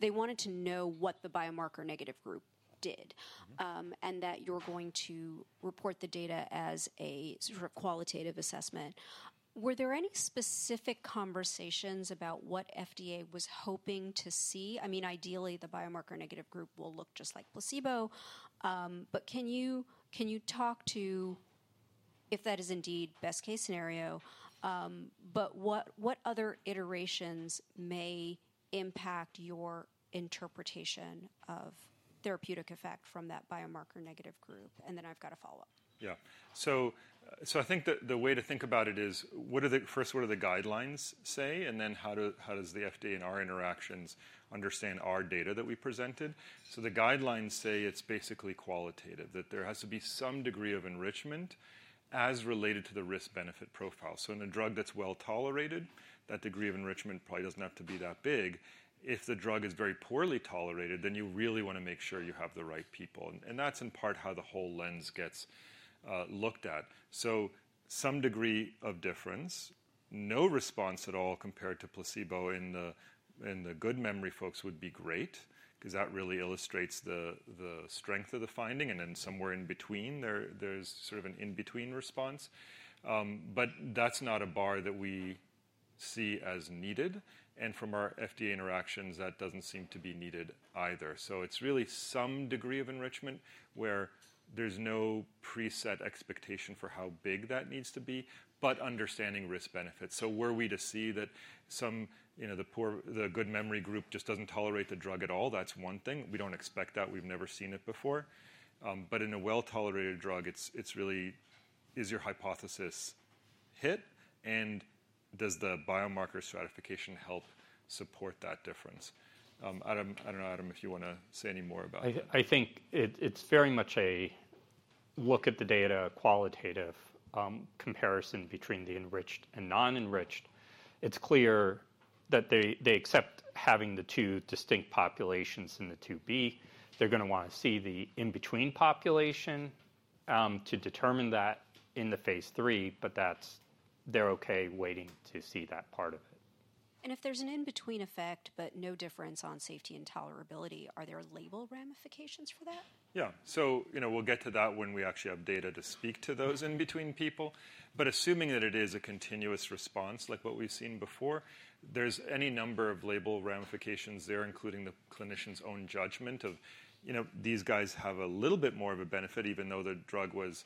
they wanted to know what the biomarker negative group did- Mm-hmm. And that you're going to report the data as a sort of qualitative assessment. Were there any specific conversations about what FDA was hoping to see? I mean, ideally, the biomarker negative group will look just like placebo, but can you talk to if that is indeed best case scenario, but what other iterations may impact your interpretation of therapeutic effect from that biomarker negative group? And then I've got a follow-up. Yeah. So I think the way to think about it is, first, what do the guidelines say, and then how does the FDA in our interactions understand our data that we presented? So the guidelines say it's basically qualitative, that there has to be some degree of enrichment as related to the risk-benefit profile. So in a drug that's well-tolerated, that degree of enrichment probably doesn't have to be that big. If the drug is very poorly tolerated, then you really want to make sure you have the right people, and that's in part how the whole lens gets looked at. So some degree of difference, no response at all compared to placebo in the, in the good memory folks would be great, 'cause that really illustrates the, the strength of the finding, and then somewhere in between, there, there's sort of an in-between response. But that's not a bar that we see as needed, and from our FDA interactions, that doesn't seem to be needed either. So it's really some degree of enrichment where there's no preset expectation for how big that needs to be, but understanding risk-benefits. So were we to see that some, you know, the poor—the good memory group just doesn't tolerate the drug at all, that's one thing. We don't expect that. We've never seen it before. But in a well-tolerated drug, it's, it's really, is your hypothesis hit, and does the biomarker stratification help support that difference? Adam, I don't know, Adam, if you wanna say any more about that. I think it's very much a look at the data, a qualitative comparison between the enriched and non-enriched. It's clear that they accept having the two distinct populations in the IIb. They're gonna wanna see the in-between population to determine that in the Phase III, but that's, they're okay waiting to see that part of it. And if there's an in-between effect, but no difference on safety and tolerability, are there label ramifications for that? Yeah. So, you know, we'll get to that when we actually have data to speak to those in between people. But assuming that it is a continuous response, like what we've seen before, there's any number of label ramifications there, including the clinician's own judgment of, you know, "These guys have a little bit more of a benefit, even though the drug was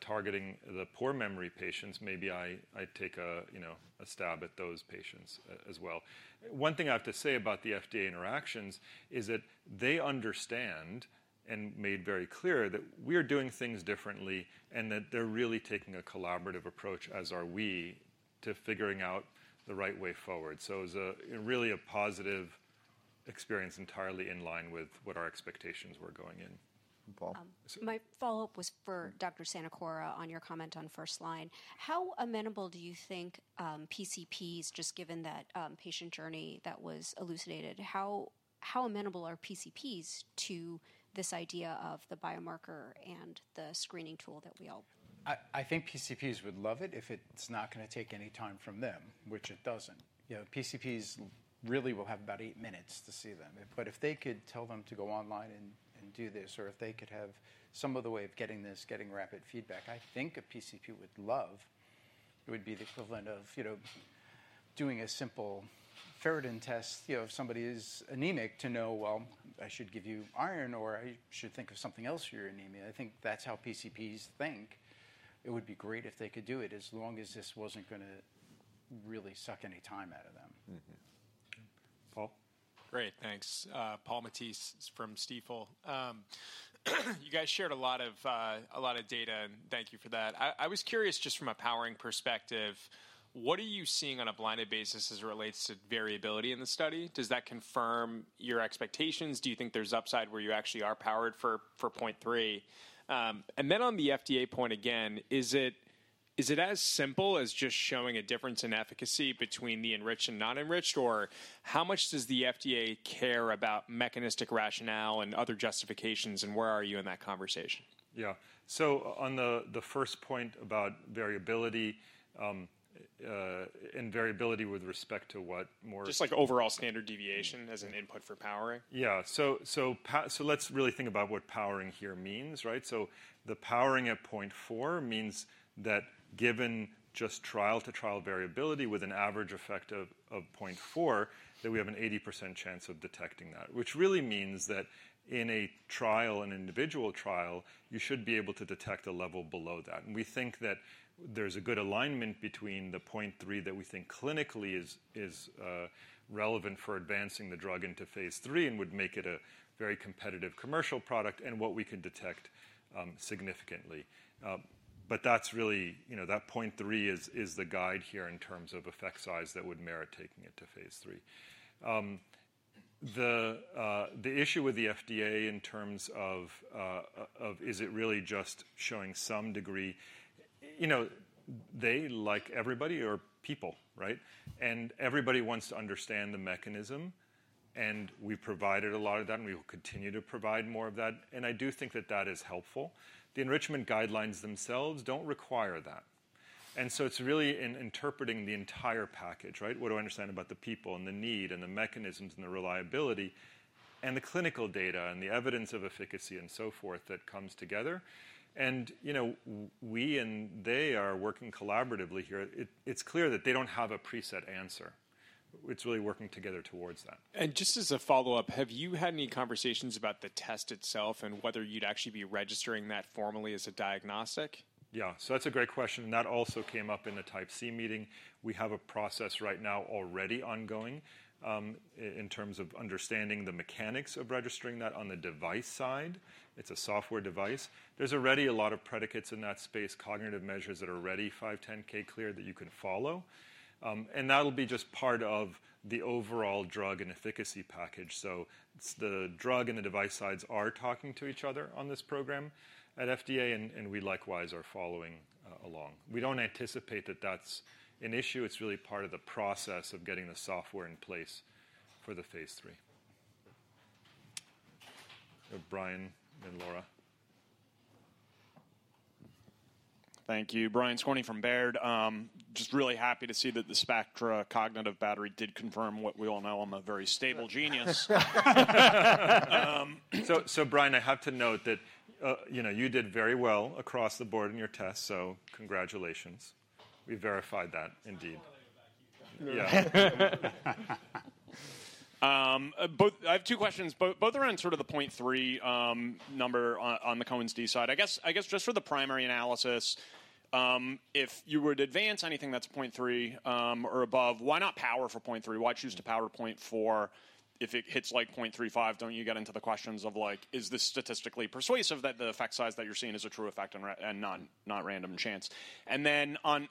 targeting the poor memory patients. Maybe I'd take a, you know, a stab at those patients as well." One thing I have to say about the FDA interactions is that they understand, and made very clear, that we're doing things differently, and that they're really taking a collaborative approach, as are we, to figuring out the right way forward. So it's really a positive experience entirely in line with what our expectations were going in. Paul? My follow-up was for Dr. Sanacora on your comment on first line. How amenable do you think, PCPs, just given that, patient journey that was elucidated, how amenable are PCPs to this idea of the biomarker and the screening tool that we all- I think PCPs would love it if it's not gonna take any time from them, which it doesn't. You know, PCPs really will have about eight minutes to see them. But if they could tell them to go online and do this, or if they could have some other way of getting this, getting rapid feedback, I think a PCP would love. It would be the equivalent of, you know, doing a simple ferritin test, you know, if somebody is anemic, to know, well, I should give you iron, or I should think of something else for your anemia. I think that's how PCPs think. It would be great if they could do it, as long as this wasn't gonna really suck any time out of them. Mm-hmm. Paul? Great, thanks. Paul Matteis from Stifel. You guys shared a lot of data, and thank you for that. I was curious, just from a powering perspective, what are you seeing on a blinded basis as it relates to variability in the study? Does that confirm your expectations? Do you think there's upside where you actually are powered for point three? And then on the FDA point again, is it as simple as just showing a difference in efficacy between the enriched and non-enriched, or how much does the FDA care about mechanistic rationale and other justifications, and where are you in that conversation? Yeah. So on the first point about variability and variability with respect to what more- Just like overall standard deviation as an input for powering. Yeah. So let's really think about what powering here means, right? So the powering at 0.4 means that given just trial-to-trial variability with an average effect of 0.4, that we have an 80% chance of detecting that. Which really means that in a trial, an individual trial, you should be able to detect a level below that. And we think that there's a good alignment between the 0.3 that we think clinically is relevant for advancing the drug into Phase 3 and would make it a very competitive commercial product and what we can detect significantly. But that's really... You know, that 0.3 is the guide here in terms of effect size that would merit taking it to Phase 3. The issue with the FDA in terms of efficacy, is it really just showing some degree? You know, they, like everybody, are people, right? And everybody wants to understand the mechanism, and we provided a lot of that, and we will continue to provide more of that, and I do think that that is helpful. The enrichment guidelines themselves don't require that, and so it's really in interpreting the entire package, right? What do I understand about the people and the need and the mechanisms and the reliability and the clinical data and the evidence of efficacy and so forth that comes together? And, you know, we and they are working collaboratively here. It's clear that they don't have a preset answer. It's really working together towards that. And just as a follow-up, have you had any conversations about the test itself and whether you'd actually be registering that formally as a diagnostic? Yeah. So that's a great question, and that also came up in the Type C meeting. We have a process right now already ongoing in terms of understanding the mechanics of registering that on the device side. It's a software device. There's already a lot of predicates in that space, cognitive measures that are already 510(k) clear, that you can follow. And that'll be just part of the overall drug and efficacy package. So it's the drug and the device sides are talking to each other on this program at FDA, and we likewise are following along. We don't anticipate that that's an issue. It's really part of the process of getting the software in place for the Phase 3. Brian, then Laura. Thank you. Brian Skorney from Baird. Just really happy to see that the Spectra cognitive battery did confirm what we all know. I'm a very stable genius. So, Brian, I have to note that, you know, you did very well across the board in your test, so congratulations. We verified that indeed. It's not all about you. Yeah. But I have two questions, both around sort of the point three number on the Cohen's d side. I guess just for the primary analysis, if you were to advance anything that's point three or above, why not power for point three? Why choose to power point four? If it hits like point three five, don't you get into the questions of like, is this statistically persuasive, that the effect size that you're seeing is a true effect and not random chance? And then on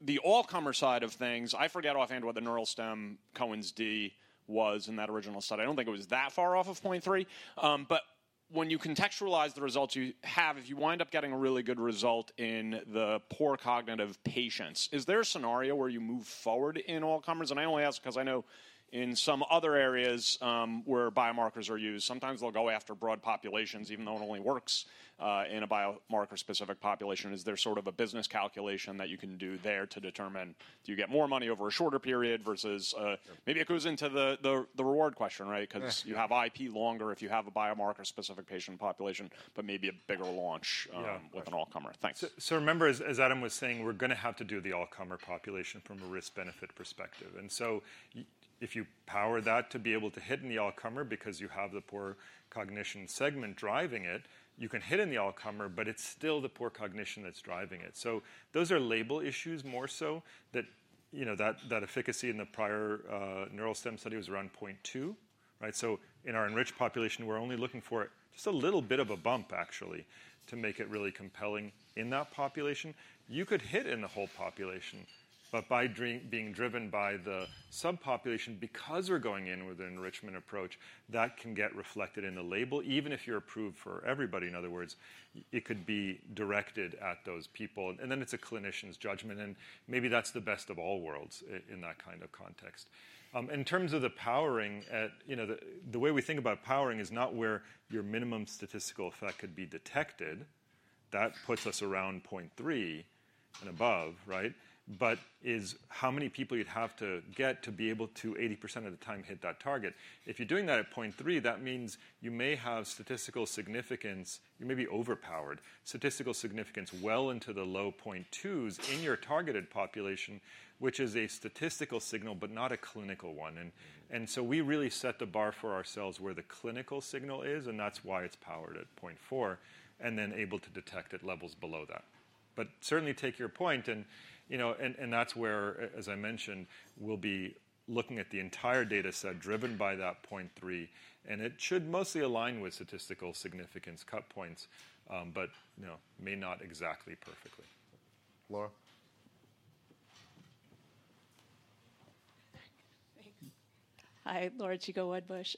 the all-comer side of things, I forget offhand what the Neuralstem Cohen's d was in that original study. I don't think it was that far off of point three. But when you contextualize the results you have, if you wind up getting a really good result in the poor cognitive patients, is there a scenario where you move forward in all-comers? And I only ask because I know in some other areas, where biomarkers are used, sometimes they'll go after broad populations, even though it only works in a biomarker-specific population. Is there sort of a business calculation that you can do there to determine, do you get more money over a shorter period versus, Yeah.... maybe it goes into the reward question, right? Yeah. 'Cause you have IP longer if you have a biomarker-specific patient population, but maybe a bigger launch- Yeah with an all-comer. Thanks. So remember, as Adam was saying, we're gonna have to do the all-comer population from a risk-benefit perspective. And so if you power that to be able to hit in the all-comer because you have the poor cognition segment driving it, you can hit in the all-comer, but it's still the poor cognition that's driving it. So those are label issues more so that you know, that efficacy in the prior Neuralstem study was around point two, right? So in our enriched population, we're only looking for just a little bit of a bump, actually, to make it really compelling in that population. You could hit in the whole population, but by being driven by the subpopulation, because we're going in with an enrichment approach, that can get reflected in the label, even if you're approved for everybody. In other words, it could be directed at those people. And then it's a clinician's judgment, and maybe that's the best of all worlds in that kind of context. In terms of the powering, you know, the way we think about powering is not where your minimum statistical effect could be detected. That puts us around point three and above, right? But is how many people you'd have to get to be able to 80% of the time hit that target. If you're doing that at point three, that means you may have statistical significance. You may be overpowered. Statistical significance well into the low point twos in your targeted population, which is a statistical signal, but not a clinical one. And so we really set the bar for ourselves where the clinical signal is, and that's why it's powered at point four, and then able to detect at levels below that. But certainly take your point and, you know, and that's where as I mentioned, we'll be looking at the entire data set driven by that point three, and it should mostly align with statistical significance cut points, but, you know, may not exactly perfectly. Laura? Thanks. Hi, Laura Chico, Wedbush.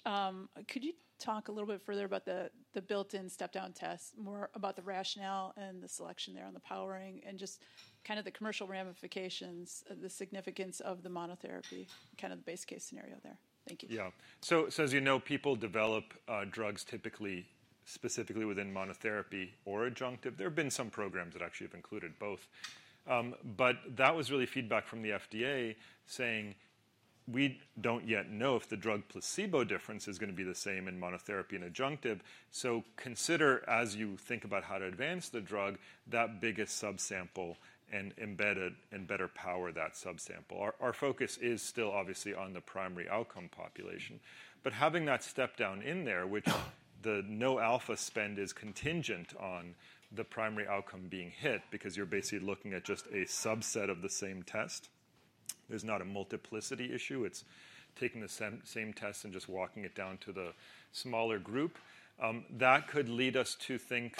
Could you talk a little bit further about the built-in step-down test, more about the rationale and the selection there on the powering and just kind of the commercial ramifications, the significance of the monotherapy, kind of the base case scenario there? Thank you. Yeah. So as you know, people develop drugs typically, specifically within monotherapy or adjunctive. There have been some programs that actually have included both. But that was really feedback from the FDA saying, "We don't yet know if the drug placebo difference is gonna be the same in monotherapy and adjunctive. So consider, as you think about how to advance the drug, that biggest subsample and embed it and better power that subsample." Our focus is still obviously on the primary outcome population. But having that step down in there, which the no alpha spend is contingent on the primary outcome being hit because you're basically looking at just a subset of the same test, is not a multiplicity issue. It's taking the same test and just walking it down to the smaller group. That could lead us to think,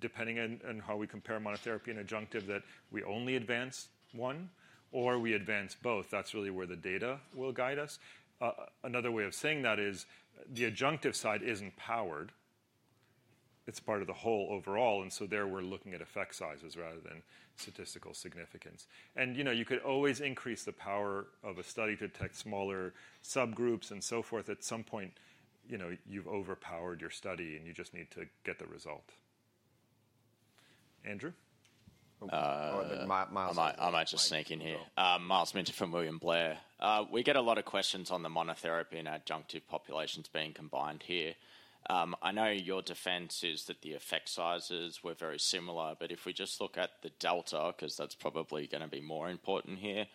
depending on how we compare monotherapy and adjunctive, that we only advance one or we advance both. That's really where the data will guide us. Another way of saying that is the adjunctive side isn't powered. It's part of the whole overall, and so there we're looking at effect sizes rather than statistical significance. And, you know, you could always increase the power of a study to detect smaller subgroups and so forth. At some point, you know, you've overpowered your study, and you just need to get the result. Andrew? Uh- Or Miles. I might just sneak in here. Sure. Myles Minter from William Blair. We get a lot of questions on the monotherapy and adjunctive populations being combined here. I know your defense is that the effect sizes were very similar, but if we just look at the delta, 'cause that's probably gonna be more important here,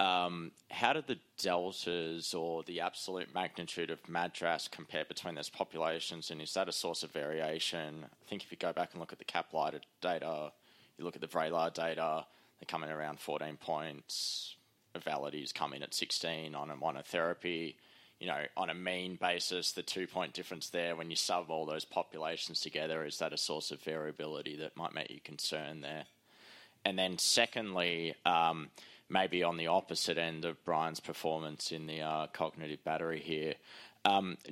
how do the deltas or the absolute magnitude of MADRS compare between those populations, and is that a source of variation? I think if you go back and look at the Caplyta data, you look at the Vraylar data, they come in around 14 points. Auvelity's come in at 16 on a monotherapy. You know, on a mean basis, the two-point difference there, when you sub all those populations together, is that a source of variability that might make you concerned there? Then secondly, maybe on the opposite end of Brian's performance in the cognitive battery here,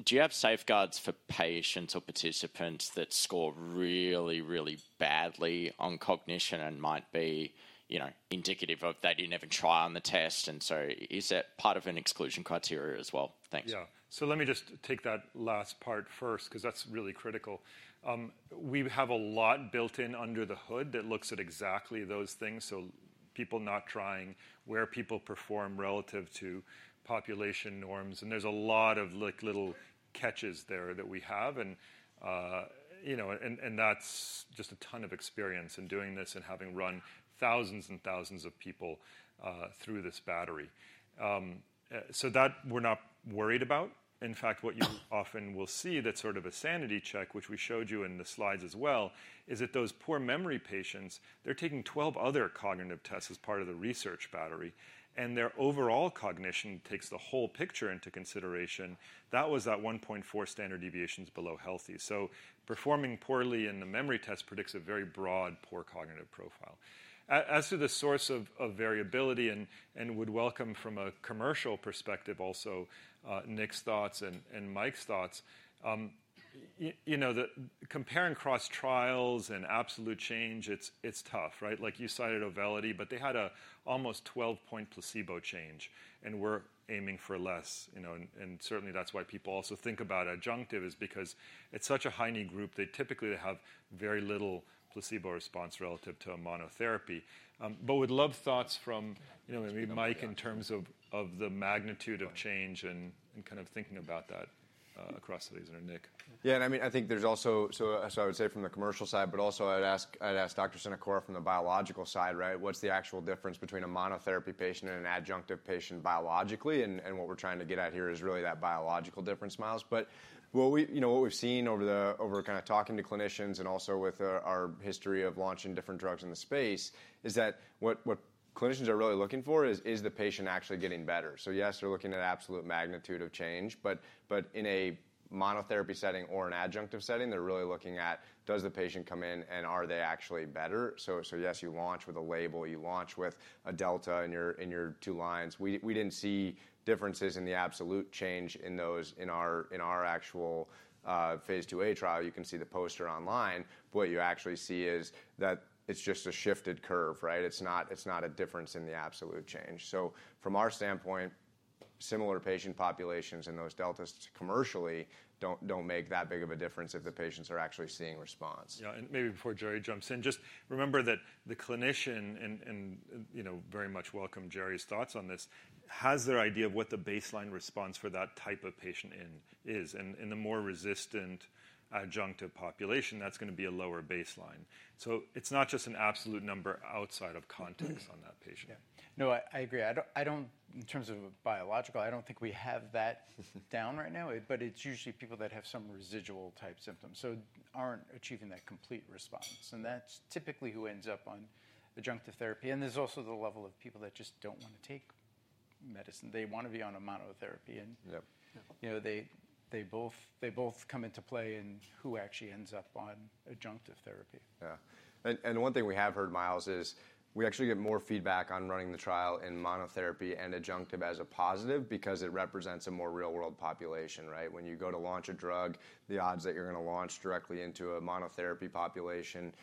do you have safeguards for patients or participants that score really, really badly on cognition and might be, you know, indicative of they didn't even try on the test, and so is that part of an exclusion criteria as well? Thanks. Yeah. So let me just take that last part first, 'cause that's really critical. We have a lot built in under the hood that looks at exactly those things, so people not trying, where people perform relative to population norms, and there's a lot of, like, little catches there that we have, and, you know, and that's just a ton of experience in doing this and having run thousands and thousands of people through this battery. So that we're not worried about. In fact, what you often will see, that sort of a sanity check, which we showed you in the slides as well, is that those poor memory patients, they're taking 12 other cognitive tests as part of the research battery, and their overall cognition takes the whole picture into consideration. That was at 1.4 standard deviations below healthy. Performing poorly in the memory test predicts a very broad, poor cognitive profile. As to the source of variability and would welcome from a commercial perspective also, Nick's thoughts and Mike's thoughts, you know, the comparing cross trials and absolute change, it's tough, right? Like you cited Auvelity, but they had almost 12-point placebo change, and we're aiming for less, you know, and certainly, that's why people also think about adjunctive is because it's such a high-need group. They typically have very little placebo response relative to a monotherapy. But would love thoughts from, you know, maybe Mike, in terms of the magnitude of change and kind of thinking about that across these, and Nick? Yeah, and I mean, I think there's also, so I would say from the commercial side, but also I'd ask Dr. Sanacora from the biological side, right? What's the actual difference between a monotherapy patient and an adjunctive patient biologically? And what we're trying to get at here is really that biological difference, Miles. But what we, you know, what we've seen over the, over kind of talking to clinicians and also with our history of launching different drugs in the space, is that what clinicians are really looking for is the patient actually getting better? So yes, they're looking at absolute magnitude of change, but in a monotherapy setting or an adjunctive setting, they're really looking at, does the patient come in, and are they actually better? So yes, you launch with a label, you launch with a delta in your two lines. We didn't see differences in the absolute change in those in our actual phase IIa trial. You can see the poster online, but what you actually see is that it's just a shifted curve, right? It's not a difference in the absolute change. So from our standpoint, similar patient populations and those deltas commercially don't make that big of a difference if the patients are actually seeing response. Yeah, and maybe before Jerry jumps in, just remember that the clinician and, you know, very much welcome Jerry's thoughts on this, has their idea of what the baseline response for that type of patient is. And in the more resistant adjunctive population, that's gonna be a lower baseline. So it's not just an absolute number outside of context on that patient. Mm-hmm. Yeah. No, I agree. I don't, in terms of biological, I don't think we have that down right now, but it's usually people that have some residual-type symptoms, so aren't achieving that complete response, and that's typically who ends up on adjunctive therapy. And there's also the level of people that just don't want to take medicine. They want to be on a monotherapy, and- Yep. You know, they both come into play in who actually ends up on adjunctive therapy. Yeah. One thing we have heard, Miles, is we actually get more feedback on running the trial in monotherapy and adjunctive as a positive because it represents a more real-world population, right? When you go to launch a drug, the odds that you're gonna launch directly into a monotherapy population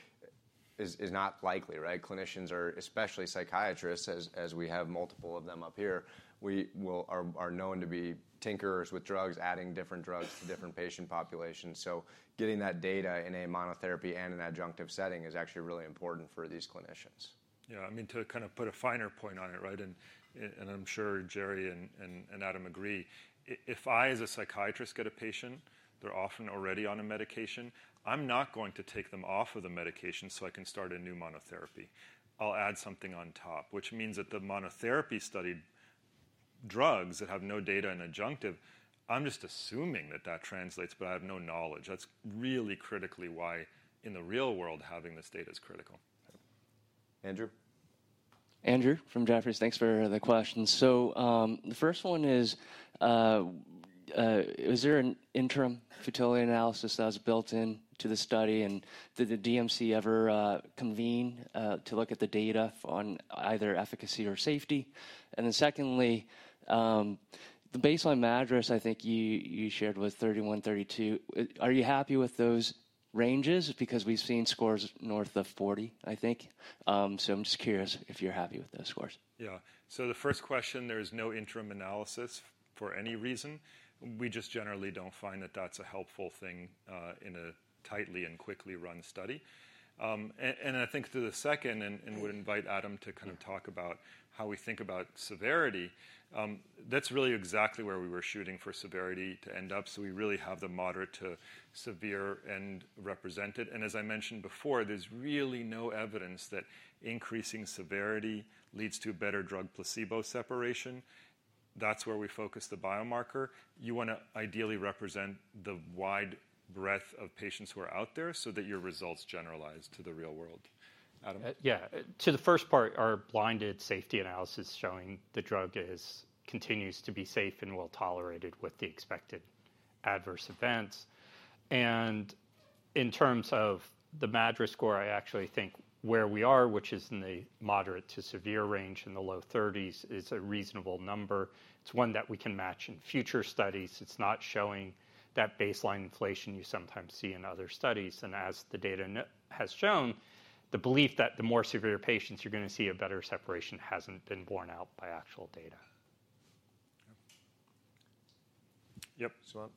is not likely, right? Clinicians are, especially psychiatrists, as we have multiple of them up here, known to be tinkerers with drugs, adding different drugs to different patient populations. So getting that data in a monotherapy and an adjunctive setting is actually really important for these clinicians. Yeah, I mean, to kind of put a finer point on it, right? And I'm sure Jerry and Adam agree. If I, as a psychiatrist, get a patient, they're often already on a medication. I'm not going to take them off of the medication so I can start a new monotherapy. I'll add something on top, which means that the monotherapy studied drugs that have no data in adjunctive. I'm just assuming that that translates, but I have no knowledge. That's really critically why, in the real world, having this data is critical. Andrew? Andrew Tsai from Jefferies. Thanks for the questions. So, the first one is, was there an interim futility analysis that was built into the study? And did the DMC ever convene to look at the data on either efficacy or safety? And then secondly, the baseline MADRS, I think you shared was 31, 32. Are you happy with those ranges? Because we've seen scores north of forty, I think. So I'm just curious if you're happy with those scores. Yeah. So the first question, there is no interim analysis for any reason. We just generally don't find that that's a helpful thing in a tightly and quickly run study. And I think to the second, I would invite Adam to kind of talk about how we think about severity. That's really exactly where we were shooting for severity to end up. So we really have the moderate to severe end represented. And as I mentioned before, there's really no evidence that increasing severity leads to better drug-placebo separation. That's where we focus the biomarker. You want to ideally represent the wide breadth of patients who are out there so that your results generalize to the real world. Adam? Yeah. To the first part, our blinded safety analysis showing the drug continues to be safe and well-tolerated with the expected adverse events. And in terms of the MADRS score, I actually think where we are, which is in the moderate to severe range, in the low thirties, is a reasonable number. It's one that we can match in future studies. It's not showing that baseline inflation you sometimes see in other studies. And as the data has shown, the belief that the more severe patients, you're gonna see a better separation, hasn't been borne out by actual data. Yep. Yep, Sumant. There you go. Thank you.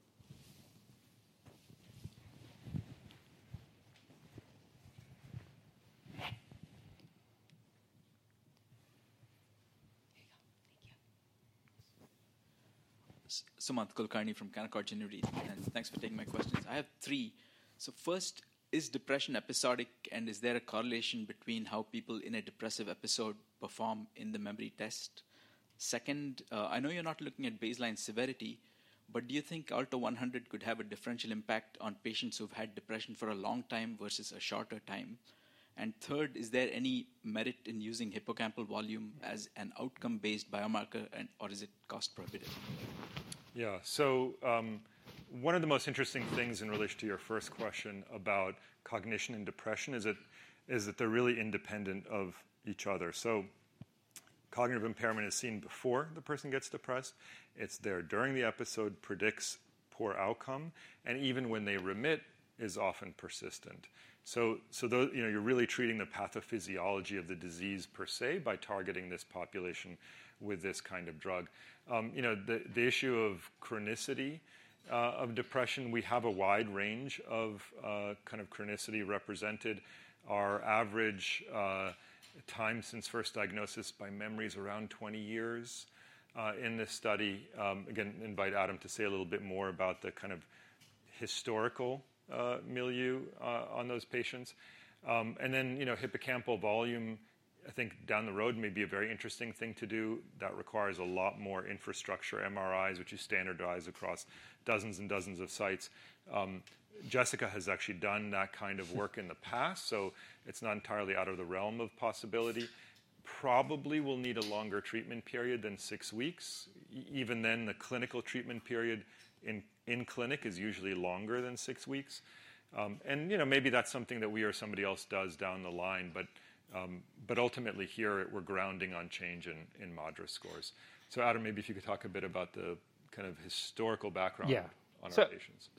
Sumant Kulkarni from Canaccord Genuity, and thanks for taking my questions. I have three. So first, is depression episodic, and is there a correlation between how people in a depressive episode perform in the memory test? Second, I know you're not looking at baseline severity, but do you think ALTO-100 could have a differential impact on patients who've had depression for a long time versus a shorter time? And third, is there any merit in using hippocampal volume as an outcome-based biomarker, and or is it cost prohibitive? Yeah. So, one of the most interesting things in relation to your first question about cognition and depression is that they're really independent of each other. So cognitive impairment is seen before the person gets depressed, it's there during the episode, predicts poor outcome, and even when they remit, is often persistent. So, though you know, you're really treating the pathophysiology of the disease per se by targeting this population with this kind of drug. You know, the issue of chronicity of depression, we have a wide range of kind of chronicity represented. Our average time since first diagnosis by memory is around twenty years... in this study, again, invite Adam to say a little bit more about the kind of historical milieu on those patients. And then, you know, hippocampal volume, I think down the road may be a very interesting thing to do. That requires a lot more infrastructure, MRIs, which is standardized across dozens and dozens of sites. Jessica has actually done that kind of work in the past, so it's not entirely out of the realm of possibility. Probably will need a longer treatment period than six weeks. Even then, the clinical treatment period in clinic is usually longer than six weeks. And, you know, maybe that's something that we or somebody else does down the line, but, but ultimately here, we're grounding on change in MADRS scores. So Adam, maybe if you could talk a bit about the kind of historical background- Yeah - on our patients.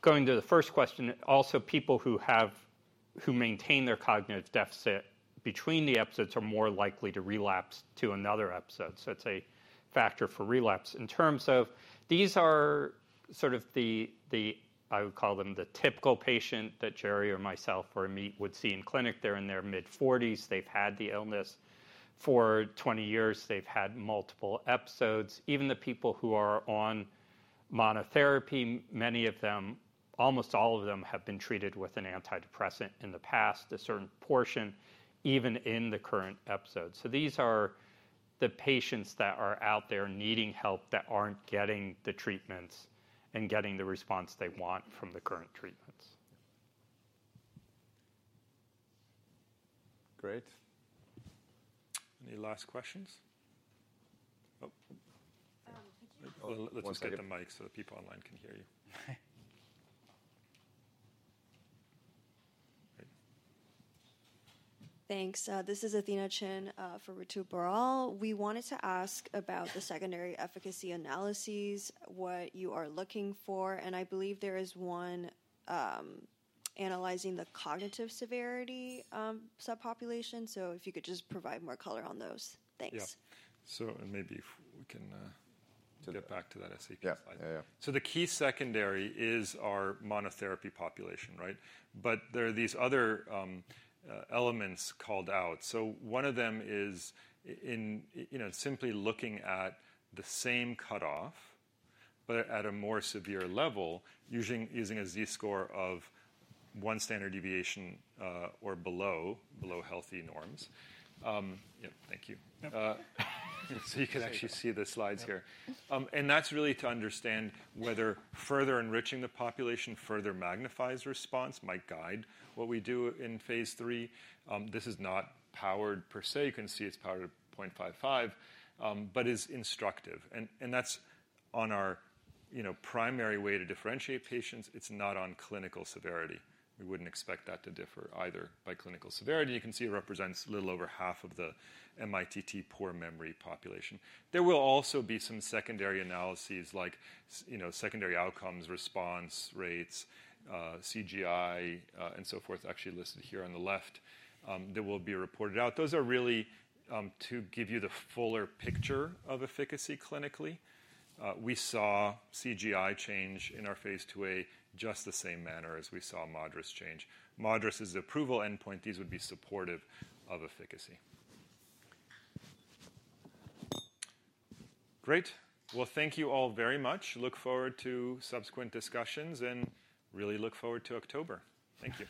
Going to the first question, also, people who maintain their cognitive deficit between the episodes are more likely to relapse to another episode. So it's a factor for relapse. In terms of... These are sort of the typical patient that Jerry or myself or Amit would see in clinic. They're in their mid-forties. They've had the illness for twenty years. They've had multiple episodes. Even the people who are on monotherapy, many of them, almost all of them, have been treated with an antidepressant in the past, a certain portion, even in the current episode. So these are the patients that are out there needing help, that aren't getting the treatments and getting the response they want from the current treatments. Great. Any last questions? Oh. Thank you. Let's just get the mic so that people online can hear you. Great. Thanks. This is Athena Cohen, for Ritu Baral. We wanted to ask about the secondary efficacy analyses, what you are looking for, and I believe there is one, analyzing the cognitive severity, subpopulation. So if you could just provide more color on those. Thanks. Yeah. So and maybe if we can get back to that SAP slide. Yeah. Yeah, yeah. So the key secondary is our monotherapy population, right? But there are these other elements called out. So one of them is, you know, simply looking at the same cutoff, but at a more severe level, using a Z-score of one standard deviation or below healthy norms. Thank you. Yep. So you can actually see the slides here. And that's really to understand whether further enriching the population, further magnifies response, might guide what we do in Phase III. This is not powered per se. You can see it's powered at 0.55, but is instructive, and that's on our, you know, primary way to differentiate patients. It's not on clinical severity. We wouldn't expect that to differ either. By clinical severity, you can see it represents a little over half of the MITT poor memory population. There will also be some secondary analyses, like you know, secondary outcomes, response rates, CGI, and so forth, actually listed here on the left, that will be reported out. Those are really, to give you the fuller picture of efficacy clinically. We saw CGI change in our Phase IIa just the same manner as we saw MADRS change. MADRS is the approval endpoint. These would be supportive of efficacy. Great. Well, thank you all very much. Look forward to subsequent discussions, and really look forward to October. Thank you.